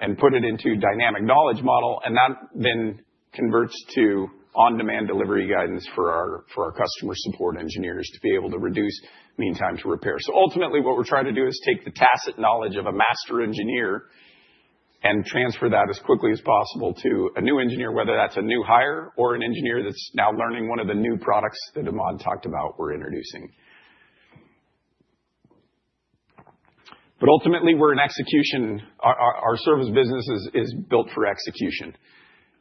[SPEAKER 6] and put it into dynamic knowledge model, and that then converts to on-demand delivery guidance for our customer support engineers to be able to reduce mean time to repair. Ultimately, what we're trying to do is take the tacit knowledge of a master engineer and transfer that as quickly as possible to a new engineer, whether that's a new hire or an engineer that's now learning one of the new products that Ahmad talked about we're introducing. Ultimately, we're an execution. Our service business is built for execution,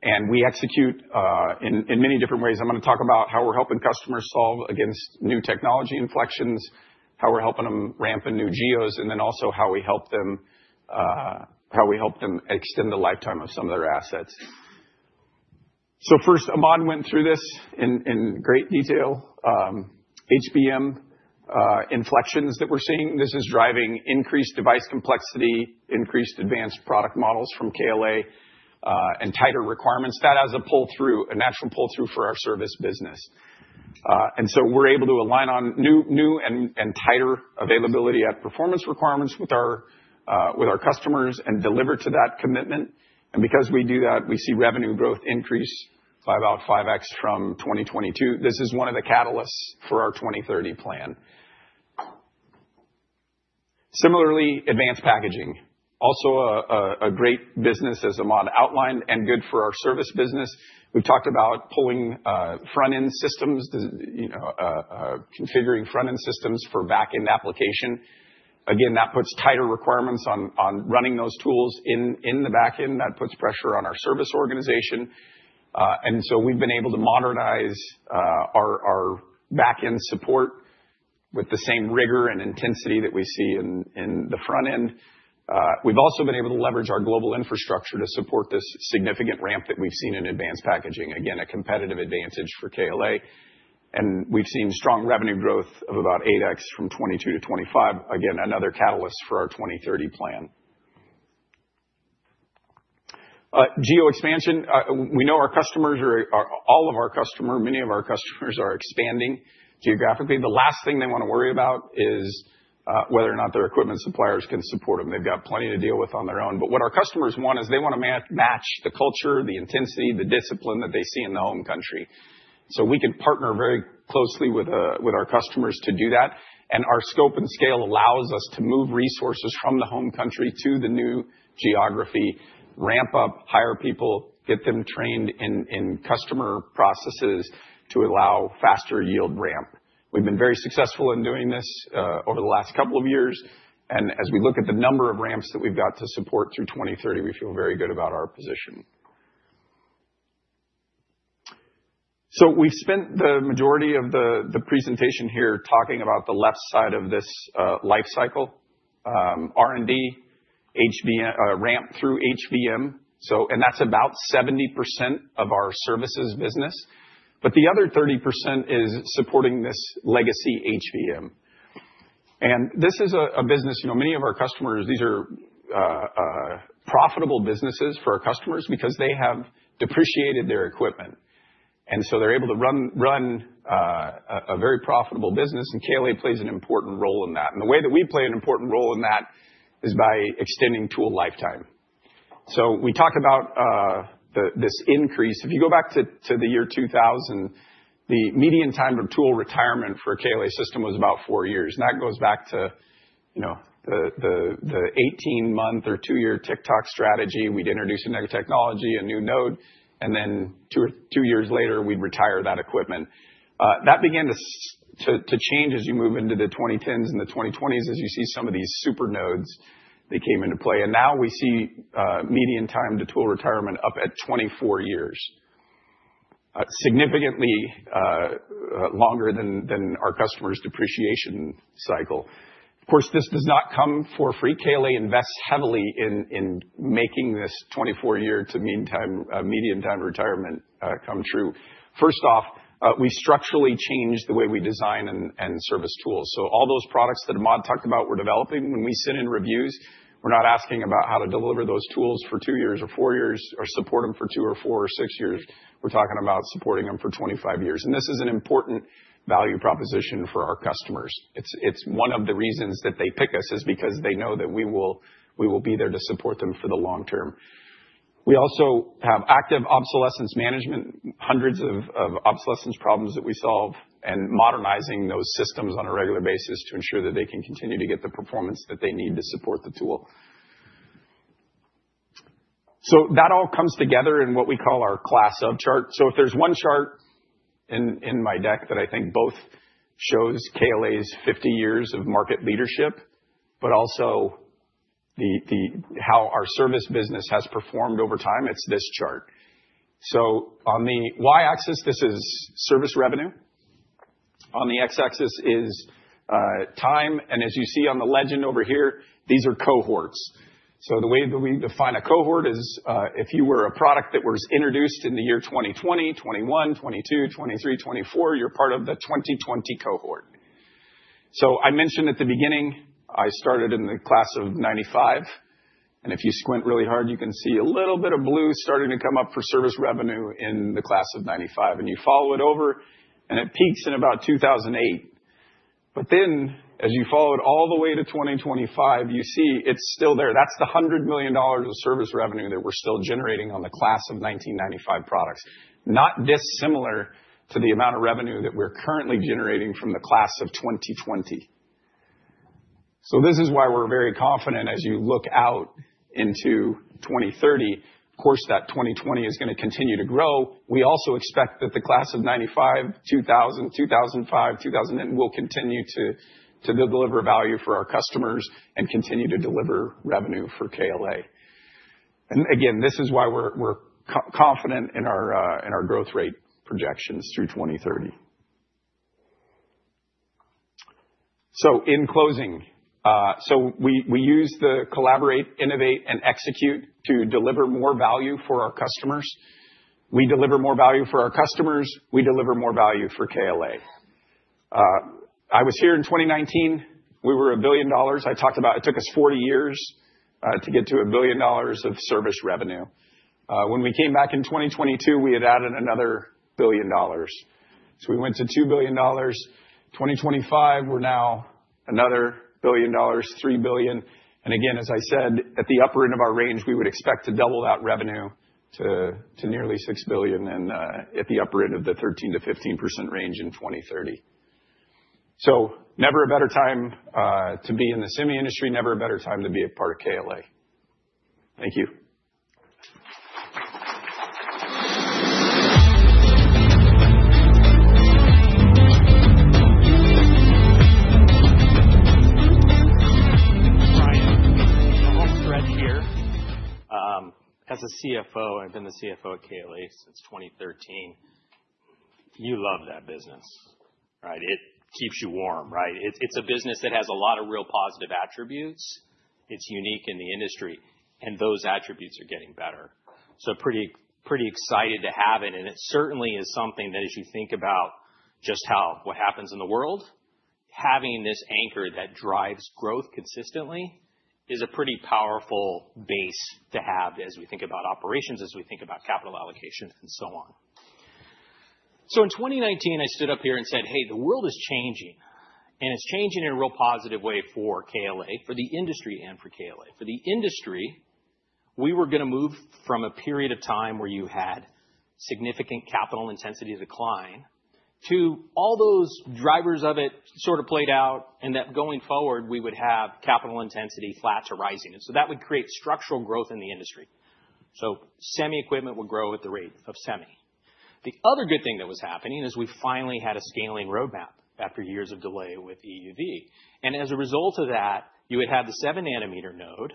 [SPEAKER 6] and we execute in many different ways. I'm gonna talk about how we're helping customers solve against new technology inflections, how we're helping them ramp in new geos, and then also how we help them extend the lifetime of some of their assets. First, Ahmad Khan went through this in great detail. HBM inflections that we're seeing, this is driving increased device complexity, increased advanced product models from KLA, and tighter requirements. That has a pull-through, a natural pull-through for our service business. We're able to align on new and tighter availability and performance requirements with our customers and deliver to that commitment. Because we do that, we see revenue growth increase by about 5x from 2022. This is one of the catalysts for our 2030 plan. Similarly, advanced packaging. Also a great business as Ahmad outlined, and good for our service business. We talked about pulling front-end systems, you know, configuring front-end systems for back-end application. Again, that puts tighter requirements on running those tools in the back end. That puts pressure on our service organization. We've been able to modernize our back-end support with the same rigor and intensity that we see in the front end. We've also been able to leverage our global infrastructure to support this significant ramp that we've seen in advanced packaging. Again, a competitive advantage for KLA, and we've seen strong revenue growth of about 8x from 2022 to 2025. Again, another catalyst for our 2030 plan. Geo expansion. We know many of our customers are expanding geographically. The last thing they wanna worry about is whether or not their equipment suppliers can support them. They've got plenty to deal with on their own. What our customers want is they wanna match the culture, the intensity, the discipline that they see in the home country. We can partner very closely with our customers to do that. Our scope and scale allows us to move resources from the home country to the new geography, ramp up, hire people, get them trained in customer processes to allow faster yield ramp. We've been very successful in doing this over the last couple of years. As we look at the number of ramps that we've got to support through 2030, we feel very good about our position. We spent the majority of the presentation here talking about the left side of this life cycle, R&D, HBM, ramp through HBM. That's about 70% of our services business, but the other 30% is supporting this legacy HBM. This is a business, you know, many of our customers, these are profitable businesses for our customers because they have depreciated their equipment, and so they're able to run a very profitable business, and KLA plays an important role in that. The way that we play an important role in that is by extending tool lifetime. We talk about this increase. If you go back to the year 2000, the median time of tool retirement for a KLA system was about four years. That goes back to, you know, the 18-month or two-year tick-tock strategy. We'd introduce a new technology, a new node, and then two years later, we'd retire that equipment. That began to change as you move into the 2010s and the 2020s, as you see some of these super nodes that came into play. Now we see median time to tool retirement up at 24 years, significantly longer than our customers' depreciation cycle. Of course, this does not come for free. KLA invests heavily in making this 24-year median time to retirement come true. First off, we structurally change the way we design and service tools. All those products that Ahmad Khan talked about that we're developing, when we sit in reviews, we're not asking about how to deliver those tools for two years or four years or support them for two or four or six years. We're talking about supporting them for 25 years. This is an important value proposition for our customers. It's one of the reasons that they pick us, is because they know that we will be there to support them for the long term. We also have active obsolescence management, hundreds of obsolescence problems that we solve, and modernizing those systems on a regular basis to ensure that they can continue to get the performance that they need to support the tool. That all comes together in what we call our class of chart. If there's one chart in my deck that I think both shows KLA's 50 years of market leadership, but also the how our service business has performed over time, it's this chart. On the y-axis, this is service revenue. On the x-axis is time. As you see on the legend over here, these are cohorts. The way that we define a cohort is, if you were a product that was introduced in the year 2020, 2021, 2022, 2023, 2024, you're part of the 2020 cohort. I mentioned at the beginning, I started in the class of 1995, and if you squint really hard, you can see a little bit of blue starting to come up for service revenue in the class of 1995. You follow it over, and it peaks in about 2008. As you follow it all the way to 2025, you see it's still there. That's the $100 million of service revenue that we're still generating on the class of 1995 products, not dissimilar to the amount of revenue that we're currently generating from the class of 2020. This is why we're very confident as you look out into 2030. Of course, that 2020 is gonna continue to grow. We also expect that the class of 1995, 2000, 2005 will continue to deliver value for our customers and continue to deliver revenue for KLA. This is why we're confident in our growth rate projections through 2030. In closing, we use collaborate, innovate, and execute to deliver more value for our customers. We deliver more value for our customers, we deliver more value for KLA. I was here in 2019. We were $1 billion. I talked about it took us 40 years to get to $1 billion of service revenue. When we came back in 2022, we had added another $1 billion. We went to $2 billion. 2025, we're now another billion dollars, $3 billion. Again, as I said, at the upper end of our range, we would expect to double that revenue to nearly $6 billion and at the upper end of the 13%-15% range in 2030. Never a better time to be in the semi-industry. Never a better time to be a part of KLA. Thank you.
[SPEAKER 2] Right, the home stretch here. As a CFO, I've been the CFO at KLA since 2013. You love that business, right? It's a business that has a lot of real positive attributes. It's unique in the industry, and those attributes are getting better. Pretty excited to have it, and it certainly is something that as you think about just how what happens in the world, having this anchor that drives growth consistently is a pretty powerful base to have as we think about operations, as we think about capital allocation and so on. In 2019, I stood up here and said, "Hey, the world is changing, and it's changing in a real positive way for KLA, for the industry and for KLA. For the industry, we were gonna move from a period of time where you had significant capital intensity decline to all those drivers of it sort of played out, and that going forward, we would have capital intensity flat to rising. That would create structural growth in the industry. Semi equipment would grow at the rate of semi. The other good thing that was happening is we finally had a scaling roadmap after years of delay with EUV. As a result of that, you would have the 7 nm node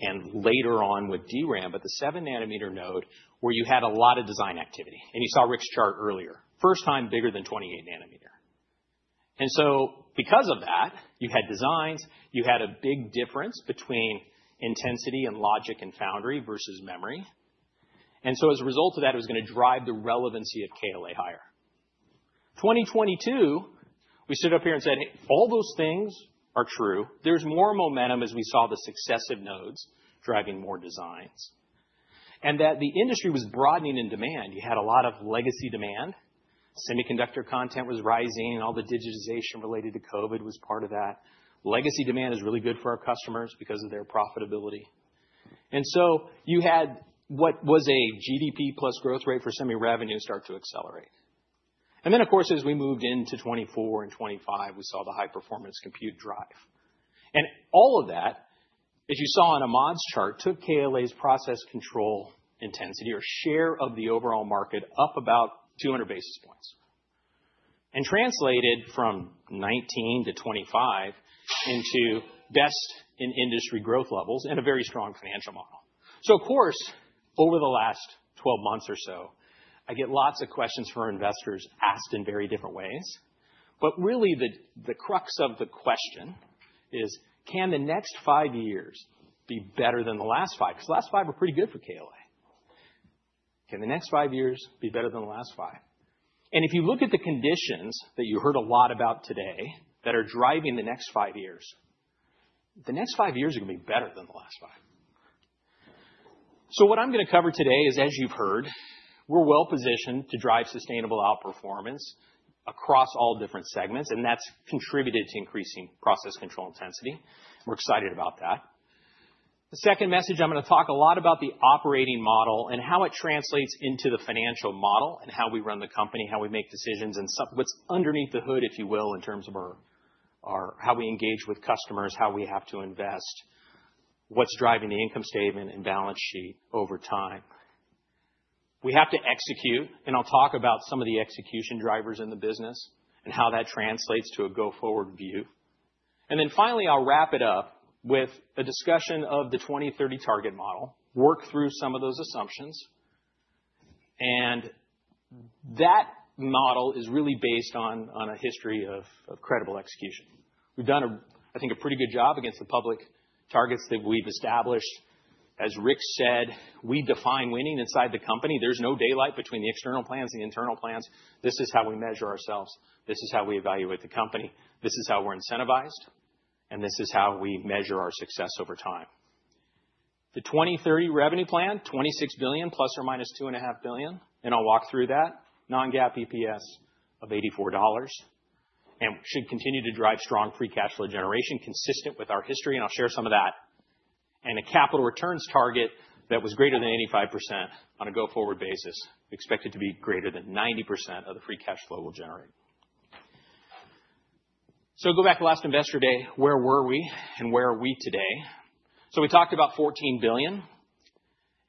[SPEAKER 2] and later on with DRAM, but the 7 nm node where you had a lot of design activity. You saw Rick's chart earlier. First time bigger than 28 nm. Because of that, you had designs, you had a big difference between intensity and logic and foundry versus memory. As a result of that, it was gonna drive the relevancy of KLA higher. 2022, we stood up here and said, "All those things are true." There's more momentum as we saw the successive nodes driving more designs, and that the industry was broadening in demand. You had a lot of legacy demand. Semiconductor content was rising, all the digitization related to COVID was part of that. Legacy demand is really good for our customers because of their profitability. You had what was a GDP plus growth rate for semi revenue start to accelerate. Of course, as we moved into 2024 and 2025, we saw the high-performance compute drive. All of that, as you saw on Ahmad's chart, took KLA's process control intensity or share of the overall market up about 200 basis points. Translated from 19 to 25 into best in industry growth levels and a very strong financial model. Of course, over the last 12 months or so, I get lots of questions from our investors asked in very different ways. Really, the crux of the question is, can the next five years be better than the last five? 'Cause the last five were pretty good for KLA. Can the next five years be better than the last five? If you look at the conditions that you heard a lot about today that are driving the next five years, the next five years are gonna be better than the last five. What I'm gonna cover today is, as you've heard, we're well-positioned to drive sustainable outperformance across all different segments, and that's contributed to increasing process control intensity. We're excited about that. The second message, I'm gonna talk a lot about the operating model and how it translates into the financial model and how we run the company, how we make decisions and stuff, what's underneath the hood, if you will, in terms of our how we engage with customers, how we have to invest, what's driving the income statement and balance sheet over time. We have to execute, and I'll talk about some of the execution drivers in the business and how that translates to a go-forward view. Then finally, I'll wrap it up with a discussion of the 2030 target model, work through some of those assumptions. That model is really based on a history of credible execution. We've done a, I think, a pretty good job against the public targets that we've established. As Rick said, we define winning inside the company. There's no daylight between the external plans, the internal plans. This is how we measure ourselves. This is how we evaluate the company. This is how we're incentivized, and this is how we measure our success over time. The 2030 revenue plan, $26 billion ±$2.5 billion, and I'll walk through that. Non-GAAP EPS of $84. Should continue to drive strong free cash flow generation consistent with our history, and I'll share some of that. A capital returns target that was greater than 85% on a go-forward basis, expected to be greater than 90% of the free cash flow we're generating. Go back to last Investor Day, where were we and where are we today? We talked about $14 billion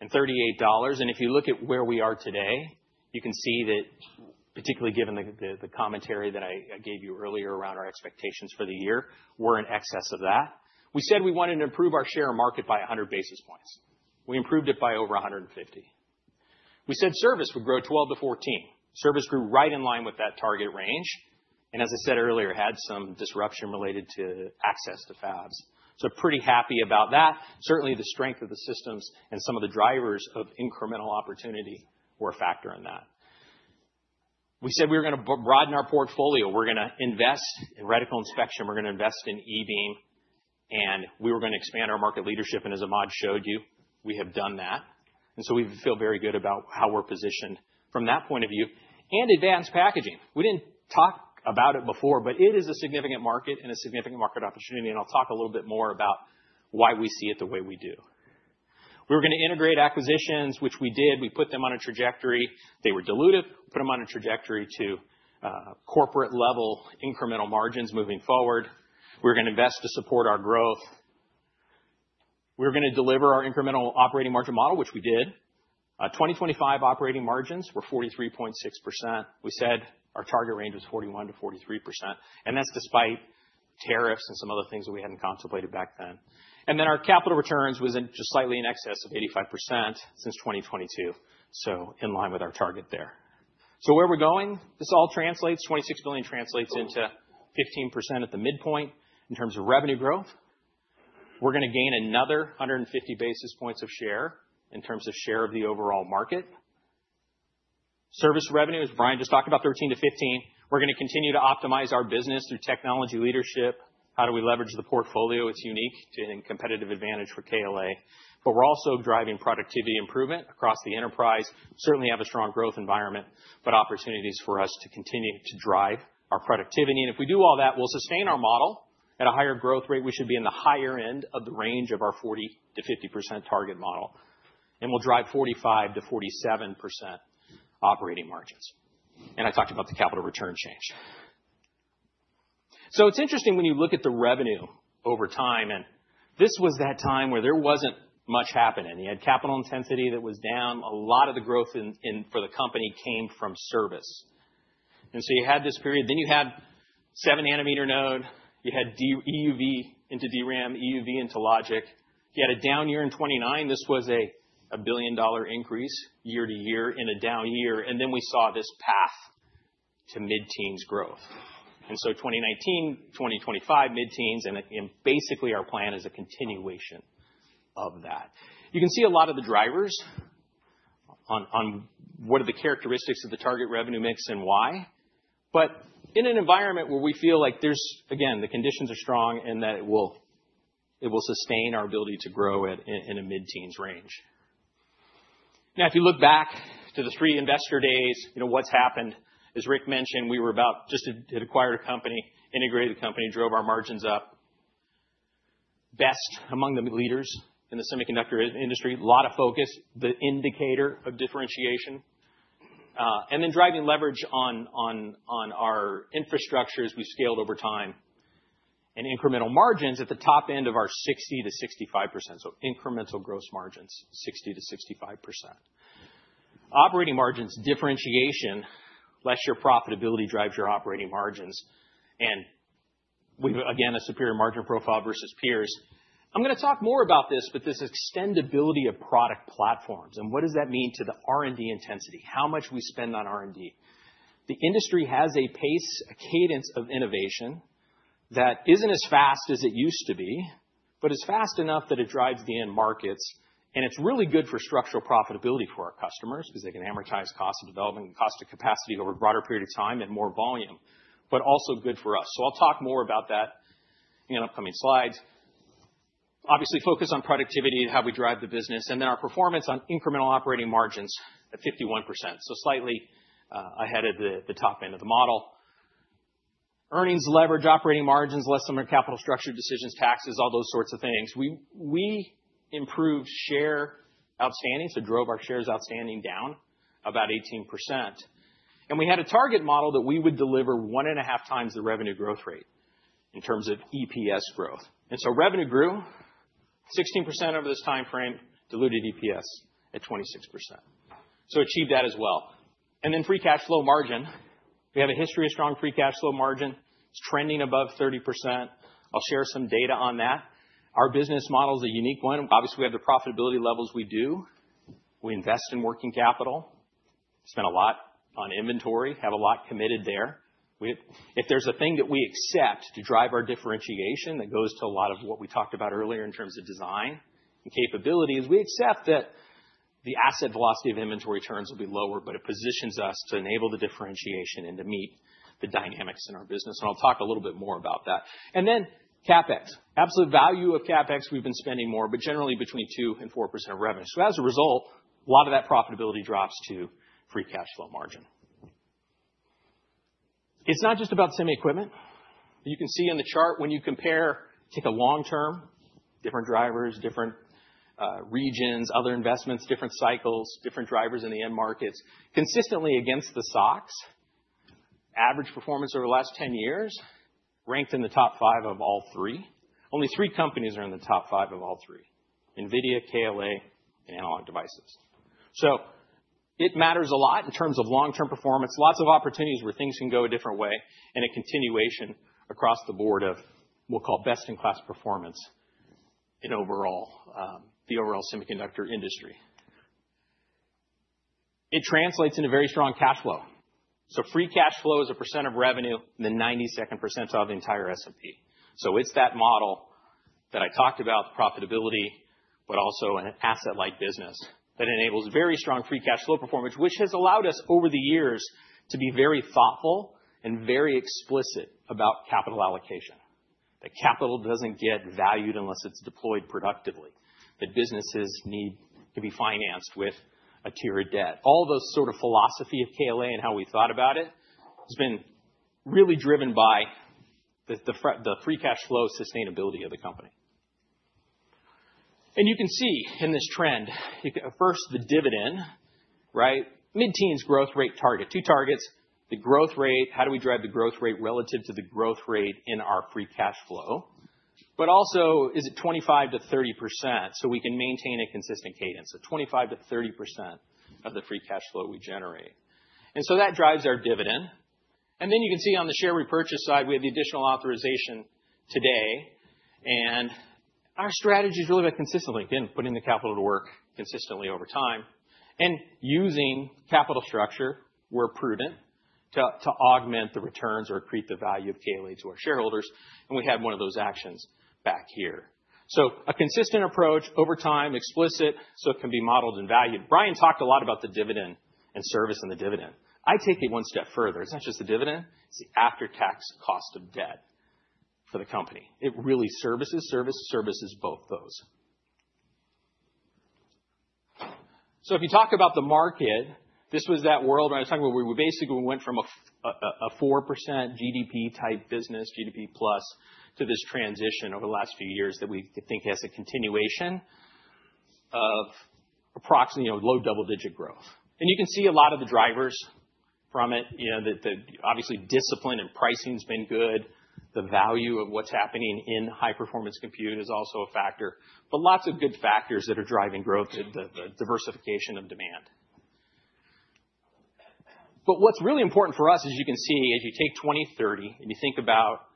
[SPEAKER 2] and $3.8 billion. If you look at where we are today, you can see that particularly given the commentary that I gave you earlier around our expectations for the year, we're in excess of that. We said we wanted to improve our share of market by 100 basis points. We improved it by over 150. We said service would grow 12%-14%. Service grew right in line with that target range, and as I said earlier, had some disruption related to access to fabs. Pretty happy about that. Certainly, the strength of the systems and some of the drivers of incremental opportunity were a factor in that. We said we were gonna broaden our portfolio. We're gonna invest in reticle inspection. We're gonna invest in e-beam, and we were gonna expand our market leadership. As Ahmad showed you, we have done that. We feel very good about how we're positioned from that point of view. Advanced packaging. We didn't talk about it before, but it is a significant market and a significant market opportunity, and I'll talk a little bit more about why we see it the way we do. We were gonna integrate acquisitions, which we did. We put them on a trajectory. They were dilutive. Put them on a trajectory to corporate level incremental margins moving forward. We're gonna invest to support our growth. We're gonna deliver our incremental operating margin model, which we did. 2025 operating margins were 43.6%. We said our target range was 41%-43%, and that's despite tariffs and some other things that we hadn't contemplated back then. Our capital returns was in just slightly in excess of 85% since 2022. In line with our target there. Where are we going? This all translates. $26 billion translates into 15% at the midpoint in terms of revenue growth. We're gonna gain another 150 basis points of share in terms of share of the overall market. Service revenue, as Brian just talked about, 13%-15%. We're gonna continue to optimize our business through technology leadership. How do we leverage the portfolio? It's unique to a competitive advantage for KLA, but we're also driving productivity improvement across the enterprise. Certainly have a strong growth environment, but opportunities for us to continue to drive our productivity. If we do all that, we'll sustain our model. At a higher growth rate, we should be in the higher end of the range of our 40%-50% target model, and we'll drive 45%-47% operating margins. I talked about the capital return change. It's interesting when you look at the revenue over time, and this was that time where there wasn't much happening. You had capital intensity that was down. A lot of the growth for the company came from service. You had this period, then you had 7 nm node. You had EUV into DRAM, EUV into logic. You had a down year in 2019. This was a $1 billion increase year to year in a down year. Then we saw this path to mid-teens growth. 2019, 2025 mid-teens and basically our plan is a continuation of that. You can see a lot of the drivers on what are the characteristics of the target revenue mix and why. In an environment where we feel like, again, the conditions are strong and that it will sustain our ability to grow it in a mid-teens range. Now, if you look back to the three Investor Days, you know what's happened. As Rick mentioned, we had acquired a company, integrated the company, drove our margins up best among the leaders in the semiconductor industry. A lot of focus, the indicator of differentiation, and then driving leverage on our infrastructure as we scaled over time and incremental margins at the top end of our 60%-65%. Incremental gross margins, 60%-65%. Operating margins differentiation lets your profitability drive your operating margins. We've, again, a superior margin profile versus peers. I'm gonna talk more about this, but this extendability of product platforms and what does that mean to the R&D intensity, how much we spend on R&D. The industry has a pace, a cadence of innovation that isn't as fast as it used to be, but is fast enough that it drives the end markets. It's really good for structural profitability for our customers because they can amortize cost of development and cost of capacity over a broader period of time and more volume, but also good for us. I'll talk more about that in an upcoming slide. Obviously, focus on productivity and how we drive the business and our performance on incremental operating margins at 51%, so slightly ahead of the top end of the model. Earnings leverage, operating margins, less than our capital structure decisions, taxes, all those sorts of things. We improved share outstanding, so drove our shares outstanding down about 18%. We had a target model that we would deliver 1.5x the revenue growth rate in terms of EPS growth. Revenue grew 16% over this time frame, diluted EPS at 26%. Achieved that as well. Free cash flow margin. We have a history of strong free cash flow margin. It's trending above 30%. I'll share some data on that. Our business model is a unique one. Obviously, we have the profitability levels we do. We invest in working capital, spend a lot on inventory, have a lot committed there. If there's a thing that we accept to drive our differentiation, that goes to a lot of what we talked about earlier in terms of design and capabilities, we accept that the asset velocity of inventory turns will be lower, but it positions us to enable the differentiation and to meet the dynamics in our business. I'll talk a little bit more about that. CapEx. Absolute value of CapEx, we've been spending more, but generally between 2% and 4% of revenue. As a result, a lot of that profitability drops to free cash flow margin. It's not just about semi equipment. You can see in the chart when you compare, take a long term, different drivers, different regions, other investments, different cycles, different drivers in the end markets consistently against the stocks. Average performance over the last 10 years, ranked in the top five of all three. Only three companies are in the top five of all three, NVIDIA, KLA, and Analog Devices. It matters a lot in terms of long-term performance, lots of opportunities where things can go a different way and a continuation across the board of, we'll call best-in-class performance in overall, the overall semiconductor industry. It translates into very strong cash flow. Free cash flow as a percent of revenue in the 92nd percentile of the entire S&P. It's that model that I talked about, profitability, but also an asset-light business that enables very strong free cash flow performance, which has allowed us over the years to be very thoughtful and very explicit about capital allocation. That capital doesn't get valued unless it's deployed productively, that businesses need to be financed with a tier of debt. All those sort of philosophy of KLA and how we thought about it has been really driven by the free cash flow sustainability of the company. You can see in this trend, first the dividend. Right? Mid-teens growth rate target. Two targets, the growth rate, how do we drive the growth rate relative to the growth rate in our free cash flow? Also is it 25%-30%, so we can maintain a consistent cadence of 25%-30% of the free cash flow we generate. That drives our dividend. You can see on the share repurchase side, we have the additional authorization today, and our strategy is a little bit consistently, again, putting the capital to work consistently over time and using capital structure, where prudent, to augment the returns or accrete the value of KLA to our shareholders, and we have one of those actions back here. A consistent approach over time, explicit, so it can be modeled and valued. Brian talked a lot about the dividend and servicing and the dividend. I take it one step further. It's not just the dividend, it's the after-tax cost of debt for the company. It really services both those. If you talk about the market, this was that world where I was talking about where we basically went from a 4% GDP-type business, GDP plus, to this transition over the last few years that we think has a continuation of approximately, you know, low double-digit growth. You can see a lot of the drivers from it, you know, the obvious discipline and pricing's been good. The value of what's happening in high-performance compute is also a factor. Lots of good factors that are driving growth, the diversification of demand. What's really important for us is you can see as you take 2030 and you think about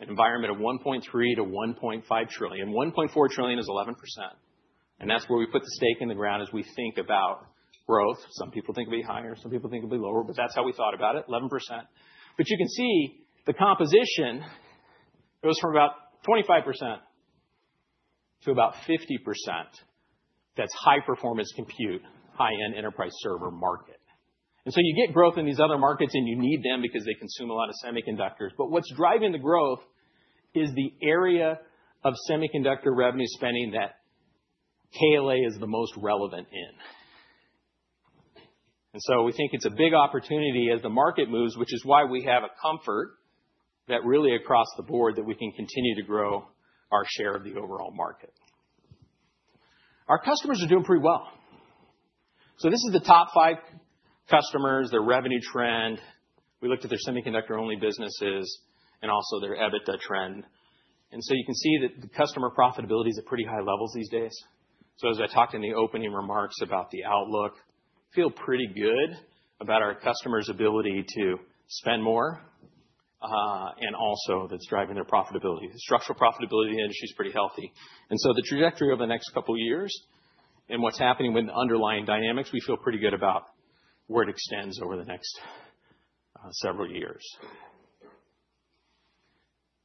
[SPEAKER 2] an environment of $1.3 trillion-$1.5 trillion, $1.4 trillion is 11%. That's where we put the stake in the ground as we think about growth. Some people think it'll be higher, some people think it'll be lower, but that's how we thought about it, 11%. You can see the composition goes from about 25% to about 50% that's high-performance compute, high-end enterprise server market. You get growth in these other markets, and you need them because they consume a lot of semiconductors. What's driving the growth is the area of semiconductor revenue spending that KLA is the most relevant in. We think it's a big opportunity as the market moves, which is why we have a comfort that really across the board, that we can continue to grow our share of the overall market. Our customers are doing pretty well. This is the top five customers, their revenue trend. We looked at their semiconductor-only businesses and also their EBITDA trend. You can see that the customer profitability is at pretty high levels these days. As I talked in the opening remarks about the outlook, feel pretty good about our customers' ability to spend more, and also that's driving their profitability. The structural profitability in the industry is pretty healthy. The trajectory over the next couple years and what's happening with underlying dynamics, we feel pretty good about where it extends over the next several years.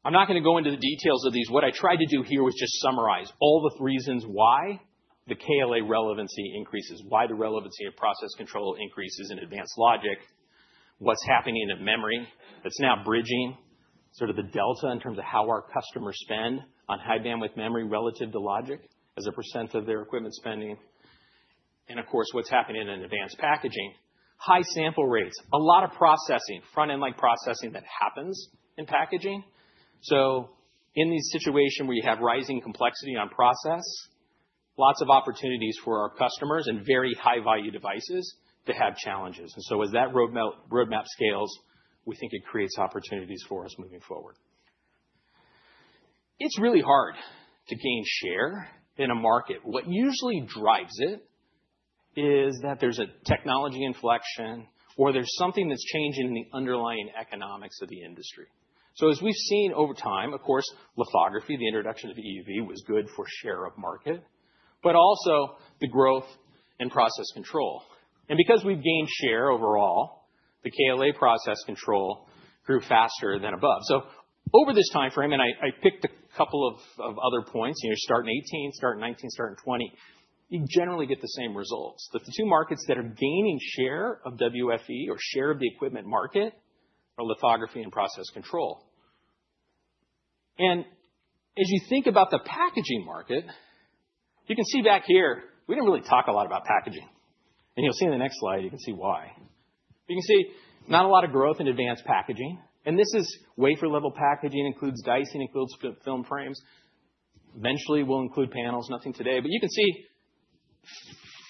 [SPEAKER 2] I'm not gonna go into the details of these. What I tried to do here was just summarize all the reasons why the KLA relevancy increases, why the relevancy of process control increases in advanced logic, what's happening in the memory that's now bridging sort of the delta in terms of how our customers spend on high-bandwidth memory relative to logic as a percent of their equipment spending. Of course, what's happening in advanced packaging. High sample rates, a lot of processing, front-end-like processing that happens in packaging. In this situation, we have rising complexity on process, lots of opportunities for our customers and very high-value devices to have challenges. As that roadmap scales, we think it creates opportunities for us moving forward. It's really hard to gain share in a market. What usually drives it is that there's a technology inflection or there's something that's changing in the underlying economics of the industry. As we've seen over time, of course, lithography, the introduction of EUV was good for share of market, but also the growth in process control. Because we've gained share overall, the KLA process control grew faster than above. Over this timeframe, I picked a couple of other points. You know, start in 2018, start in 2019, start in 2020, you generally get the same results. That the two markets that are gaining share of WFE or share of the equipment market are lithography and process control. As you think about the packaging market, you can see back here, we don't really talk a lot about packaging. You'll see in the next slide, you can see why. You can see not a lot of growth in advanced packaging, and this is wafer-level packaging, includes dicing, includes film frames. Eventually, we'll include panels, nothing today. You can see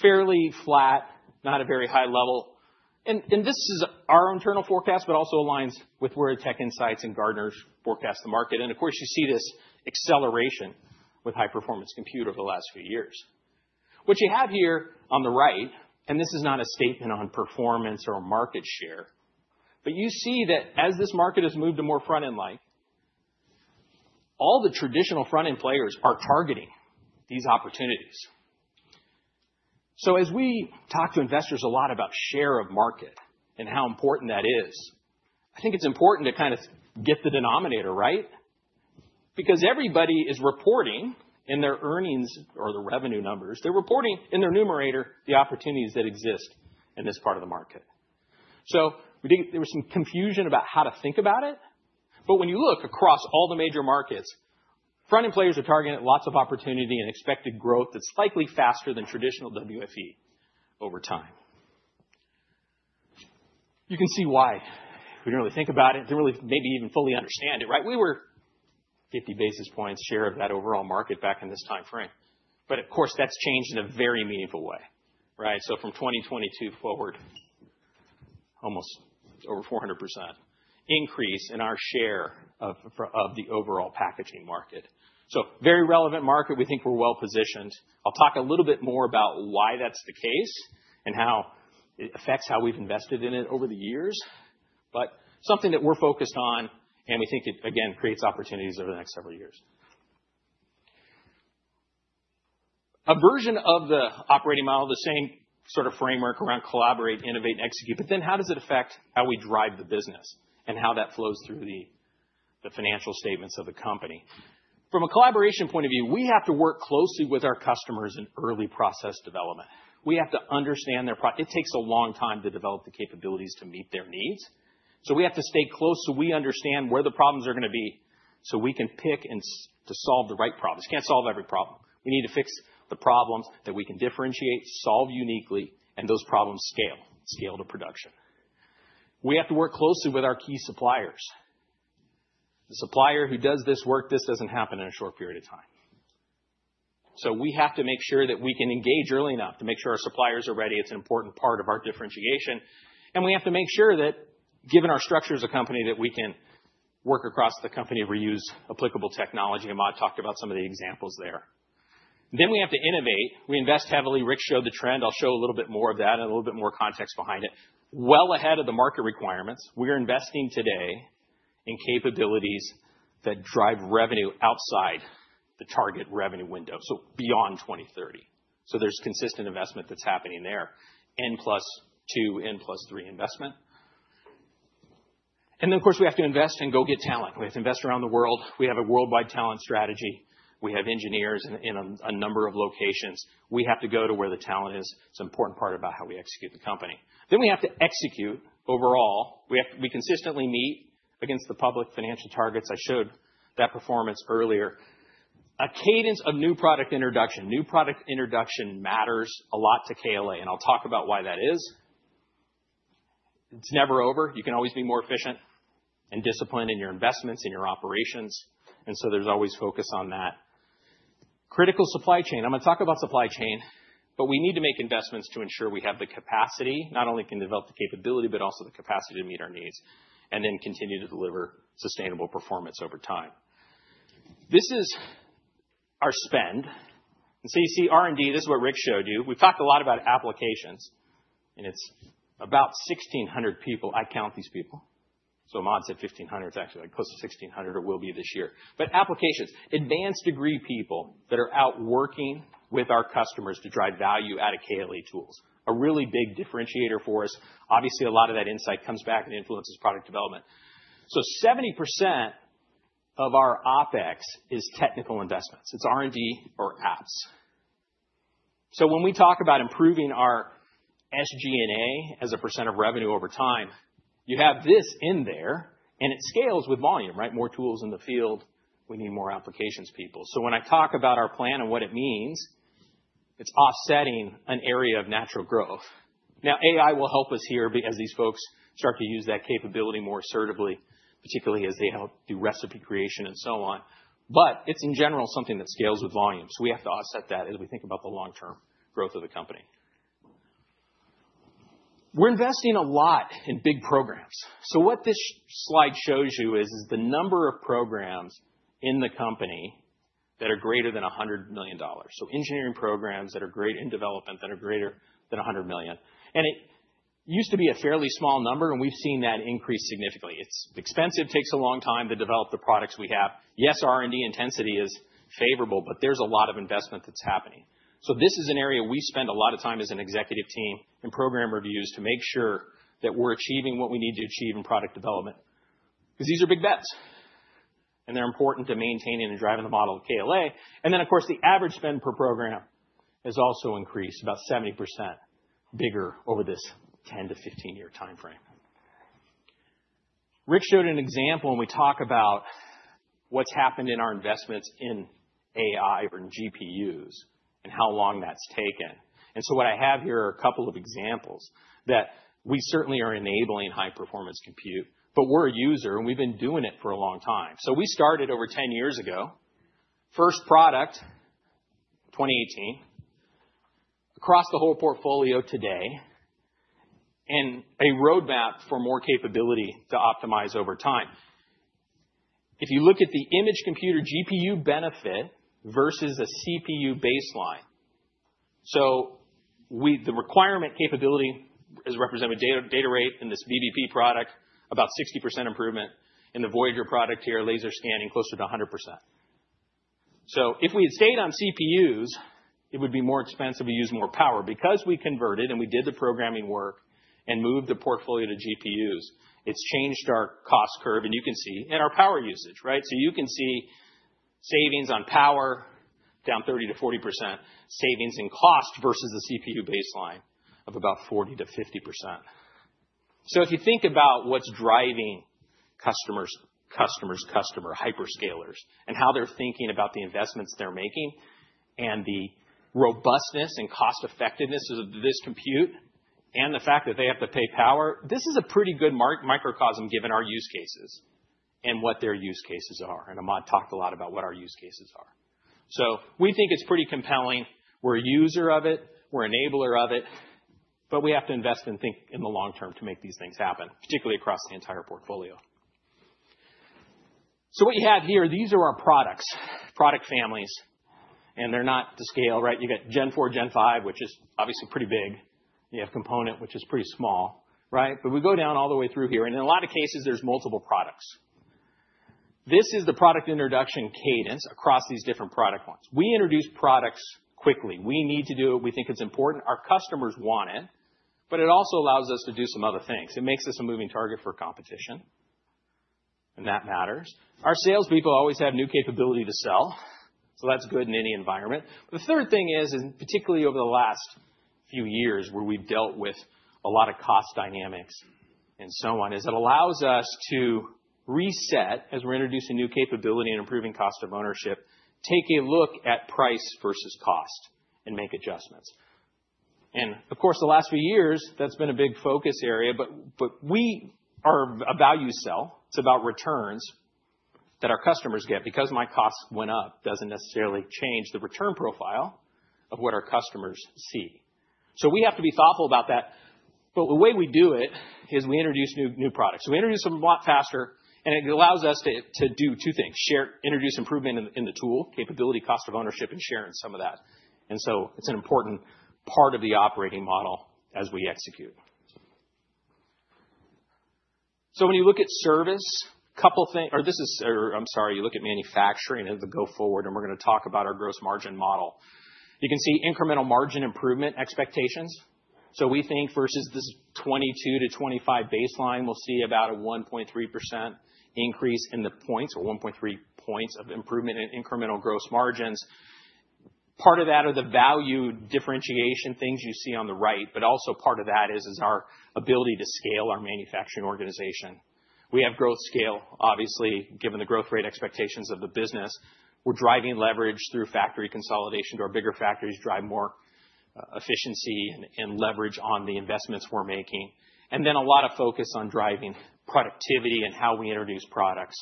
[SPEAKER 2] fairly flat, not a very high level. This is our internal forecast, but also aligns with where TechInsights and Gartner's forecast the market. Of course, you see this acceleration with high-performance compute over the last few years. What you have here on the right, and this is not a statement on performance or market share, but you see that as this market has moved to more front-end-like, all the traditional front-end players are targeting these opportunities. As we talk to investors a lot about share of market and how important that is, I think it's important to kind of get the denominator right, because everybody is reporting in their earnings or their revenue numbers, they're reporting in their numerator the opportunities that exist in this part of the market. We think there was some confusion about how to think about it, but when you look across all the major markets, front-end players are targeting lots of opportunity and expected growth that's likely faster than traditional WFE over time. You can see why we don't really think about it to really maybe even fully understand it, right? We were 50 basis points share of that overall market back in this time frame. But of course, that's changed in a very meaningful way, right? From 2022 forward, almost over 400% increase in our share of the overall packaging market. Very relevant market. We think we're well-positioned. I'll talk a little bit more about why that's the case and how it affects how we've invested in it over the years. Something that we're focused on, and we think it, again, creates opportunities over the next several years. A version of the operating model, the same sort of framework around collaborate, innovate, and execute. How does it affect how we drive the business and how that flows through the financial statements of the company? From a collaboration point of view, we have to work closely with our customers in early process development. We have to understand their process. It takes a long time to develop the capabilities to meet their needs. We have to stay close so we understand where the problems are gonna be, so we can pick and choose to solve the right problems. We can't solve every problem. We need to fix the problems that we can differentiate, solve uniquely, and those problems scale to production. We have to work closely with our key suppliers. The supplier who does this work, this doesn't happen in a short period of time. We have to make sure that we can engage early enough to make sure our suppliers are ready. It's an important part of our differentiation. We have to make sure that given our structure as a company, that we can work across the company, reuse applicable technology. Ahmad talked about some of the examples there. We have to innovate. We invest heavily. Rick showed the trend. I'll show a little bit more of that and a little bit more context behind it. Well ahead of the market requirements, we are investing today in capabilities that drive revenue outside the target revenue window, so beyond 2030. There's consistent investment that's happening there, N+2, N+3 investment. Of course, we have to invest and go get talent. We have to invest around the world. We have a worldwide talent strategy. We have engineers in a number of locations. We have to go to where the talent is. It's an important part about how we execute the company. We have to execute overall. We consistently meet against the public financial targets. I showed that performance earlier. A cadence of new product introduction. New product introduction matters a lot to KLA, and I'll talk about why that is. It's never over. You can always be more efficient and disciplined in your investments, in your operations, and so there's always focus on that. Critical supply chain. I'm gonna talk about supply chain, but we need to make investments to ensure we have the capacity, not only can develop the capability, but also the capacity to meet our needs and then continue to deliver sustainable performance over time. This is our spend. You see R&D, this is what Rick showed you. We've talked a lot about applications, and it's about 1,600 people. I count these people. Ahmad said 1,500. It's actually close to 1,600 or will be this year. Applications, advanced degree people that are out working with our customers to drive value out of KLA tools, a really big differentiator for us. Obviously, a lot of that insight comes back and influences product development. 70% of our OpEx is technical investments. It's R&D or apps. When we talk about improving our SG&A as a % of revenue over time, you have this in there and it scales with volume, right? More tools in the field, we need more applications people. When I talk about our plan and what it means, it's offsetting an area of natural growth. Now, AI will help us here as these folks start to use that capability more assertively, particularly as they help do recipe creation and so on. It's in general something that scales with volume. We have to offset that as we think about the long-term growth of the company. We're investing a lot in big programs. What this slide shows you is the number of programs in the company that are greater than $100 million. Engineering programs that are in development that are greater than $100 million. It used to be a fairly small number, and we've seen that increase significantly. It's expensive, takes a long time to develop the products we have. Yes, R&D intensity is favorable, but there's a lot of investment that's happening. This is an area we spend a lot of time as an executive team in program reviews to make sure that we're achieving what we need to achieve in product development, because these are big bets, and they're important to maintaining and driving the model of KLA. Then, of course, the average spend per program has also increased about 70% bigger over this 10- to 15-year timeframe. Rick showed an example when we talk about what's happened in our investments in AI or in GPUs and how long that's taken. What I have here are a couple of examples that we certainly are enabling high-performance compute, but we're a user, and we've been doing it for a long time. We started over 10 years ago. First product, 2018. Across the whole portfolio today, and a roadmap for more capability to optimize over time. If you look at the image computer GPU benefit versus a CPU baseline. The requirement capability is represented data rate in this VDP product, about 60% improvement. In the Voyager product here, laser scanning, closer to a 100%. If we had stayed on CPUs, it would be more expensive. We use more power. Because we converted and we did the programming work and moved the portfolio to GPUs, it's changed our cost curve, and you can see in our power usage, right? You can see savings on power down 30%-40%, savings in cost versus the CPU baseline of about 40%-50%. If you think about what's driving customer's customer's customer hyperscalers, and how they're thinking about the investments they're making, and the robustness and cost-effectiveness of this compute, and the fact that they have to pay power. This is a pretty good microcosm, given our use cases and what their use cases are. Ahmad talked a lot about what our use cases are. We think it's pretty compelling. We're a user of it, we're an enabler of it, but we have to invest and think in the long term to make these things happen, particularly across the entire portfolio. What you have here, these are our products, product families, and they're not to scale, right? You got Gen4, Gen5, which is obviously pretty big. You have component, which is pretty small, right? We go down all the way through here, and in a lot of cases, there's multiple products. This is the product introduction cadence across these different product lines. We introduce products quickly. We need to do it. We think it's important. Our customers want it, but it also allows us to do some other things. It makes us a moving target for competition, and that matters. Our salespeople always have new capability to sell, so that's good in any environment. The third thing is, particularly over the last few years, where we've dealt with a lot of cost dynamics and so on, is it allows us to reset as we're introducing new capability and improving cost of ownership, taking a look at price versus cost and make adjustments. Of course, the last few years, that's been a big focus area. We are a value sell. It's about returns that our customers get. Because my costs went up doesn't necessarily change the return profile of what our customers see. We have to be thoughtful about that. The way we do it is we introduce new products. We introduce them a lot faster, and it allows us to do two things. Introduce improvement in the tool capability, cost of ownership, and share in some of that. It's an important part of the operating model as we execute. When you look at service, you look at manufacturing as the go forward, and we're gonna talk about our gross margin model. You can see incremental margin improvement expectations. We think versus this 22-25 baseline, we'll see about a 1.3% increase in the points, or 1.3 points of improvement in incremental gross margins. Part of that are the value differentiation things you see on the right. Also part of that is our ability to scale our manufacturing organization. We have growth scale, obviously, given the growth rate expectations of the business. We're driving leverage through factory consolidation to our bigger factories, drive more efficiency and leverage on the investments we're making. Then a lot of focus on driving productivity and how we introduce products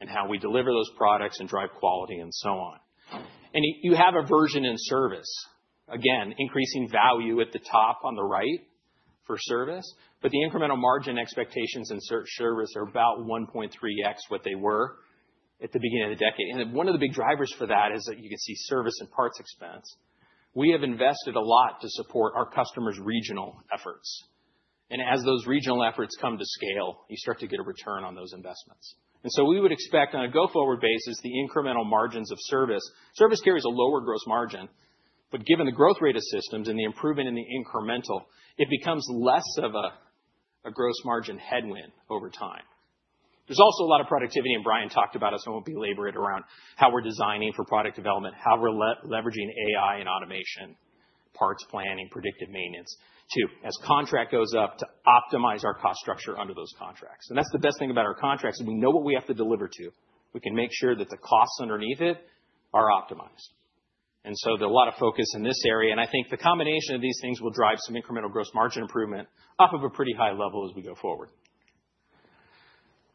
[SPEAKER 2] and how we deliver those products and drive quality and so on. You have a version in service, again, increasing value at the top on the right for service. The incremental margin expectations in service are about 1.3x what they were at the beginning of the decade. One of the big drivers for that is that you can see service and parts expense. We have invested a lot to support our customers' regional efforts. As those regional efforts come to scale, you start to get a return on those investments. We would expect, on a go-forward basis, the incremental margins of service. Service carries a lower gross margin, but given the growth rate of systems and the improvement in the incremental, it becomes less of a gross margin headwind over time. There's also a lot of productivity, and Brian talked about it, so I won't belabor it around how we're designing for product development. How we're leveraging AI and automation, parts planning, predictive maintenance to, as contract goes up, to optimize our cost structure under those contracts. That's the best thing about our contracts, is we know what we have to deliver to. We can make sure that the costs underneath it are optimized. There's a lot of focus in this area, and I think the combination of these things will drive some incremental gross margin improvement off of a pretty high level as we go forward.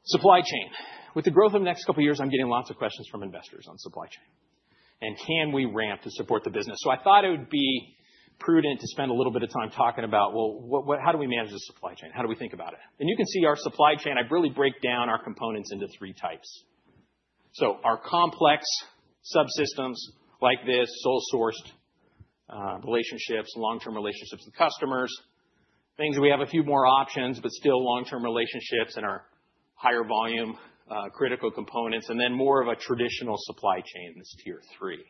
[SPEAKER 2] Supply chain. With the growth of the next couple of years, I'm getting lots of questions from investors on supply chain and can we ramp to support the business. I thought it would be prudent to spend a little bit of time talking about, well, what, how do we manage the supply chain? How do we think about it? You can see our supply chain. I really break down our components into three types. Our complex subsystems like this, sole sourced relationships, long-term relationships with customers, things we have a few more options, but still long-term relationships and our higher volume critical components, and then more of a traditional supply chain in this tier three.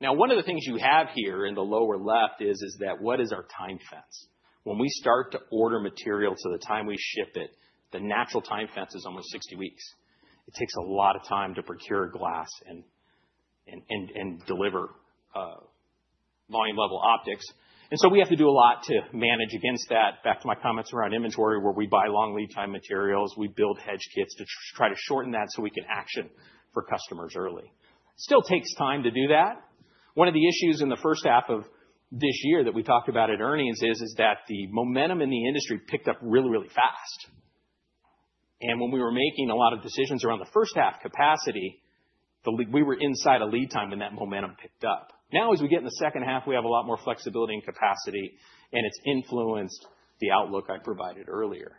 [SPEAKER 2] Now, one of the things you have here in the lower left is that what is our time fence? When we start to order material to the time we ship it, the natural time fence is almost 60 weeks. It takes a lot of time to procure glass and deliver volume level optics. We have to do a lot to manage against that. Back to my comments around inventory, where we buy long lead time materials, we build hedge kits to try to shorten that so we can action for customers early. Still takes time to do that. One of the issues in the first half of this year that we talked about at earnings is that the momentum in the industry picked up really, really fast. When we were making a lot of decisions around the first half capacity, we were inside a lead time and that momentum picked up. Now as we get in the second half, we have a lot more flexibility and capacity, and it's influenced the outlook I provided earlier.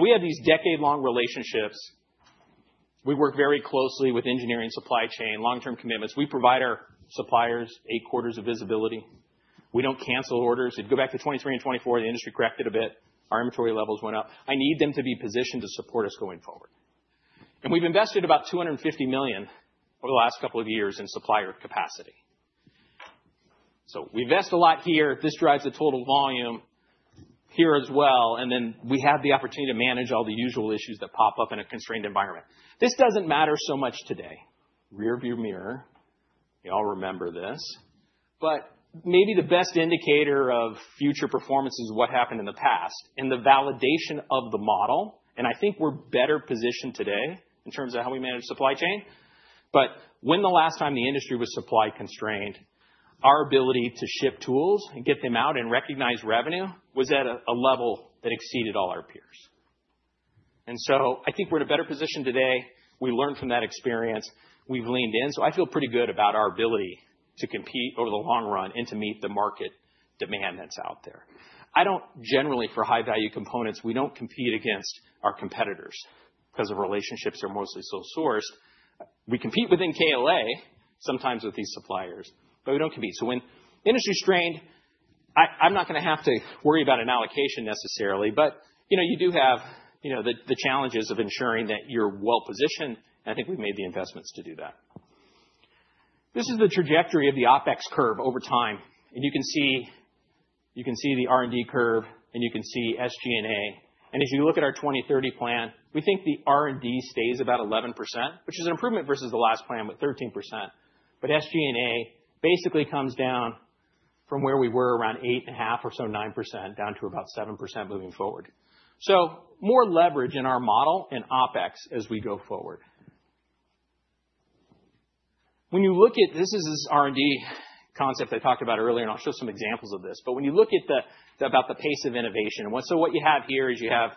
[SPEAKER 2] We have these decade-long relationships. We work very closely with engineering, supply chain, long-term commitments. We provide our suppliers eight quarters of visibility. We don't cancel orders. If you go back to 2023 and 2024, the industry corrected a bit. Our inventory levels went up. I need them to be positioned to support us going forward. We've invested about $250 million over the last couple of years in supplier capacity. We invest a lot here. This drives the total volume here as well, and then we have the opportunity to manage all the usual issues that pop up in a constrained environment. This doesn't matter so much today. Rear view mirror. You all remember this. Maybe the best indicator of future performance is what happened in the past and the validation of the model, and I think we're better positioned today in terms of how we manage supply chain. When the last time the industry was supply constrained, our ability to ship tools and get them out and recognize revenue was at a level that exceeded all our peers. I think we're in a better position today. We learned from that experience. We've leaned in. I feel pretty good about our ability to compete over the long run and to meet the market demand that's out there. I don't generally, for high-value components, we don't compete against our competitors because the relationships are mostly sole sourced. We compete within KLA, sometimes with these suppliers, but we don't compete. When industry strained, I'm not gonna have to worry about an allocation necessarily, but you know, you do have you know, the challenges of ensuring that you're well-positioned, and I think we've made the investments to do that. This is the trajectory of the OpEx curve over time, and you can see the R&D curve, and you can see SG&A. As you look at our 2030 plan, we think the R&D stays about 11%, which is an improvement versus the last plan with 13%. SG&A basically comes down from where we were around 8.5% or so, 9%, down to about 7% moving forward. More leverage in our model in OpEx as we go forward. When you look at this R&D concept I talked about earlier, and I'll show some examples of this. When you look about the pace of innovation, what you have here is you have,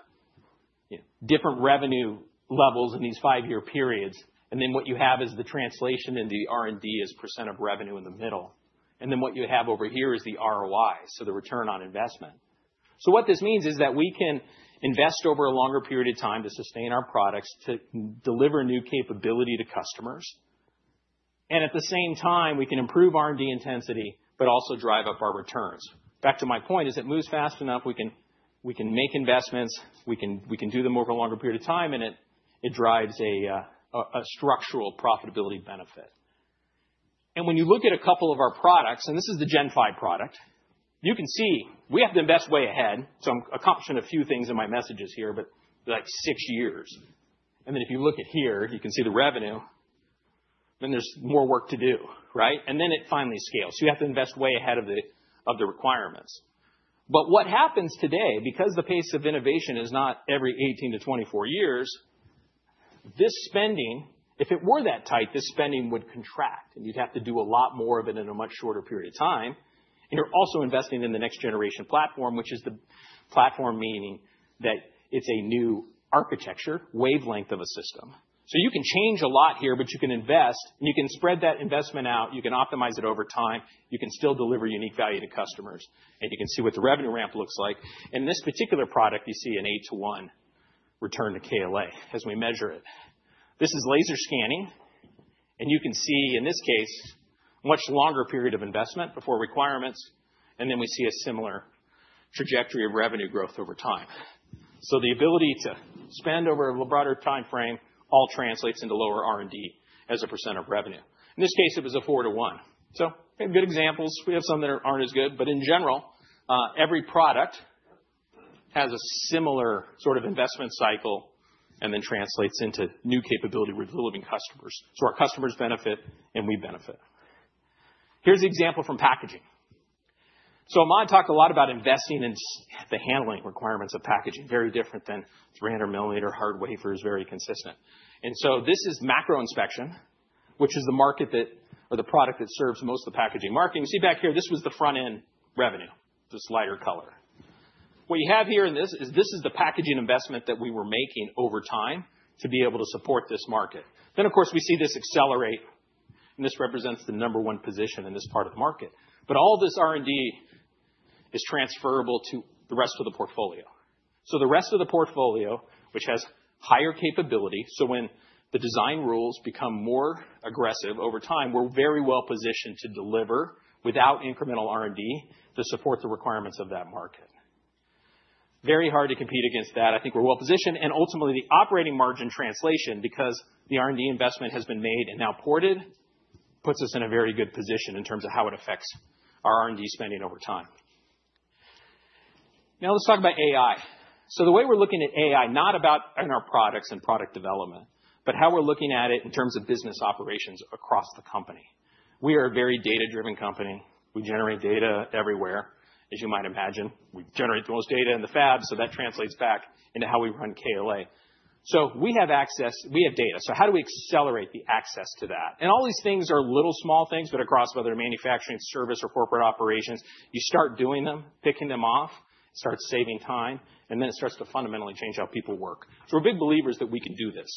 [SPEAKER 2] you know, different revenue levels in these five-year periods, and then what you have is the translation in the R&D as % of revenue in the middle. Then what you have over here is the ROI, so the return on investment. What this means is that we can invest over a longer period of time to sustain our products, to deliver new capability to customers. At the same time, we can improve R&D intensity, but also drive up our returns. Back to my point, as it moves fast enough, we can make investments, we can do them over a longer period of time, and it drives a structural profitability benefit. When you look at a couple of our products, and this is the Gen5 product, you can see we have to invest way ahead, so I'm accomplishing a few things in my messages here, but like six years. Then if you look here, you can see the revenue, then there's more work to do, right? Then it finally scales. You have to invest way ahead of the requirements. What happens today, because the pace of innovation is not every 18-24 years, this spending, if it were that tight, this spending would contract, and you'd have to do a lot more of it in a much shorter period of time. You're also investing in the next generation platform, which is the platform, meaning that it's a new architecture wavelength of a system. You can change a lot here, but you can invest, and you can spread that investment out, you can optimize it over time, you can still deliver unique value to customers, and you can see what the revenue ramp looks like. In this particular product, you see an 8-to-1 return to KLA as we measure it. This is laser scanning, and you can see, in this case, much longer period of investment before requirements, and then we see a similar trajectory of revenue growth over time. The ability to spend over a broader timeframe all translates into lower R&D as a percent of revenue. In this case, it was a 4-to-1. Good examples. We have some that aren't as good, but in general, every product has a similar sort of investment cycle and then translates into new capability delivering customers. Our customers benefit, and we benefit. Here's the example from packaging. Ahmad talked a lot about investing in the handling requirements of packaging, very different than 300 mm hard wafers, very consistent. This is macro inspection, which is the market that or the product that serves most of the packaging market. You see back here, this was the front-end revenue, this lighter color. What you have here in this is, this is the packaging investment that we were making over time to be able to support this market. Of course, we see this accelerate, and this represents the number one position in this part of the market. All this R&D is transferable to the rest of the portfolio. The rest of the portfolio, which has higher capability, so when the design rules become more aggressive over time, we're very well-positioned to deliver without incremental R&D to support the requirements of that market. Very hard to compete against that. I think we're well-positioned, and ultimately, the operating margin translation because the R&D investment has been made and now ported, puts us in a very good position in terms of how it affects our R&D spending over time. Now let's talk about AI. The way we're looking at AI, not about in our products and product development, but how we're looking at it in terms of business operations across the company. We are a very data-driven company. We generate data everywhere. As you might imagine, we generate the most data in the fab, so that translates back into how we run KLA. We have access, we have data, so how do we accelerate the access to that? All these things are little small things, but across whether manufacturing, service or corporate operations, you start doing them, picking them off, start saving time, and then it starts to fundamentally change how people work. We're big believers that we can do this.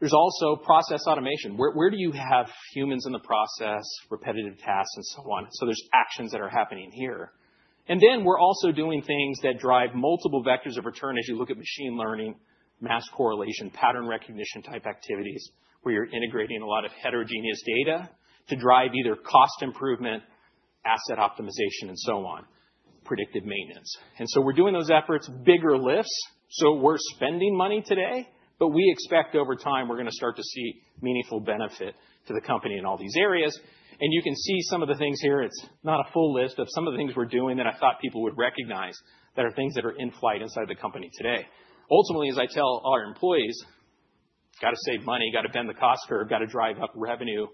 [SPEAKER 2] There's also process automation. Where do you have humans in the process, repetitive tasks and so on? There's actions that are happening here. We're also doing things that drive multiple vectors of return as you look at machine learning, mask correlation, pattern recognition type activities, where you're integrating a lot of heterogeneous data to drive either cost improvement, asset optimization, and so on, predictive maintenance. We're doing those efforts, bigger lifts. We're spending money today, but we expect over time, we're gonna start to see meaningful benefit to the company in all these areas. You can see some of the things here. It's not a full list of some of the things we're doing that I thought people would recognize that are things that are in flight inside the company today. Ultimately, as I tell our employees, got to save money, got to bend the cost curve, got to drive up revenue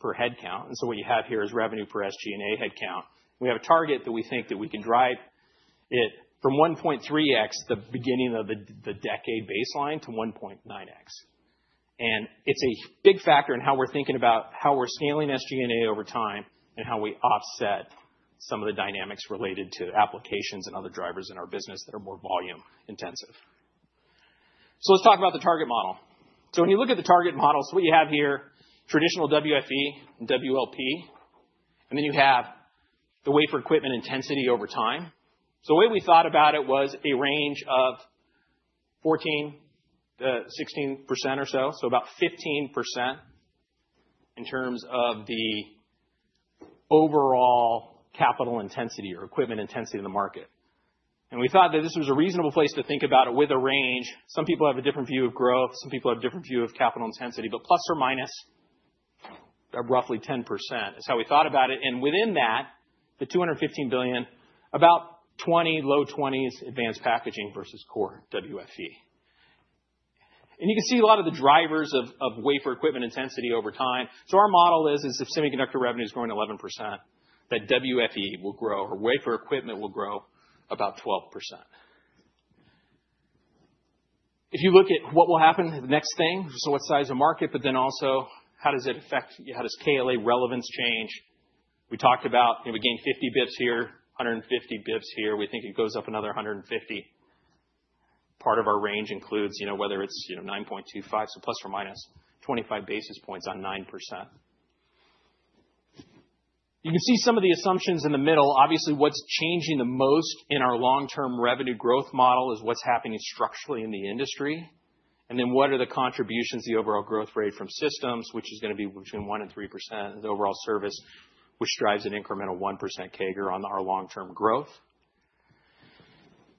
[SPEAKER 2] per head count. What you have here is revenue per SG&A head count. We have a target that we think that we can drive it from 1.3x, the beginning of the decade baseline, to 1.9x. It's a big factor in how we're thinking about how we're scaling SG&A over time and how we offset some of the dynamics related to applications and other drivers in our business that are more volume-intensive. Let's talk about the target model. When you look at the target model, what you have here, traditional WFE and WLP, and then you have the wafer equipment intensity over time. The way we thought about it was a range of 14%-16% or so, about 15% in terms of the overall capital intensity or equipment intensity in the market. We thought that this was a reasonable place to think about it with a range. Some people have a different view of growth, some people have different view of capital intensity, but plus or minus roughly 10% is how we thought about it. Within that, the $215 billion, about 20, low 20s, advanced packaging versus core WFE. You can see a lot of the drivers of wafer equipment intensity over time. Our model is if semiconductor revenue is growing 11%, that WFE will grow, or wafer equipment will grow about 12%. If you look at what will happen, the next thing, what size of market, but then also how does it affect, how does KLA relevance change? We talked about, you know, we gained 50 basis points here, 150 basis points here. We think it goes up another 150. Part of our range includes, you know, whether it's, you know, 9.25%, so ± 25 basis points on 9%. You can see some of the assumptions in the middle. Obviously, what's changing the most in our long-term revenue growth model is what's happening structurally in the industry. Then what are the contributions, the overall growth rate from systems, which is gonna be between 1% and 3%, the overall service, which drives an incremental 1% CAGR on our long-term growth.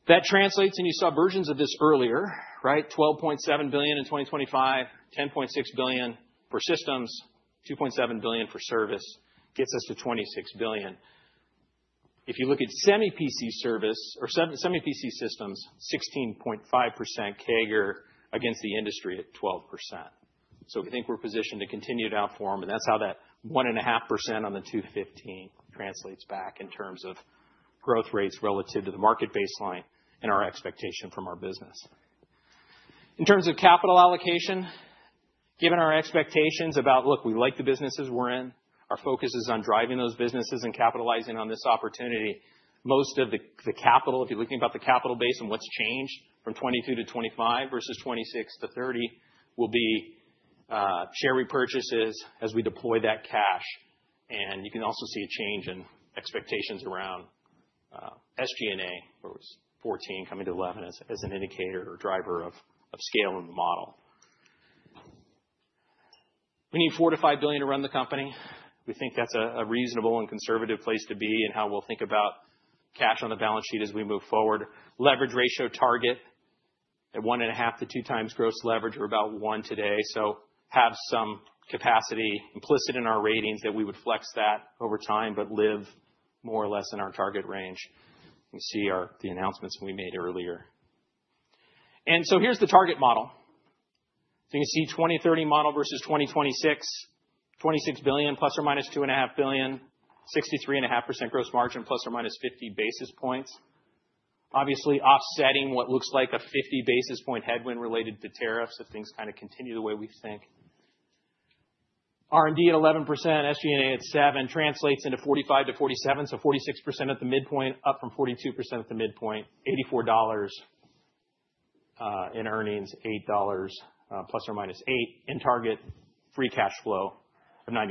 [SPEAKER 2] That translates, and you saw versions of this earlier, right? $12.7 billion in 2025, $10.6 billion for systems, $2.7 billion for service, gets us to $26 billion. If you look at semi-cap service or semi-cap systems, 16.5% CAGR against the industry at 12%. We think we're positioned to continue to outperform, and that's how that 1.5% on the 2.15% translates back in terms of growth rates relative to the market baseline and our expectation from our business. In terms of capital allocation, given our expectations about, look, we like the businesses we're in, our focus is on driving those businesses and capitalizing on this opportunity. Most of the capital, if you're looking at the capital base and what's changed from 2022 to 2025 versus 2026 to 2030, will be share repurchases as we deploy that cash. You can also see a change in expectations around SG&A, where it was 14% coming to 11% as an indicator or driver of scaling the model. We need $4 billion-$5 billion to run the company. We think that's a reasonable and conservative place to be in how we'll think about cash on the balance sheet as we move forward. Leverage ratio target at 1.5x-2x gross leverage. We're about 1 today. Have some capacity implicit in our ratings that we would flex that over time, but live more or less in our target range. You can see the announcements we made earlier. Here's the target model. You can see 2030 model versus 2026. $26 billion ± $2.5 billion. 63.5% gross margin ± 50 basis points. Obviously offsetting what looks like a 50 basis point headwind related to tariffs if things kind of continue the way we think. R&D at 11%, SG&A at 7% translates into 45%-47%, so 46% at the midpoint, up from 42% at the midpoint. $8.4 in earnings, $8 ± $0.8 in target, free cash flow of 90%.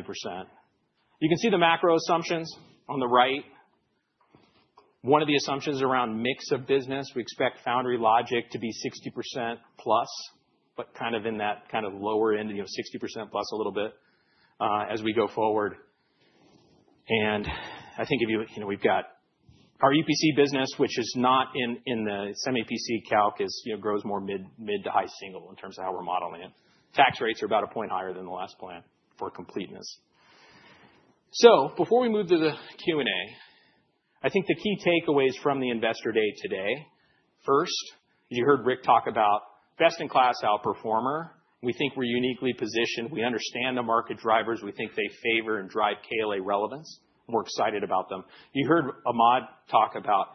[SPEAKER 2] You can see the macro assumptions on the right. One of the assumptions around mix of business, we expect foundry logic to be 60% plus, but kind of in that kind of lower end, you know, 60% plus a little bit, as we go forward. I think. You know, we've got our EPC business, which is not in the semi-cap calc, is, you know, grows more mid- to high-single in terms of how we're modeling it. Tax rates are about a point higher than the last plan for completeness. Before we move to the Q&A, I think the key takeaways from the Investor Day today, first, you heard Rick talk about best-in-class outperformer. We think we're uniquely positioned. We understand the market drivers. We think they favor and drive KLA relevance. We're excited about them. You heard Ahmad talk about,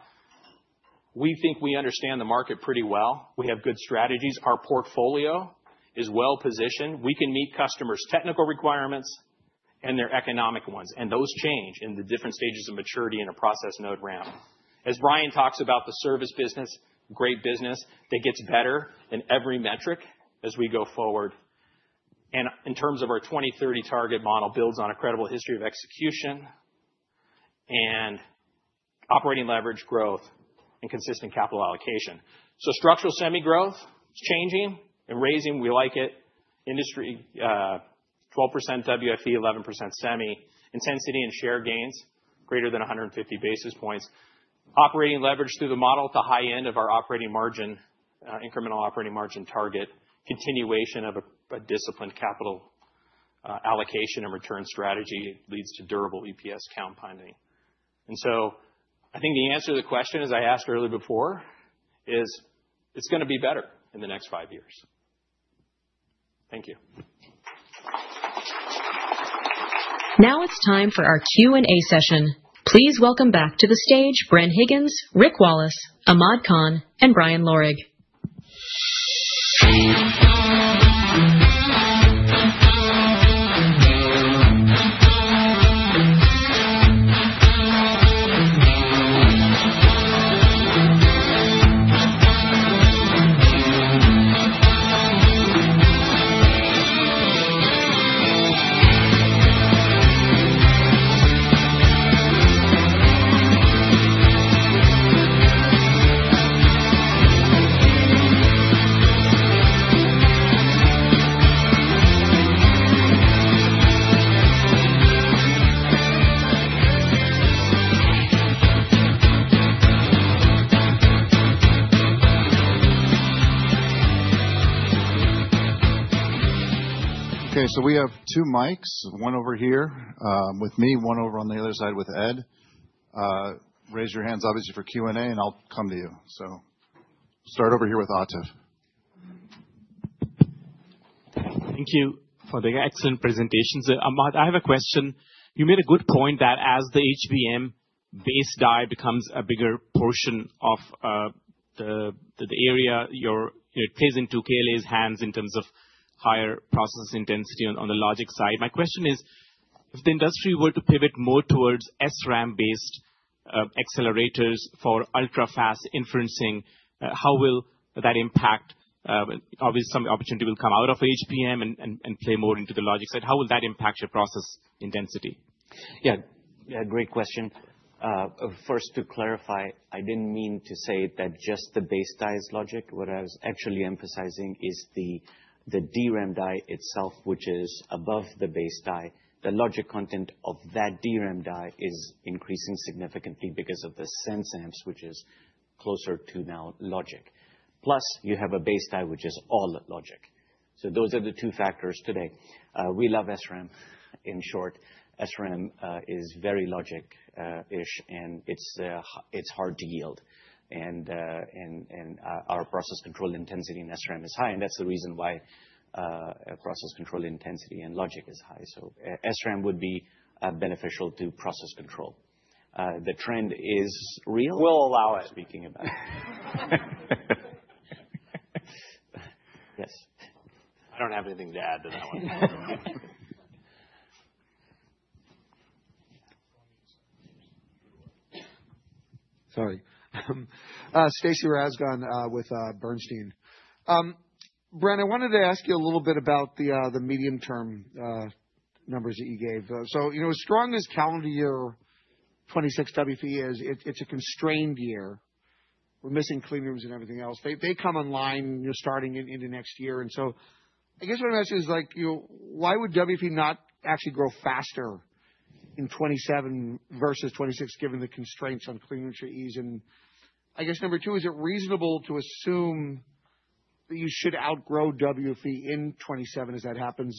[SPEAKER 2] we think we understand the market pretty well. We have good strategies. Our portfolio is well-positioned. We can meet customers' technical requirements and their economic ones, and those change in the different stages of maturity in a process node ramp. As Brian talks about the service business, great business that gets better in every metric as we go forward. In terms of our 2030 target model builds on a credible history of execution and operating leverage growth and consistent capital allocation. Structural semi growth is changing and raising. We like it. Industry 12% WFE, 11% semi. Intensity and share gains greater than 150 basis points. Operating leverage through the model at the high end of our operating margin incremental operating margin target. Continuation of a disciplined capital allo cation and return strategy leads to durable EPS compounding. I think the answer to the question as I asked earlier before is it's gonna be better in the next five years. Thank you.
[SPEAKER 1] Now it's time for our Q&A session. Please welcome back to the stage Bren Higgins, Rick Wallace, Ahmad Khan, and Brian Lorig.
[SPEAKER 7] Okay. We have two mics, one over here, with me, one over on the other side with Ed. Raise your hands obviously for Q&A, and I'll come to you. Start over here with Atif.
[SPEAKER 8] Thank you for the excellent presentations. Ahmad, I have a question. You made a good point that as the HBM-based die becomes a bigger portion of the area it plays into KLA's hands in terms of higher process intensity on the logic side. My question is, if the industry were to pivot more towards SRAM-based accelerators for ultra-fast inferencing, how will that impact, obviously some opportunity will come out of HBM and play more into the logic side. How will that impact your process intensity?
[SPEAKER 5] Yeah. Yeah, great question. First to clarify, I didn't mean to say that just the base die is logic. What I was actually emphasizing is the DRAM die itself, which is above the base die. The logic content of that DRAM die is increasing significantly because of the sense amps, which is closer to now logic. Plus you have a base die which is all logic. Those are the two factors today. We love SRAM. In short, SRAM is very logic-ish, and it's hard to yield. And our process control intensity in SRAM is high, and that's the reason why process control intensity and logic is high. SRAM would be beneficial to process control. The trend is real.
[SPEAKER 2] We'll allow it.
[SPEAKER 5] Speaking about it. Yes.
[SPEAKER 2] I don't have anything to add to that one.
[SPEAKER 9] Stacy Rasgon with Bernstein. Bren, I wanted to ask you a little bit about the medium-term numbers that you gave. You know, as strong as calendar year 2026 WFE is, it's a constrained year. We're missing cleanrooms and everything else. They come online, you know, starting in the next year. I guess what I'm asking is like, you know, why would WFE not actually grow faster in 2027 versus 2026, given the constraints on cleanroom capacities? I guess number two, is it reasonable to assume that you should outgrow WFE in 2027 as that happens?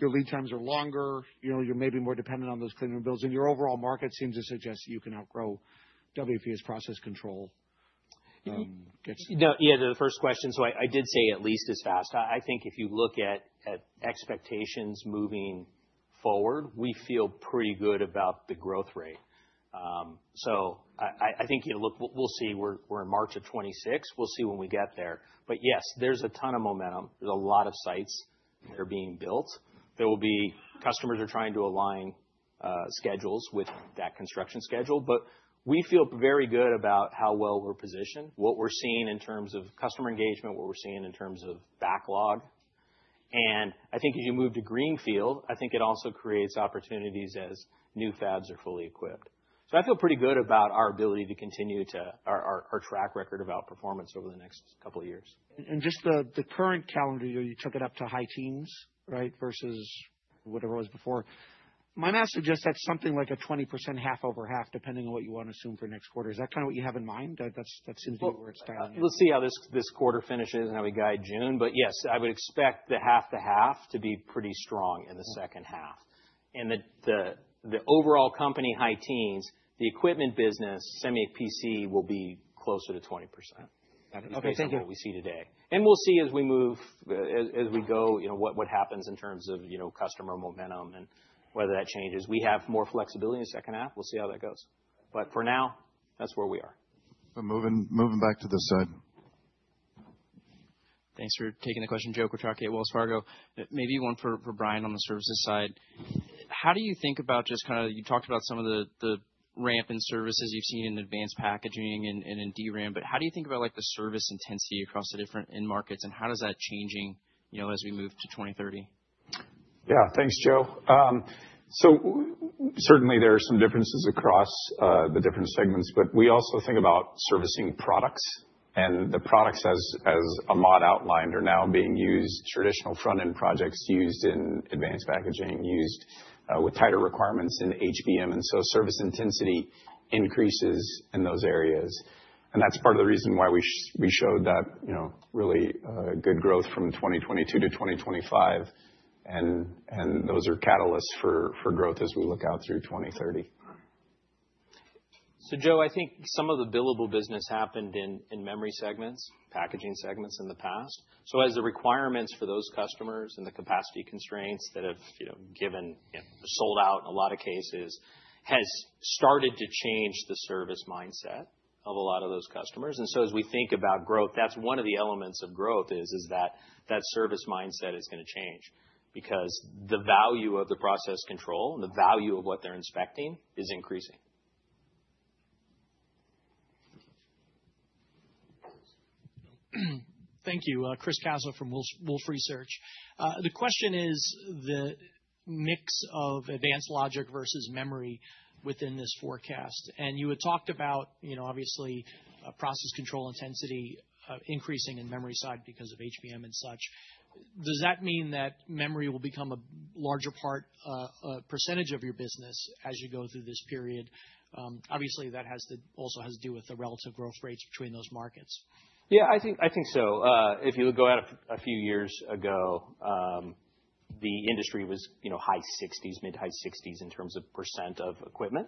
[SPEAKER 9] Your lead times are longer. You know, you're maybe more dependent on those cleanroom builds, and your overall market seems to suggest you can outgrow WFE as process control gets-
[SPEAKER 2] No, yeah, the first question, so I did say at least as fast. I think if you look at expectations moving forward, we feel pretty good about the growth rate. So I think, you know, look, we'll see. We're in March of 2026. We'll see when we get there. Yes, there's a ton of momentum. There's a lot of sites that are being built. There will be customers who are trying to align schedules with that construction schedule, but we feel very good about how well we're positioned, what we're seeing in terms of customer engagement, what we're seeing in terms of backlog. I think as you move to greenfield, I think it also creates opportunities as new fabs are fully equipped. I feel pretty good about our ability to continue our track record of outperformance over the next couple of years.
[SPEAKER 9] Just the current calendar year, you took it up to high teens, right? Versus whatever it was before. My math suggests that's something like a 20% half over half, depending on what you wanna assume for next quarter. Is that kinda what you have in mind? That seems to be where it's dialing in.
[SPEAKER 2] We'll see how this quarter finishes and how we guide June, but yes, I would expect the half to half to be pretty strong in the second half. The overall company high teens, the equipment business, semi-cap will be closer to 20%.
[SPEAKER 9] Okay, thank you.
[SPEAKER 2] Based on what we see today. We'll see as we move, as we go, you know, what happens in terms of, you know, customer momentum and whether that changes. We have more flexibility in the second half. We'll see how that goes. For now, that's where we are. We're moving back to this side.
[SPEAKER 10] Thanks for taking the question, Joe Quatrochi at Wells Fargo. Maybe one for Brian on the services side. How do you think about just kinda, you talked about some of the ramp in services you've seen in advanced packaging and in DRAM, but how do you think about, like, the service intensity across the different end markets, and how does that changing, you know, as we move to 2030?
[SPEAKER 6] Yeah. Thanks, Joe. Certainly there are some differences across the different segments, but we also think about servicing products. The products, as Ahmad outlined, are now being used, traditional front-end products used in advanced packaging, used with tighter requirements in HBM, and so service intensity increases in those areas. That's part of the reason why we showed that, you know, really good growth from 2022 to 2025, and those are catalysts for growth as we look out through 2030.
[SPEAKER 2] Joe, I think some of the billable business happened in memory segments, packaging segments in the past. As the requirements for those customers and the capacity constraints that have, you know, given, you know, sold out a lot of cases, has started to change the service mindset of a lot of those customers. As we think about growth, that's one of the elements of growth is that service mindset is gonna change because the value of the process control and the value of what they're inspecting is increasing.
[SPEAKER 11] Thank you. Chris Caso from Wolfe Research. The question is the mix of advanced logic versus memory within this forecast. You had talked about, you know, obviously, process control intensity increasing in memory side because of HBM and such. Does that mean that memory will become a larger part, percentage of your business as you go through this period? Obviously, that also has to do with the relative growth rates between those markets.
[SPEAKER 2] Yeah, I think so. If you would go out a few years ago, the industry was, you know, high 60s, mid-high 60s in terms of % of equipment.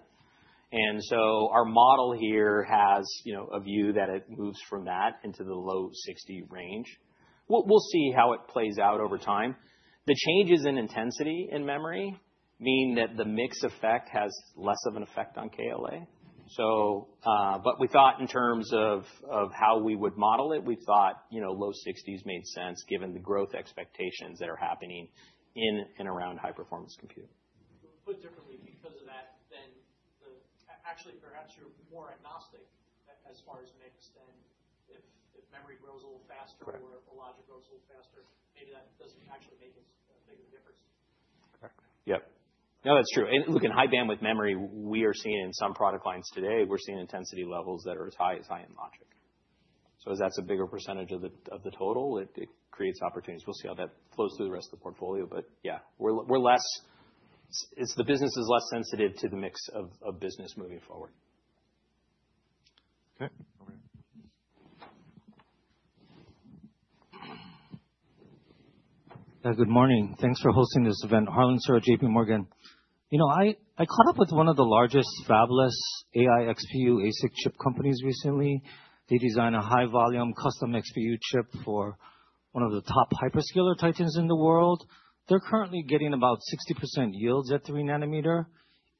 [SPEAKER 2] Our model here has, you know, a view that it moves from that into the low 60 range. We'll see how it plays out over time. The changes in intensity in memory mean that the mix effect has less of an effect on KLA. But we thought in terms of how we would model it, you know, low 60s made sense given the growth expectations that are happening in and around high-performance compute.
[SPEAKER 11] Put differently, because of that, then actually, perhaps you're more agnostic as far as mix than if memory grows a little faster.
[SPEAKER 2] Correct.
[SPEAKER 11] The logic grows a little faster, maybe that doesn't actually make as big of a difference.
[SPEAKER 2] Correct. Yep. No, that's true. Look, in high bandwidth memory, we are seeing in some product lines today, we're seeing intensity levels that are as high as high-end logic. As that's a bigger percentage of the total, it creates opportunities. We'll see how that flows through the rest of the portfolio. Yeah, it's the business is less sensitive to the mix of business moving forward.
[SPEAKER 7] Okay. Over here.
[SPEAKER 12] Good morning. Thanks for hosting this event. Harlan Sur, JPMorgan. You know, I caught up with one of the largest fabless AI XPU ASIC chip companies recently. They design a high volume custom XPU chip for one of the top hyperscaler titans in the world. They're currently getting about 60% yields at 3 nm.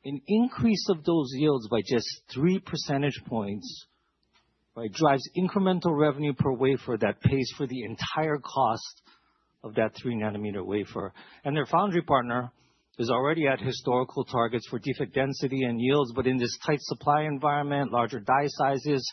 [SPEAKER 12] An increase of those yields by just 3 percentage points, right, drives incremental revenue per wafer that pays for the entire cost of that 3 nm wafer. Their foundry partner is already at historical targets for defect density and yields. In this tight supply environment, larger die sizes,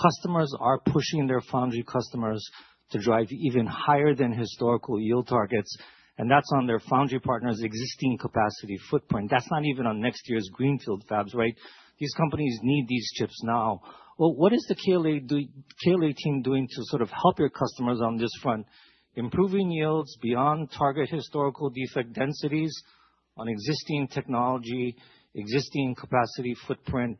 [SPEAKER 12] customers are pushing their foundry customers to drive even higher than historical yield targets, and that's on their foundry partner's existing capacity footprint. That's not even on next year's greenfield fabs, right? These companies need these chips now. Well, what is the KLA team doing to sort of help your customers on this front, improving yields beyond target historical defect densities on existing technology, existing capacity footprint,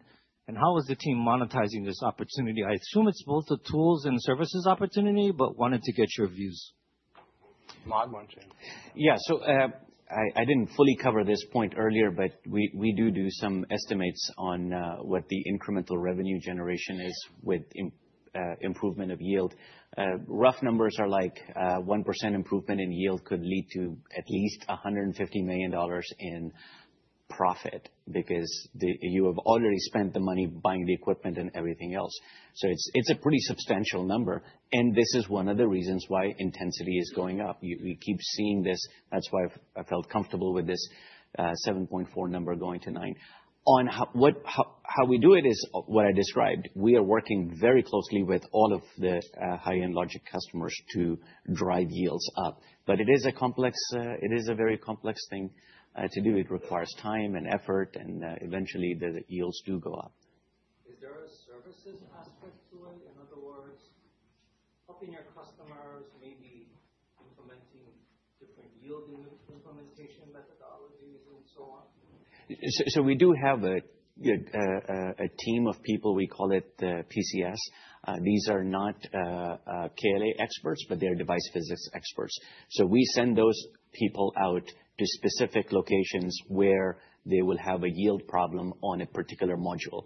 [SPEAKER 12] and how is the team monetizing this opportunity? I assume it's both the tools and services opportunity, but wanted to get your views.
[SPEAKER 2] Ahmad, why don't you?
[SPEAKER 5] I didn't fully cover this point earlier, but we do some estimates on what the incremental revenue generation is with improvement of yield. Rough numbers are 1% improvement in yield could lead to at least $150 million in profit because you have already spent the money buying the equipment and everything else. It's a pretty substantial number, and this is one of the reasons why intensity is going up. You keep seeing this. That's why I felt comfortable with this 7.4% number going to 9%. On how we do it is what I described. We are working very closely with all of the high-end logic customers to drive yields up. It is a very complex thing to do. It requires time and effort, and eventually the yields do go up.
[SPEAKER 12] Is there a services aspect to it? In other words, helping your customers maybe implementing different yield implementation methodologies and so on?
[SPEAKER 5] We do have a team of people we call PCS. These are not KLA experts, but they're device physics experts. We send those people out to specific locations where they will have a yield problem on a particular module.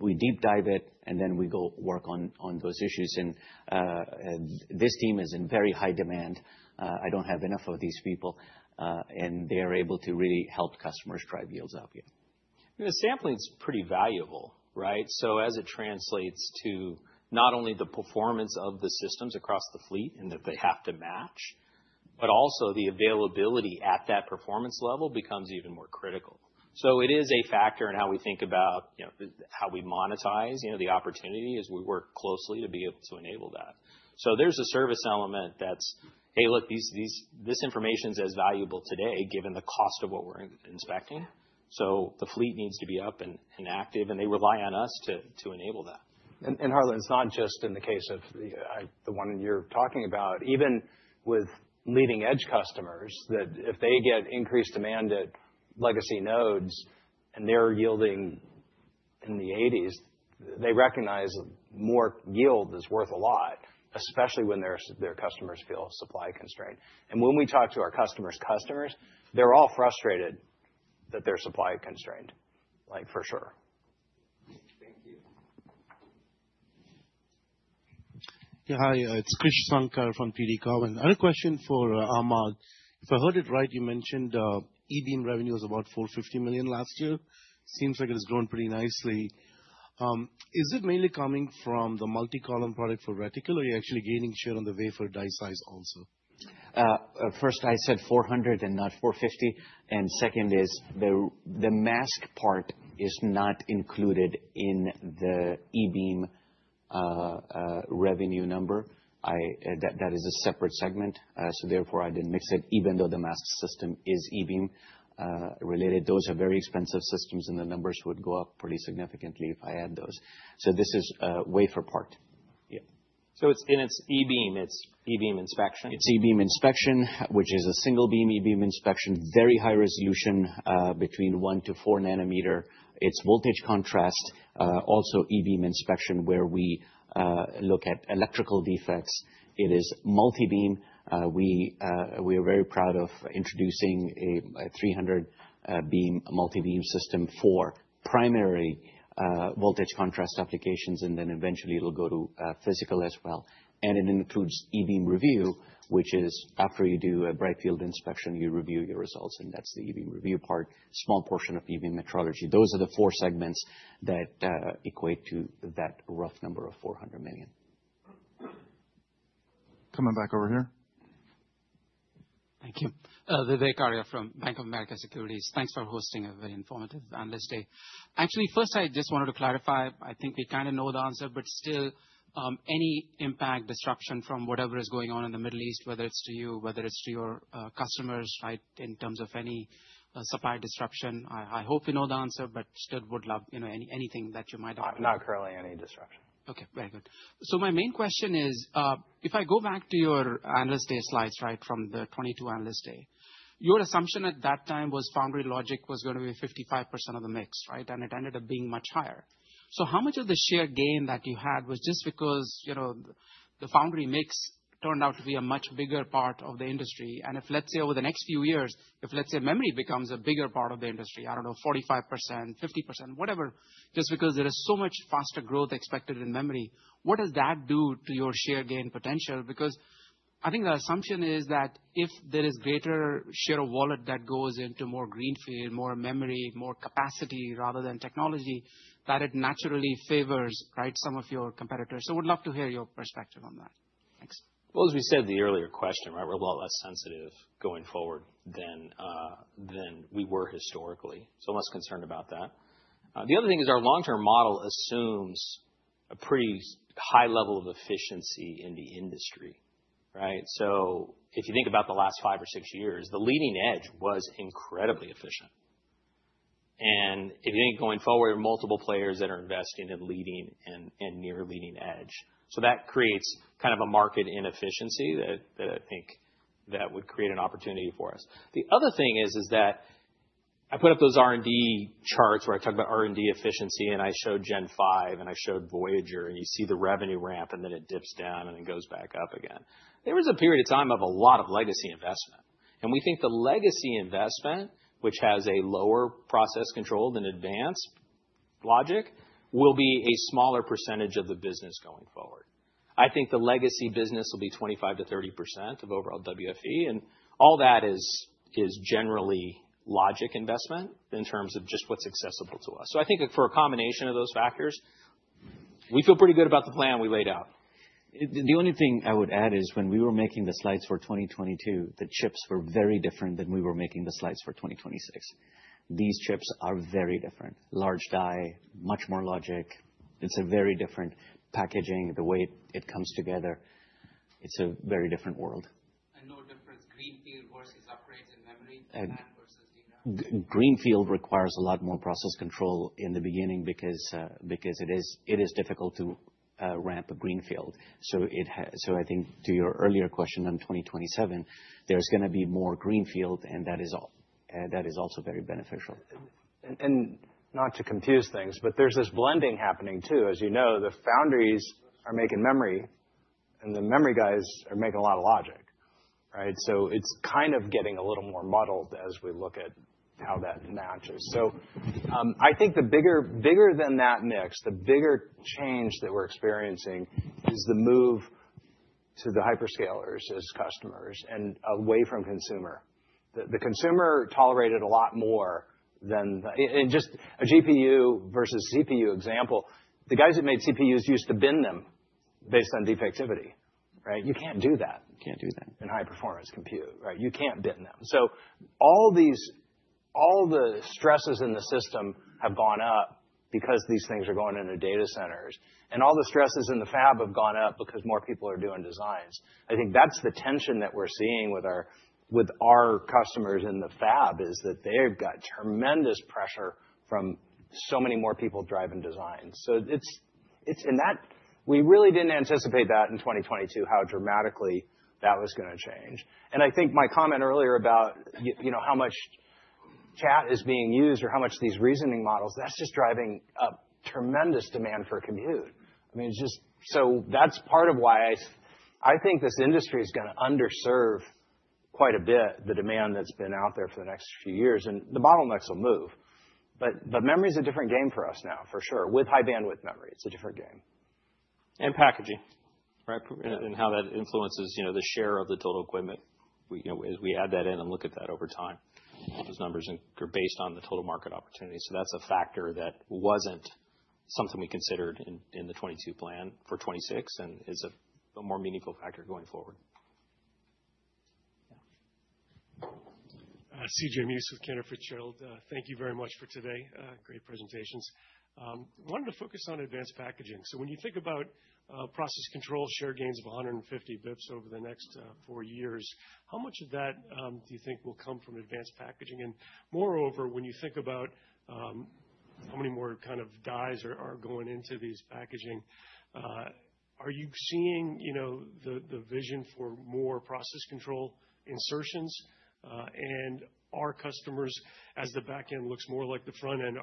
[SPEAKER 5] We deep dive it, and we go work on those issues. This team is in very high demand. I don't have enough of these people, and they're able to really help customers drive yields up, yeah.
[SPEAKER 2] The sampling's pretty valuable, right? As it translates to not only the performance of the systems across the fleet and that they have to match, but also the availability at that performance level becomes even more critical. It is a factor in how we think about, you know, how we monetize, you know, the opportunity as we work closely to be able to enable that. There's a service element that's, "Hey, look, this information's as valuable today given the cost of what we're inspecting." The fleet needs to be up and active, and they rely on us to enable that.
[SPEAKER 4] Harlan, it's not just in the case of the one you're talking about. Even with leading-edge customers that if they get increased demand at legacy nodes and they're yielding in the 80s. They recognize more yield is worth a lot, especially when their customers feel supply constrained. When we talk to our customers, they're all frustrated that they're supply constrained, like for sure.
[SPEAKER 12] Thank you.
[SPEAKER 13] Yeah, hi, it's Krish Sankar from TD Cowen. I have a question for Ahmad. If I heard it right, you mentioned E-beam revenue was about $450 million last year. Seems like it has grown pretty nicely. Is it mainly coming from the multi-column product for reticle, or are you actually gaining share on the wafer die size also?
[SPEAKER 5] First, I said $400 million and not $450 million. Second, the mask part is not included in the E-beam revenue number. That is a separate segment. Therefore, I didn't mix it, even though the mask system is E-beam related. Those are very expensive systems, and the numbers would go up pretty significantly if I add those. This is a wafer part.
[SPEAKER 13] Yeah.
[SPEAKER 4] It's in its e-beam. It's e-beam inspection.
[SPEAKER 5] It's E-beam inspection, which is a single beam E-beam inspection, very high resolution, between 1 nm-4 nm. It's voltage contrast, also E-beam inspection, where we look at electrical defects. It is multi-beam. We are very proud of introducing a 300 beam, multi-beam system for primary voltage contrast applications, and then eventually it'll go to physical as well. It includes E-beam review, which is after you do a brightfield inspection, you review your results, and that's the E-beam review part, small portion of E-beam metrology. Those are the four segments that equate to that rough number of $400 million.
[SPEAKER 7] Coming back over here.
[SPEAKER 14] Thank you. Vivek Arya from Bank of America Securities. Thanks for hosting a very informative Analyst Day. Actually, first, I just wanted to clarify. I think we kind of know the answer, but still, any impact disruption from whatever is going on in the Middle East, whether it's to you, whether it's to your customers, right, in terms of any supply disruption? I hope you know the answer, but still would love, you know, anything that you might offer.
[SPEAKER 4] Not currently any disruption.
[SPEAKER 14] Okay, very good. My main question is, if I go back to your Analyst Day slides, right from the 2022 Analyst Day, your assumption at that time was foundry logic was gonna be 55% of the mix, right? It ended up being much higher. How much of the share gain that you had was just because, you know, the foundry mix turned out to be a much bigger part of the industry. If let's say over the next few years, if, let's say memory becomes a bigger part of the industry, I don't know, 45%, 50%, whatever, just because there is so much faster growth expected in memory, what does that do to your share gain potential? Because I think the assumption is that if there is greater share of wallet that goes into more greenfield, more memory, more capacity rather than technology, that it naturally favors, right, some of your competitors. Would love to hear your perspective on that. Thanks.
[SPEAKER 4] Well, as we said in the earlier question, right, we're a lot less sensitive going forward than than we were historically, so I'm less concerned about that. The other thing is our long-term model assumes a pretty high level of efficiency in the industry, right? If you think about the last five or six years, the leading edge was incredibly efficient. If anything going forward, multiple players that are investing in leading and near leading edge. That creates kind of a market inefficiency that I think that would create an opportunity for us. The other thing is that I put up those R&D charts where I talk about R&D efficiency, and I showed Gen5 and I showed Voyager, and you see the revenue ramp, and then it dips down and then goes back up again. There was a period of time of a lot of legacy investment, and we think the legacy investment, which has a lower process control than advanced logic, will be a smaller percentage of the business going forward. I think the legacy business will be 25%-30% of overall WFE, and all that is generally logic investment in terms of just what's accessible to us. I think for a combination of those factors, we feel pretty good about the plan we laid out.
[SPEAKER 5] The only thing I would add is when we were making the slides for 2022, the chips were very different than we were making the slides for 2026. These chips are very different. Large die, much more logic. It's a very different packaging, the way it comes together. It's a very different world.
[SPEAKER 14] No difference greenfield versus upgrades in memory, NAND versus DRAM?
[SPEAKER 5] Greenfield requires a lot more process control in the beginning because it is difficult to ramp a greenfield. I think to your earlier question on 2027, there's gonna be more greenfield and that is also very beneficial.
[SPEAKER 4] Not to confuse things, but there's this blending happening too. As you know, the foundries are making memory, and the memory guys are making a lot of logic, right? I think the bigger than that mix, the bigger change that we're experiencing is the move to the hyperscalers as customers and away from consumer. The consumer tolerated a lot more than the... And just a GPU versus CPU example, the guys that made CPUs used to bin them based on defectivity, right? You can't do that.
[SPEAKER 5] You can't do that....
[SPEAKER 4] in high performance compute, right? You can't bin them. All the stresses in the system have gone up because these things are going into data centers, and all the stresses in the fab have gone up because more people are doing designs. I think that's the tension that we're seeing with our customers in the fab, is that they've got tremendous pressure from so many more people driving designs. We really didn't anticipate that in 2022, how dramatically that was gonna change. I think my comment earlier about you know, how much ChatGPT is being used or how much these reasoning models, that's just driving a tremendous demand for compute. I mean, that's part of why I think this industry is gonna underserve quite a bit the demand that's been out there for the next few years, and the bottlenecks will move. Memory is a different game for us now, for sure. With high bandwidth memory, it's a different game.
[SPEAKER 5] Packaging, right? How that influences, you know, the share of the total equipment. We, you know, as we add that in and look at that over time, those numbers are based on the total market opportunity. That's a factor that wasn't something we considered in the 2022 plan for 2026 and is a more meaningful factor going forward.
[SPEAKER 15] Yeah. CJ Muse with Cantor Fitzgerald. Thank you very much for today. Great presentations. Wanted to focus on advanced packaging. When you think about process control share gains of 150 basis points over the next four years, how much of that do you think will come from advanced packaging? Moreover, when you think about how many more kind of dies are going into these packages, are you seeing you know the vision for more process control insertions, and are customers, as the back end looks more like the front end,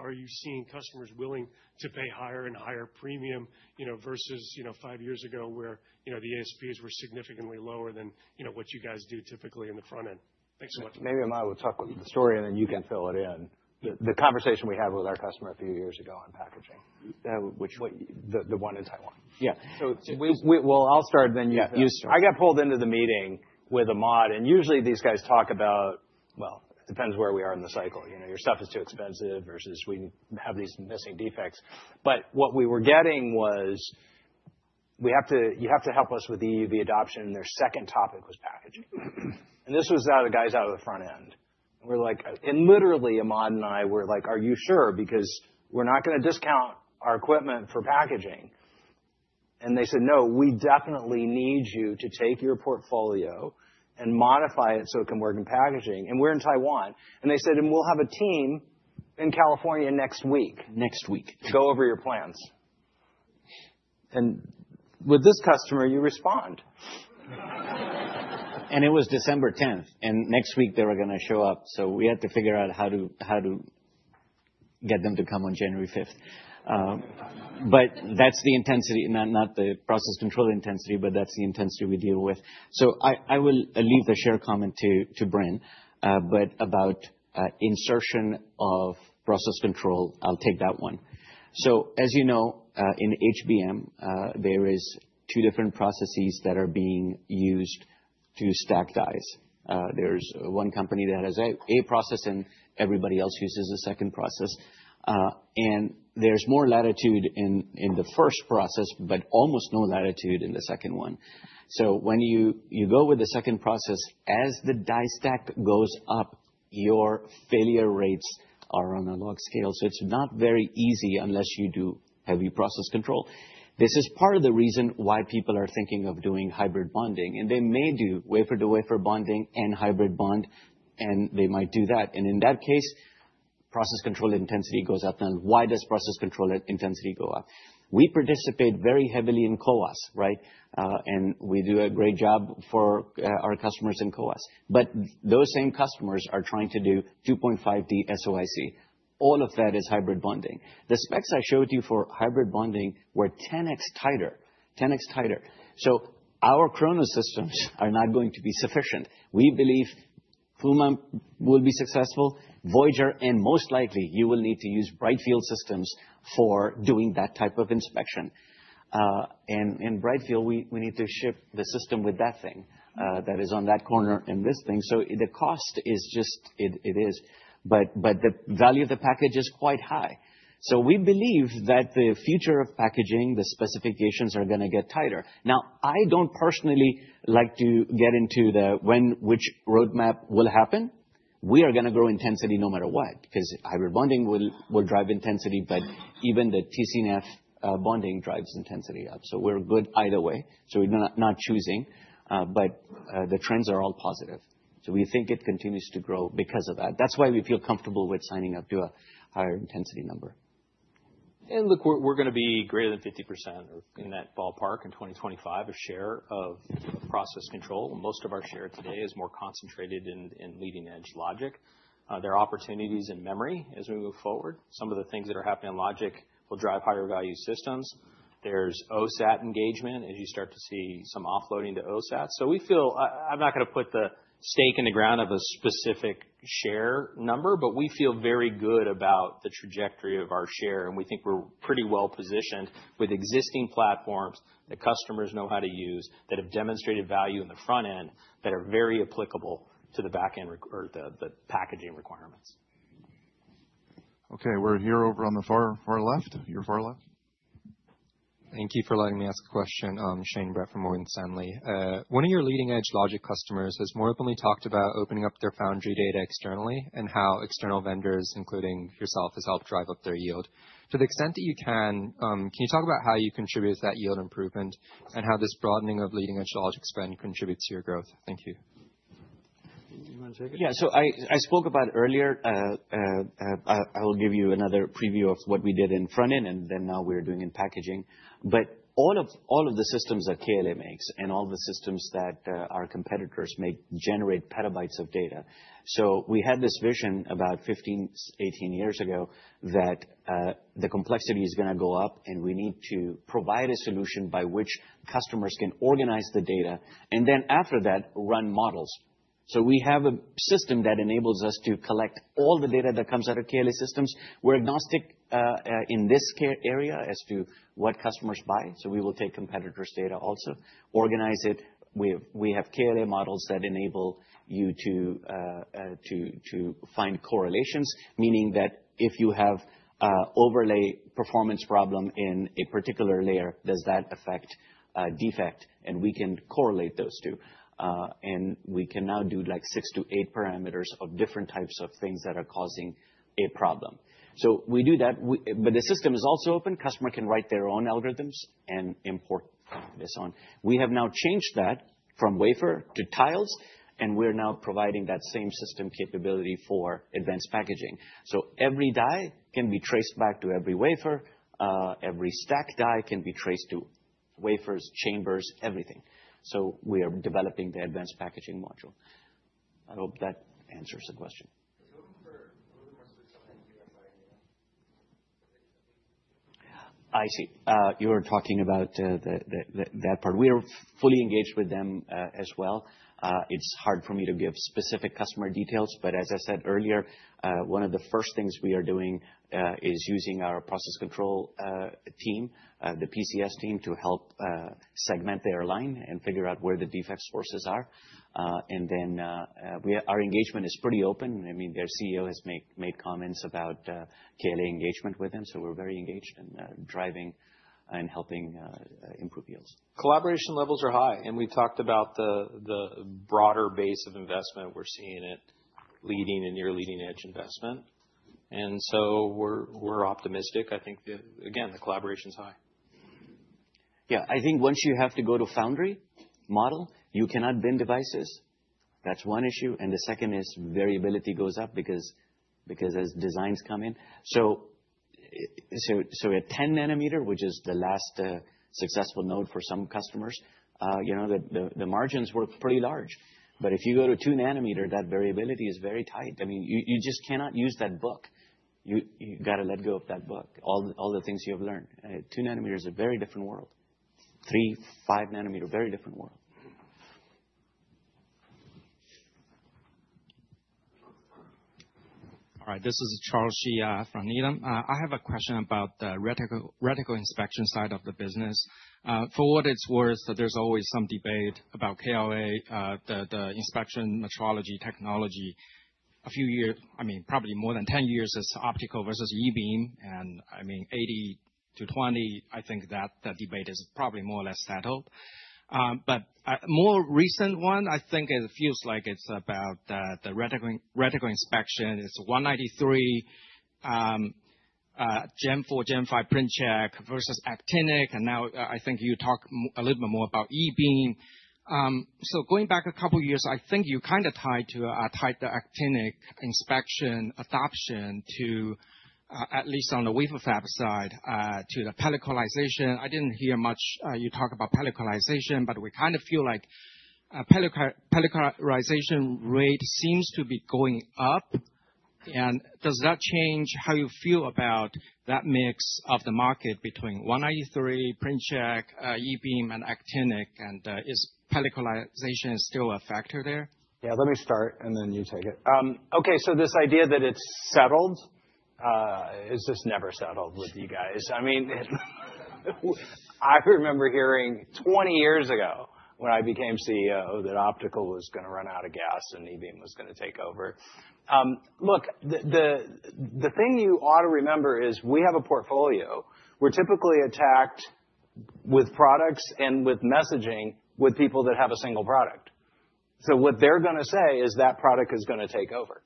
[SPEAKER 15] willing to pay higher and higher premium, you know, versus, you know, five years ago where, you know, the ASPs were significantly lower than, you know, what you guys do typically in the front end? Thanks so much.
[SPEAKER 4] Maybe Ahmad will tell the story, and then you can fill it in. The conversation we had with our customer a few years ago on packaging.
[SPEAKER 5] Which one?
[SPEAKER 4] The one in Taiwan.
[SPEAKER 5] Yeah.
[SPEAKER 4] So-
[SPEAKER 5] Well, I'll start then you start.
[SPEAKER 4] Yeah. I got pulled into the meeting with Ahmad, and usually these guys talk about, well, it depends where we are in the cycle. You know, your stuff is too expensive versus we have these missing defects. But what we were getting was, you have to help us with EUV adoption, and their second topic was packaging. This was out of the guys out of the front end. We're like. Literally, Ahmad and I were like, "Are you sure? Because we're not gonna discount our equipment for packaging." They said, "No, we definitely need you to take your portfolio and modify it so it can work in packaging. And we're in Taiwan." They said, "We'll have a team in California next week.
[SPEAKER 5] Next week.
[SPEAKER 4] to go over your plans." With this customer, you respond.
[SPEAKER 5] It was December tenth, and next week they were gonna show up, so we had to figure out how to get them to come on January 5th. But that's the intensity, not the process control intensity, but that's the intensity we deal with. I will leave the share comment to Bren. But about insertion of process control, I'll take that one. As you know, in HBM, there is two different processes that are being used to stack dies. There's one company that has a process, and everybody else uses a second process. And there's more latitude in the first process, but almost no latitude in the second one. When you go with the second process, as the die stack goes up, your failure rates are on a log scale. It's not very easy unless you do heavy process control. This is part of the reason why people are thinking of doing hybrid bonding, and they may do wafer-to-wafer bonding and hybrid bond, and they might do that. In that case, process control intensity goes up. Now, why does process control intensity go up? We participate very heavily in CoWoS, right? And we do a great job for our customers in CoWoS. Those same customers are trying to do 2.5D SoIC. All of that is hybrid bonding. The specs I showed you for hybrid bonding were 10x tighter. 10x tighter. Our Kronos systems are not going to be sufficient. We believe Puma will be successful, Voyager, and most likely, you will need to use brightfield systems for doing that type of inspection. Brightfield, we need to ship the system with that thing that is on that corner and this thing. The cost is just. It is. The value of the package is quite high. We believe that the future of packaging, the specifications are gonna get tighter. Now, I don't personally like to get into the when which roadmap will happen. We are gonna grow intensity no matter what because hybrid bonding will drive intensity, but even the TC-NCF bonding drives intensity up. We're good either way. We're not choosing, but the trends are all positive. We think it continues to grow because of that. That's why we feel comfortable with signing up to a higher intensity number.
[SPEAKER 4] Look, we're gonna be greater than 50% or in that ballpark in 2025 of share of process control. Most of our share today is more concentrated in leading-edge logic. There are opportunities in memory as we move forward. Some of the things that are happening in logic will drive higher value systems. There's OSAT engagement as you start to see some offloading to OSAT. We feel. I'm not gonna put the stake in the ground of a specific share number, but we feel very good about the trajectory of our share, and we think we're pretty well positioned with existing platforms that customers know how to use that have demonstrated value in the front end that are very applicable to the back end or the packaging requirements.
[SPEAKER 7] Okay. We're here over on the far, far left. Your far left.
[SPEAKER 16] Thank you for letting me ask a question. I'm Shane Brett from Morgan Stanley. One of your leading-edge logic customers has more openly talked about opening up their foundry data externally and how external vendors, including yourself, has helped drive up their yield. To the extent that you can you talk about how you contribute to that yield improvement and how this broadening of leading-edge logic spend contributes to your growth? Thank you.
[SPEAKER 4] You wanna take it?
[SPEAKER 5] I spoke about earlier. I will give you another preview of what we did in front-end and then now we're doing in packaging. All of the systems that KLA makes and all the systems that our competitors make generate petabytes of data. We had this vision about 15, 18 years ago that the complexity is gonna go up, and we need to provide a solution by which customers can organize the data, and then after that run models. We have a system that enables us to collect all the data that comes out of KLA systems. We're agnostic in this area as to what customers buy, so we will take competitors' data also. Organize it. We have KLA models that enable you to find correlations, meaning that if you have overlay performance problem in a particular layer, does that affect defect? And we can correlate those two. And we can now do, like, six to eight parameters of different types of things that are causing a problem. The system is also open. Customer can write their own algorithms and import this on. We have now changed that from wafer to tiles, and we're now providing that same system capability for advanced packaging. Every die can be traced back to every wafer. Every stacked die can be traced to wafers, chambers, everything. We are developing the advanced packaging module. I hope that answers the question. I see. You're talking about that part. We're fully engaged with them, as well. It's hard for me to give specific customer details, but as I said earlier, one of the first things we are doing is using our process control team, the PCS team, to help segment their line and figure out where the defect sources are. Our engagement is pretty open. I mean, their CEO has made comments about KLA engagement with them, so we're very engaged in driving and helping improve yields.
[SPEAKER 4] Collaboration levels are high, and we talked about the broader base of investment we're seeing at leading and near leading edge investment. We're optimistic. Again, the collaboration's high.
[SPEAKER 5] Yeah. I think once you have to go to foundry model, you cannot bin devices. That's one issue, and the second is variability goes up because as designs come in. At 10 nm, which is the last successful node for some customers, you know, the margins were pretty large. If you go to 2 nm, that variability is very tight. I mean, you just cannot use that book. You gotta let go of that book, all the things you have learned. 2 nm is a very different world. 3 nm, 5 nm, very different world.
[SPEAKER 17] All right. This is Charles Shi from Needham. I have a question about the reticle inspection side of the business. For what it's worth, there's always some debate about KLA, the inspection metrology technology. I mean, probably more than 10 years is optical versus E-beam, and I mean, 80-20, I think that debate is probably more or less settled. But more recent one, I think it feels like it's about the reticle inspection. It's 193, Gen4, Gen5, Print Check versus actinic. Now I think you talk a little bit more about E-beam. So going back a couple years, I think you kinda tied the actinic inspection adoption to, at least on the wafer fab side, to the pelliclization. I didn't hear much you talk about pelliclization, but we kinda feel like pelliclization rate seems to be going up. Does that change how you feel about that mix of the market between 193, Print Check, E-beam and actinic, and is pelliclization still a factor there?
[SPEAKER 4] Yeah, let me start, and then you take it. Okay, this idea that it's settled, it's just never settled with you guys. I mean, I remember hearing 20 years ago when I became CEO that optical was gonna run out of gas and e-beam was gonna take over. Look, the thing you ought to remember is we have a portfolio. We're typically attacked with products and with messaging with people that have a single product. What they're gonna say is that product is gonna take over,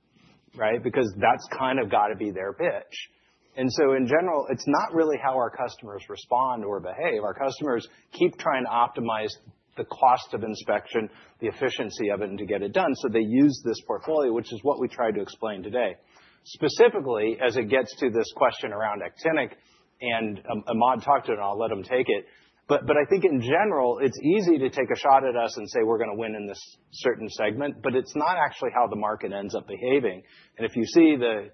[SPEAKER 4] right? Because that's kind of gotta be their pitch. In general, it's not really how our customers respond or behave. Our customers keep trying to optimize the cost of inspection, the efficiency of it, and to get it done, so they use this portfolio, which is what we tried to explain today. Specifically, as it gets to this question around actinic, and Ahmad talked it, I'll let him take it, but I think in general, it's easy to take a shot at us and say we're gonna win in this certain segment, but it's not actually how the market ends up behaving. If you see the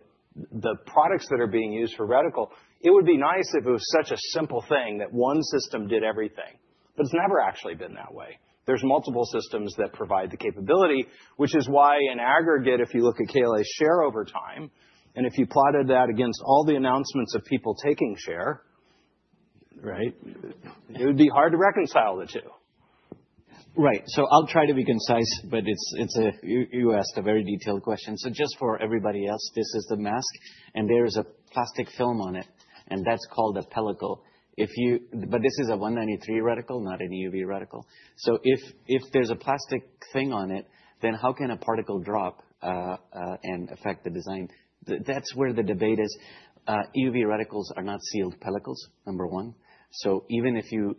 [SPEAKER 4] products that are being used for reticle, it would be nice if it was such a simple thing that one system did everything. It's never actually been that way. There's multiple systems that provide the capability, which is why in aggregate, if you look at KLA's share over time, and if you plotted that against all the announcements of people taking share, right? It would be hard to reconcile the two.
[SPEAKER 5] Right. I'll try to be concise, but it's a... You asked a very detailed question. Just for everybody else, this is the mask, and there is a plastic film on it. And that's called a pellicle. This is a 193 reticle, not an EUV reticle. If there's a plastic thing on it, then how can a particle drop and affect the design? That's where the debate is. EUV reticles are not sealed pellicles, number one. Even if you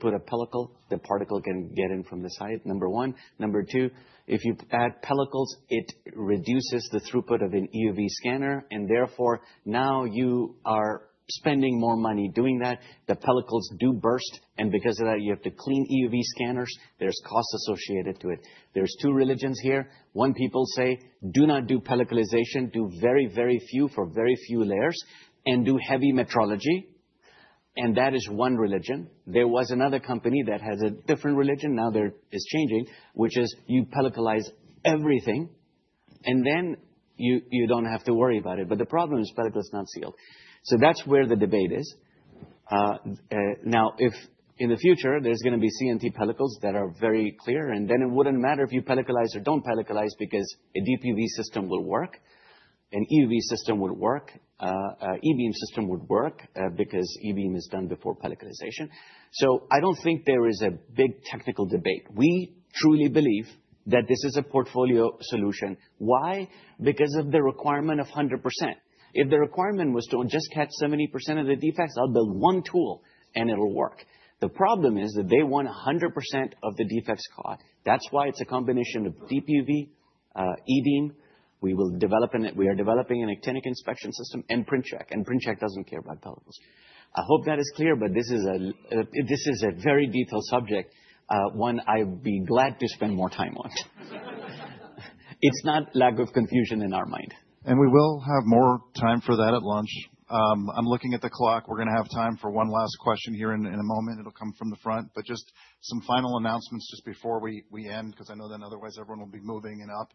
[SPEAKER 5] put a pellicle, the particle can get in from the side, number one. Number two, if you add pellicles, it reduces the throughput of an EUV scanner, and therefore, now you are spending more money doing that. The pellicles do burst, and because of that, you have to clean EUV scanners. There's costs associated to it. There's two religions here. One, people say, do not do pelliclization. Do very, very few for very few layers and do heavy metrology, and that is one religion. There was another company that has a different religion. Now, they're changing, which is you pelliclize everything, and then you don't have to worry about it. But the problem is pellicle is not sealed. So that's where the debate is. Now, if in the future, there's gonna be CNT pellicles that are very clear, and then it wouldn't matter if you pelliclize or don't pelliclize because a DUV system will work, an EUV system would work, E-beam system would work, because E-beam is done before pelliclization. So I don't think there is a big technical debate. We truly believe that this is a portfolio solution. Why? Because of the requirement of 100%. If the requirement was to just catch 70% of the defects, I'll build one tool, and it'll work. The problem is that they want 100% of the defects caught. That's why it's a combination of DPUV, E-beam. We are developing an actinic inspection system and Print Check, and Print Check doesn't care about pellicles. I hope that is clear, but this is a very detailed subject, one I'd be glad to spend more time on. It's not lack of confusion in our mind.
[SPEAKER 7] We will have more time for that at lunch. I'm looking at the clock. We're gonna have time for one last question here in a moment. It'll come from the front. Just some final announcements just before we end, 'cause I know then otherwise everyone will be moving and up.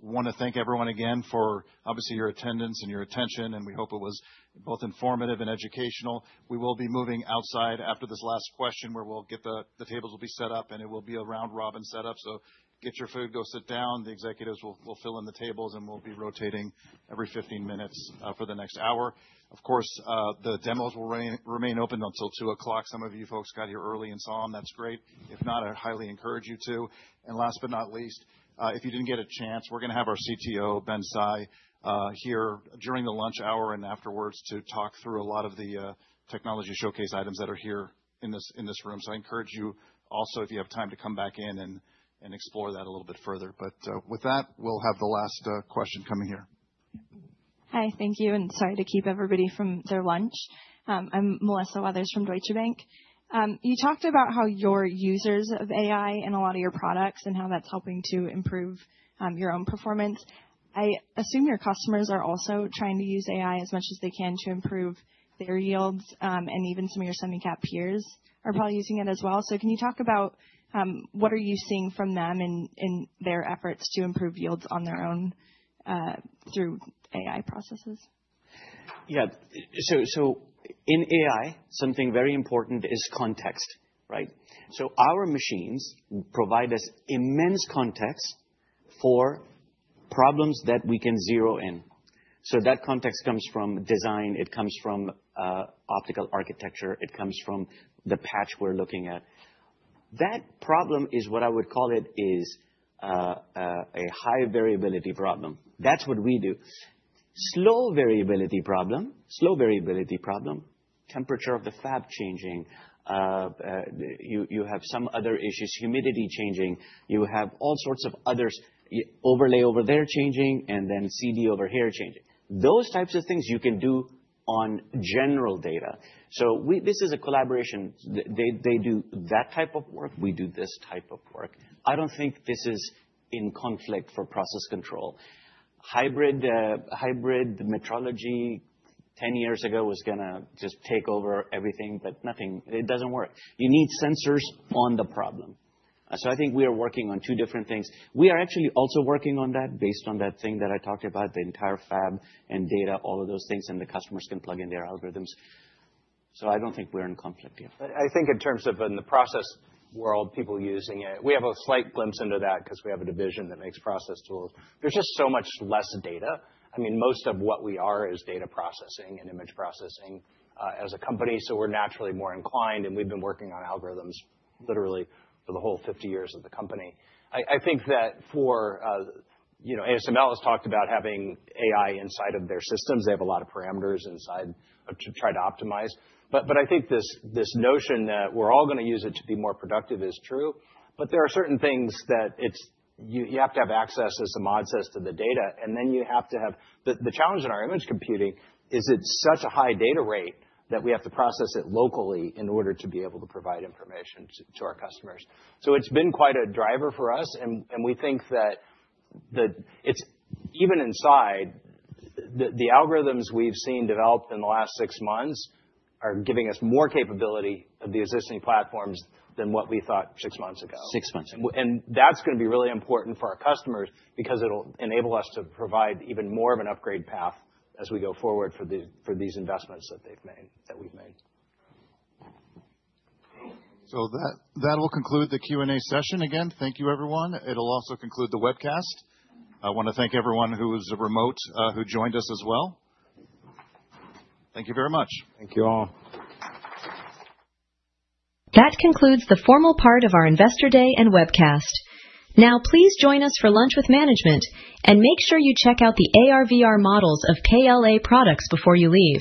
[SPEAKER 7] Wanna thank everyone again for, obviously, your attendance and your attention, and we hope it was both informative and educational. We will be moving outside after this last question, where we'll get the tables will be set up, and it will be a round robin set up. Get your food, go sit down. The executives will fill in the tables, and we'll be rotating every 15 minutes for the next hour. Of course, the demos will remain open until 2 o'clock. Some of you folks got here early and saw them. That's great. If not, I highly encourage you to. Last but not least, if you didn't get a chance, we're gonna have our CTO, Ben Tsai, here during the lunch hour and afterwards to talk through a lot of the technology showcase items that are here in this room. I encourage you also, if you have time to come back in and explore that a little bit further. With that, we'll have the last question coming here.
[SPEAKER 18] Hi. Thank you, and sorry to keep everybody from their lunch. I'm Melissa Weathers from Deutsche Bank. You talked about how you're users of AI in a lot of your products and how that's helping to improve your own performance. I assume your customers are also trying to use AI as much as they can to improve their yields, and even some of your semi-cap peers are probably using it as well. Can you talk about what are you seeing from them in their efforts to improve yields on their own through AI processes?
[SPEAKER 5] Yeah. In AI, something very important is context, right? Our machines provide us immense context for problems that we can zero in. That context comes from design, it comes from optical architecture, it comes from the patch we're looking at. That problem is what I would call a high variability problem. That's what we do. Slow variability problem, temperature of the fab changing, you have some other issues, humidity changing. You have all sorts of others, overlay over there changing, and then CD over here changing. Those types of things you can do on general data. This is a collaboration. They do that type of work, we do this type of work. I don't think this is in conflict for process control. Hybrid metrology ten years ago was gonna just take over everything, but nothing. It doesn't work. You need sensors on the problem. I think we are working on two different things. We are actually also working on that based on that thing that I talked about, the entire fab and data, all of those things, and the customers can plug in their algorithms. I don't think we're in conflict here.
[SPEAKER 4] I think in terms of in the process world, people using it, we have a slight glimpse into that 'cause we have a division that makes process tools. There's just so much less data. I mean, most of what we are is data processing and image processing as a company, so we're naturally more inclined, and we've been working on algorithms literally for the whole 50 years of the company. I think that for you know, ASML has talked about having AI inside of their systems. They have a lot of parameters inside to try to optimize. I think this notion that we're all gonna use it to be more productive is true, but there are certain things that it's you have to have access, as Ahmad Khan says, to the data, and then you have to have. The challenge in our image computing is it's such a high data rate that we have to process it locally in order to be able to provide information to our customers. It's been quite a driver for us, and we think that it's even inside the algorithms we've seen developed in the last six months are giving us more capability of the existing platforms than what we thought six months ago.
[SPEAKER 5] Six months ago.
[SPEAKER 4] That's gonna be really important for our customers because it'll enable us to provide even more of an upgrade path as we go forward for these investments that they've made, that we've made.
[SPEAKER 7] That will conclude the Q&A session. Again, thank you, everyone. It'll also conclude the webcast. I wanna thank everyone who was remote, who joined us as well. Thank you very much.
[SPEAKER 5] Thank you all.
[SPEAKER 1] That concludes the formal part of our Investor Day and webcast. Now, please join us for lunch with management, and make sure you check out the AR/VR models of KLA products before you leave.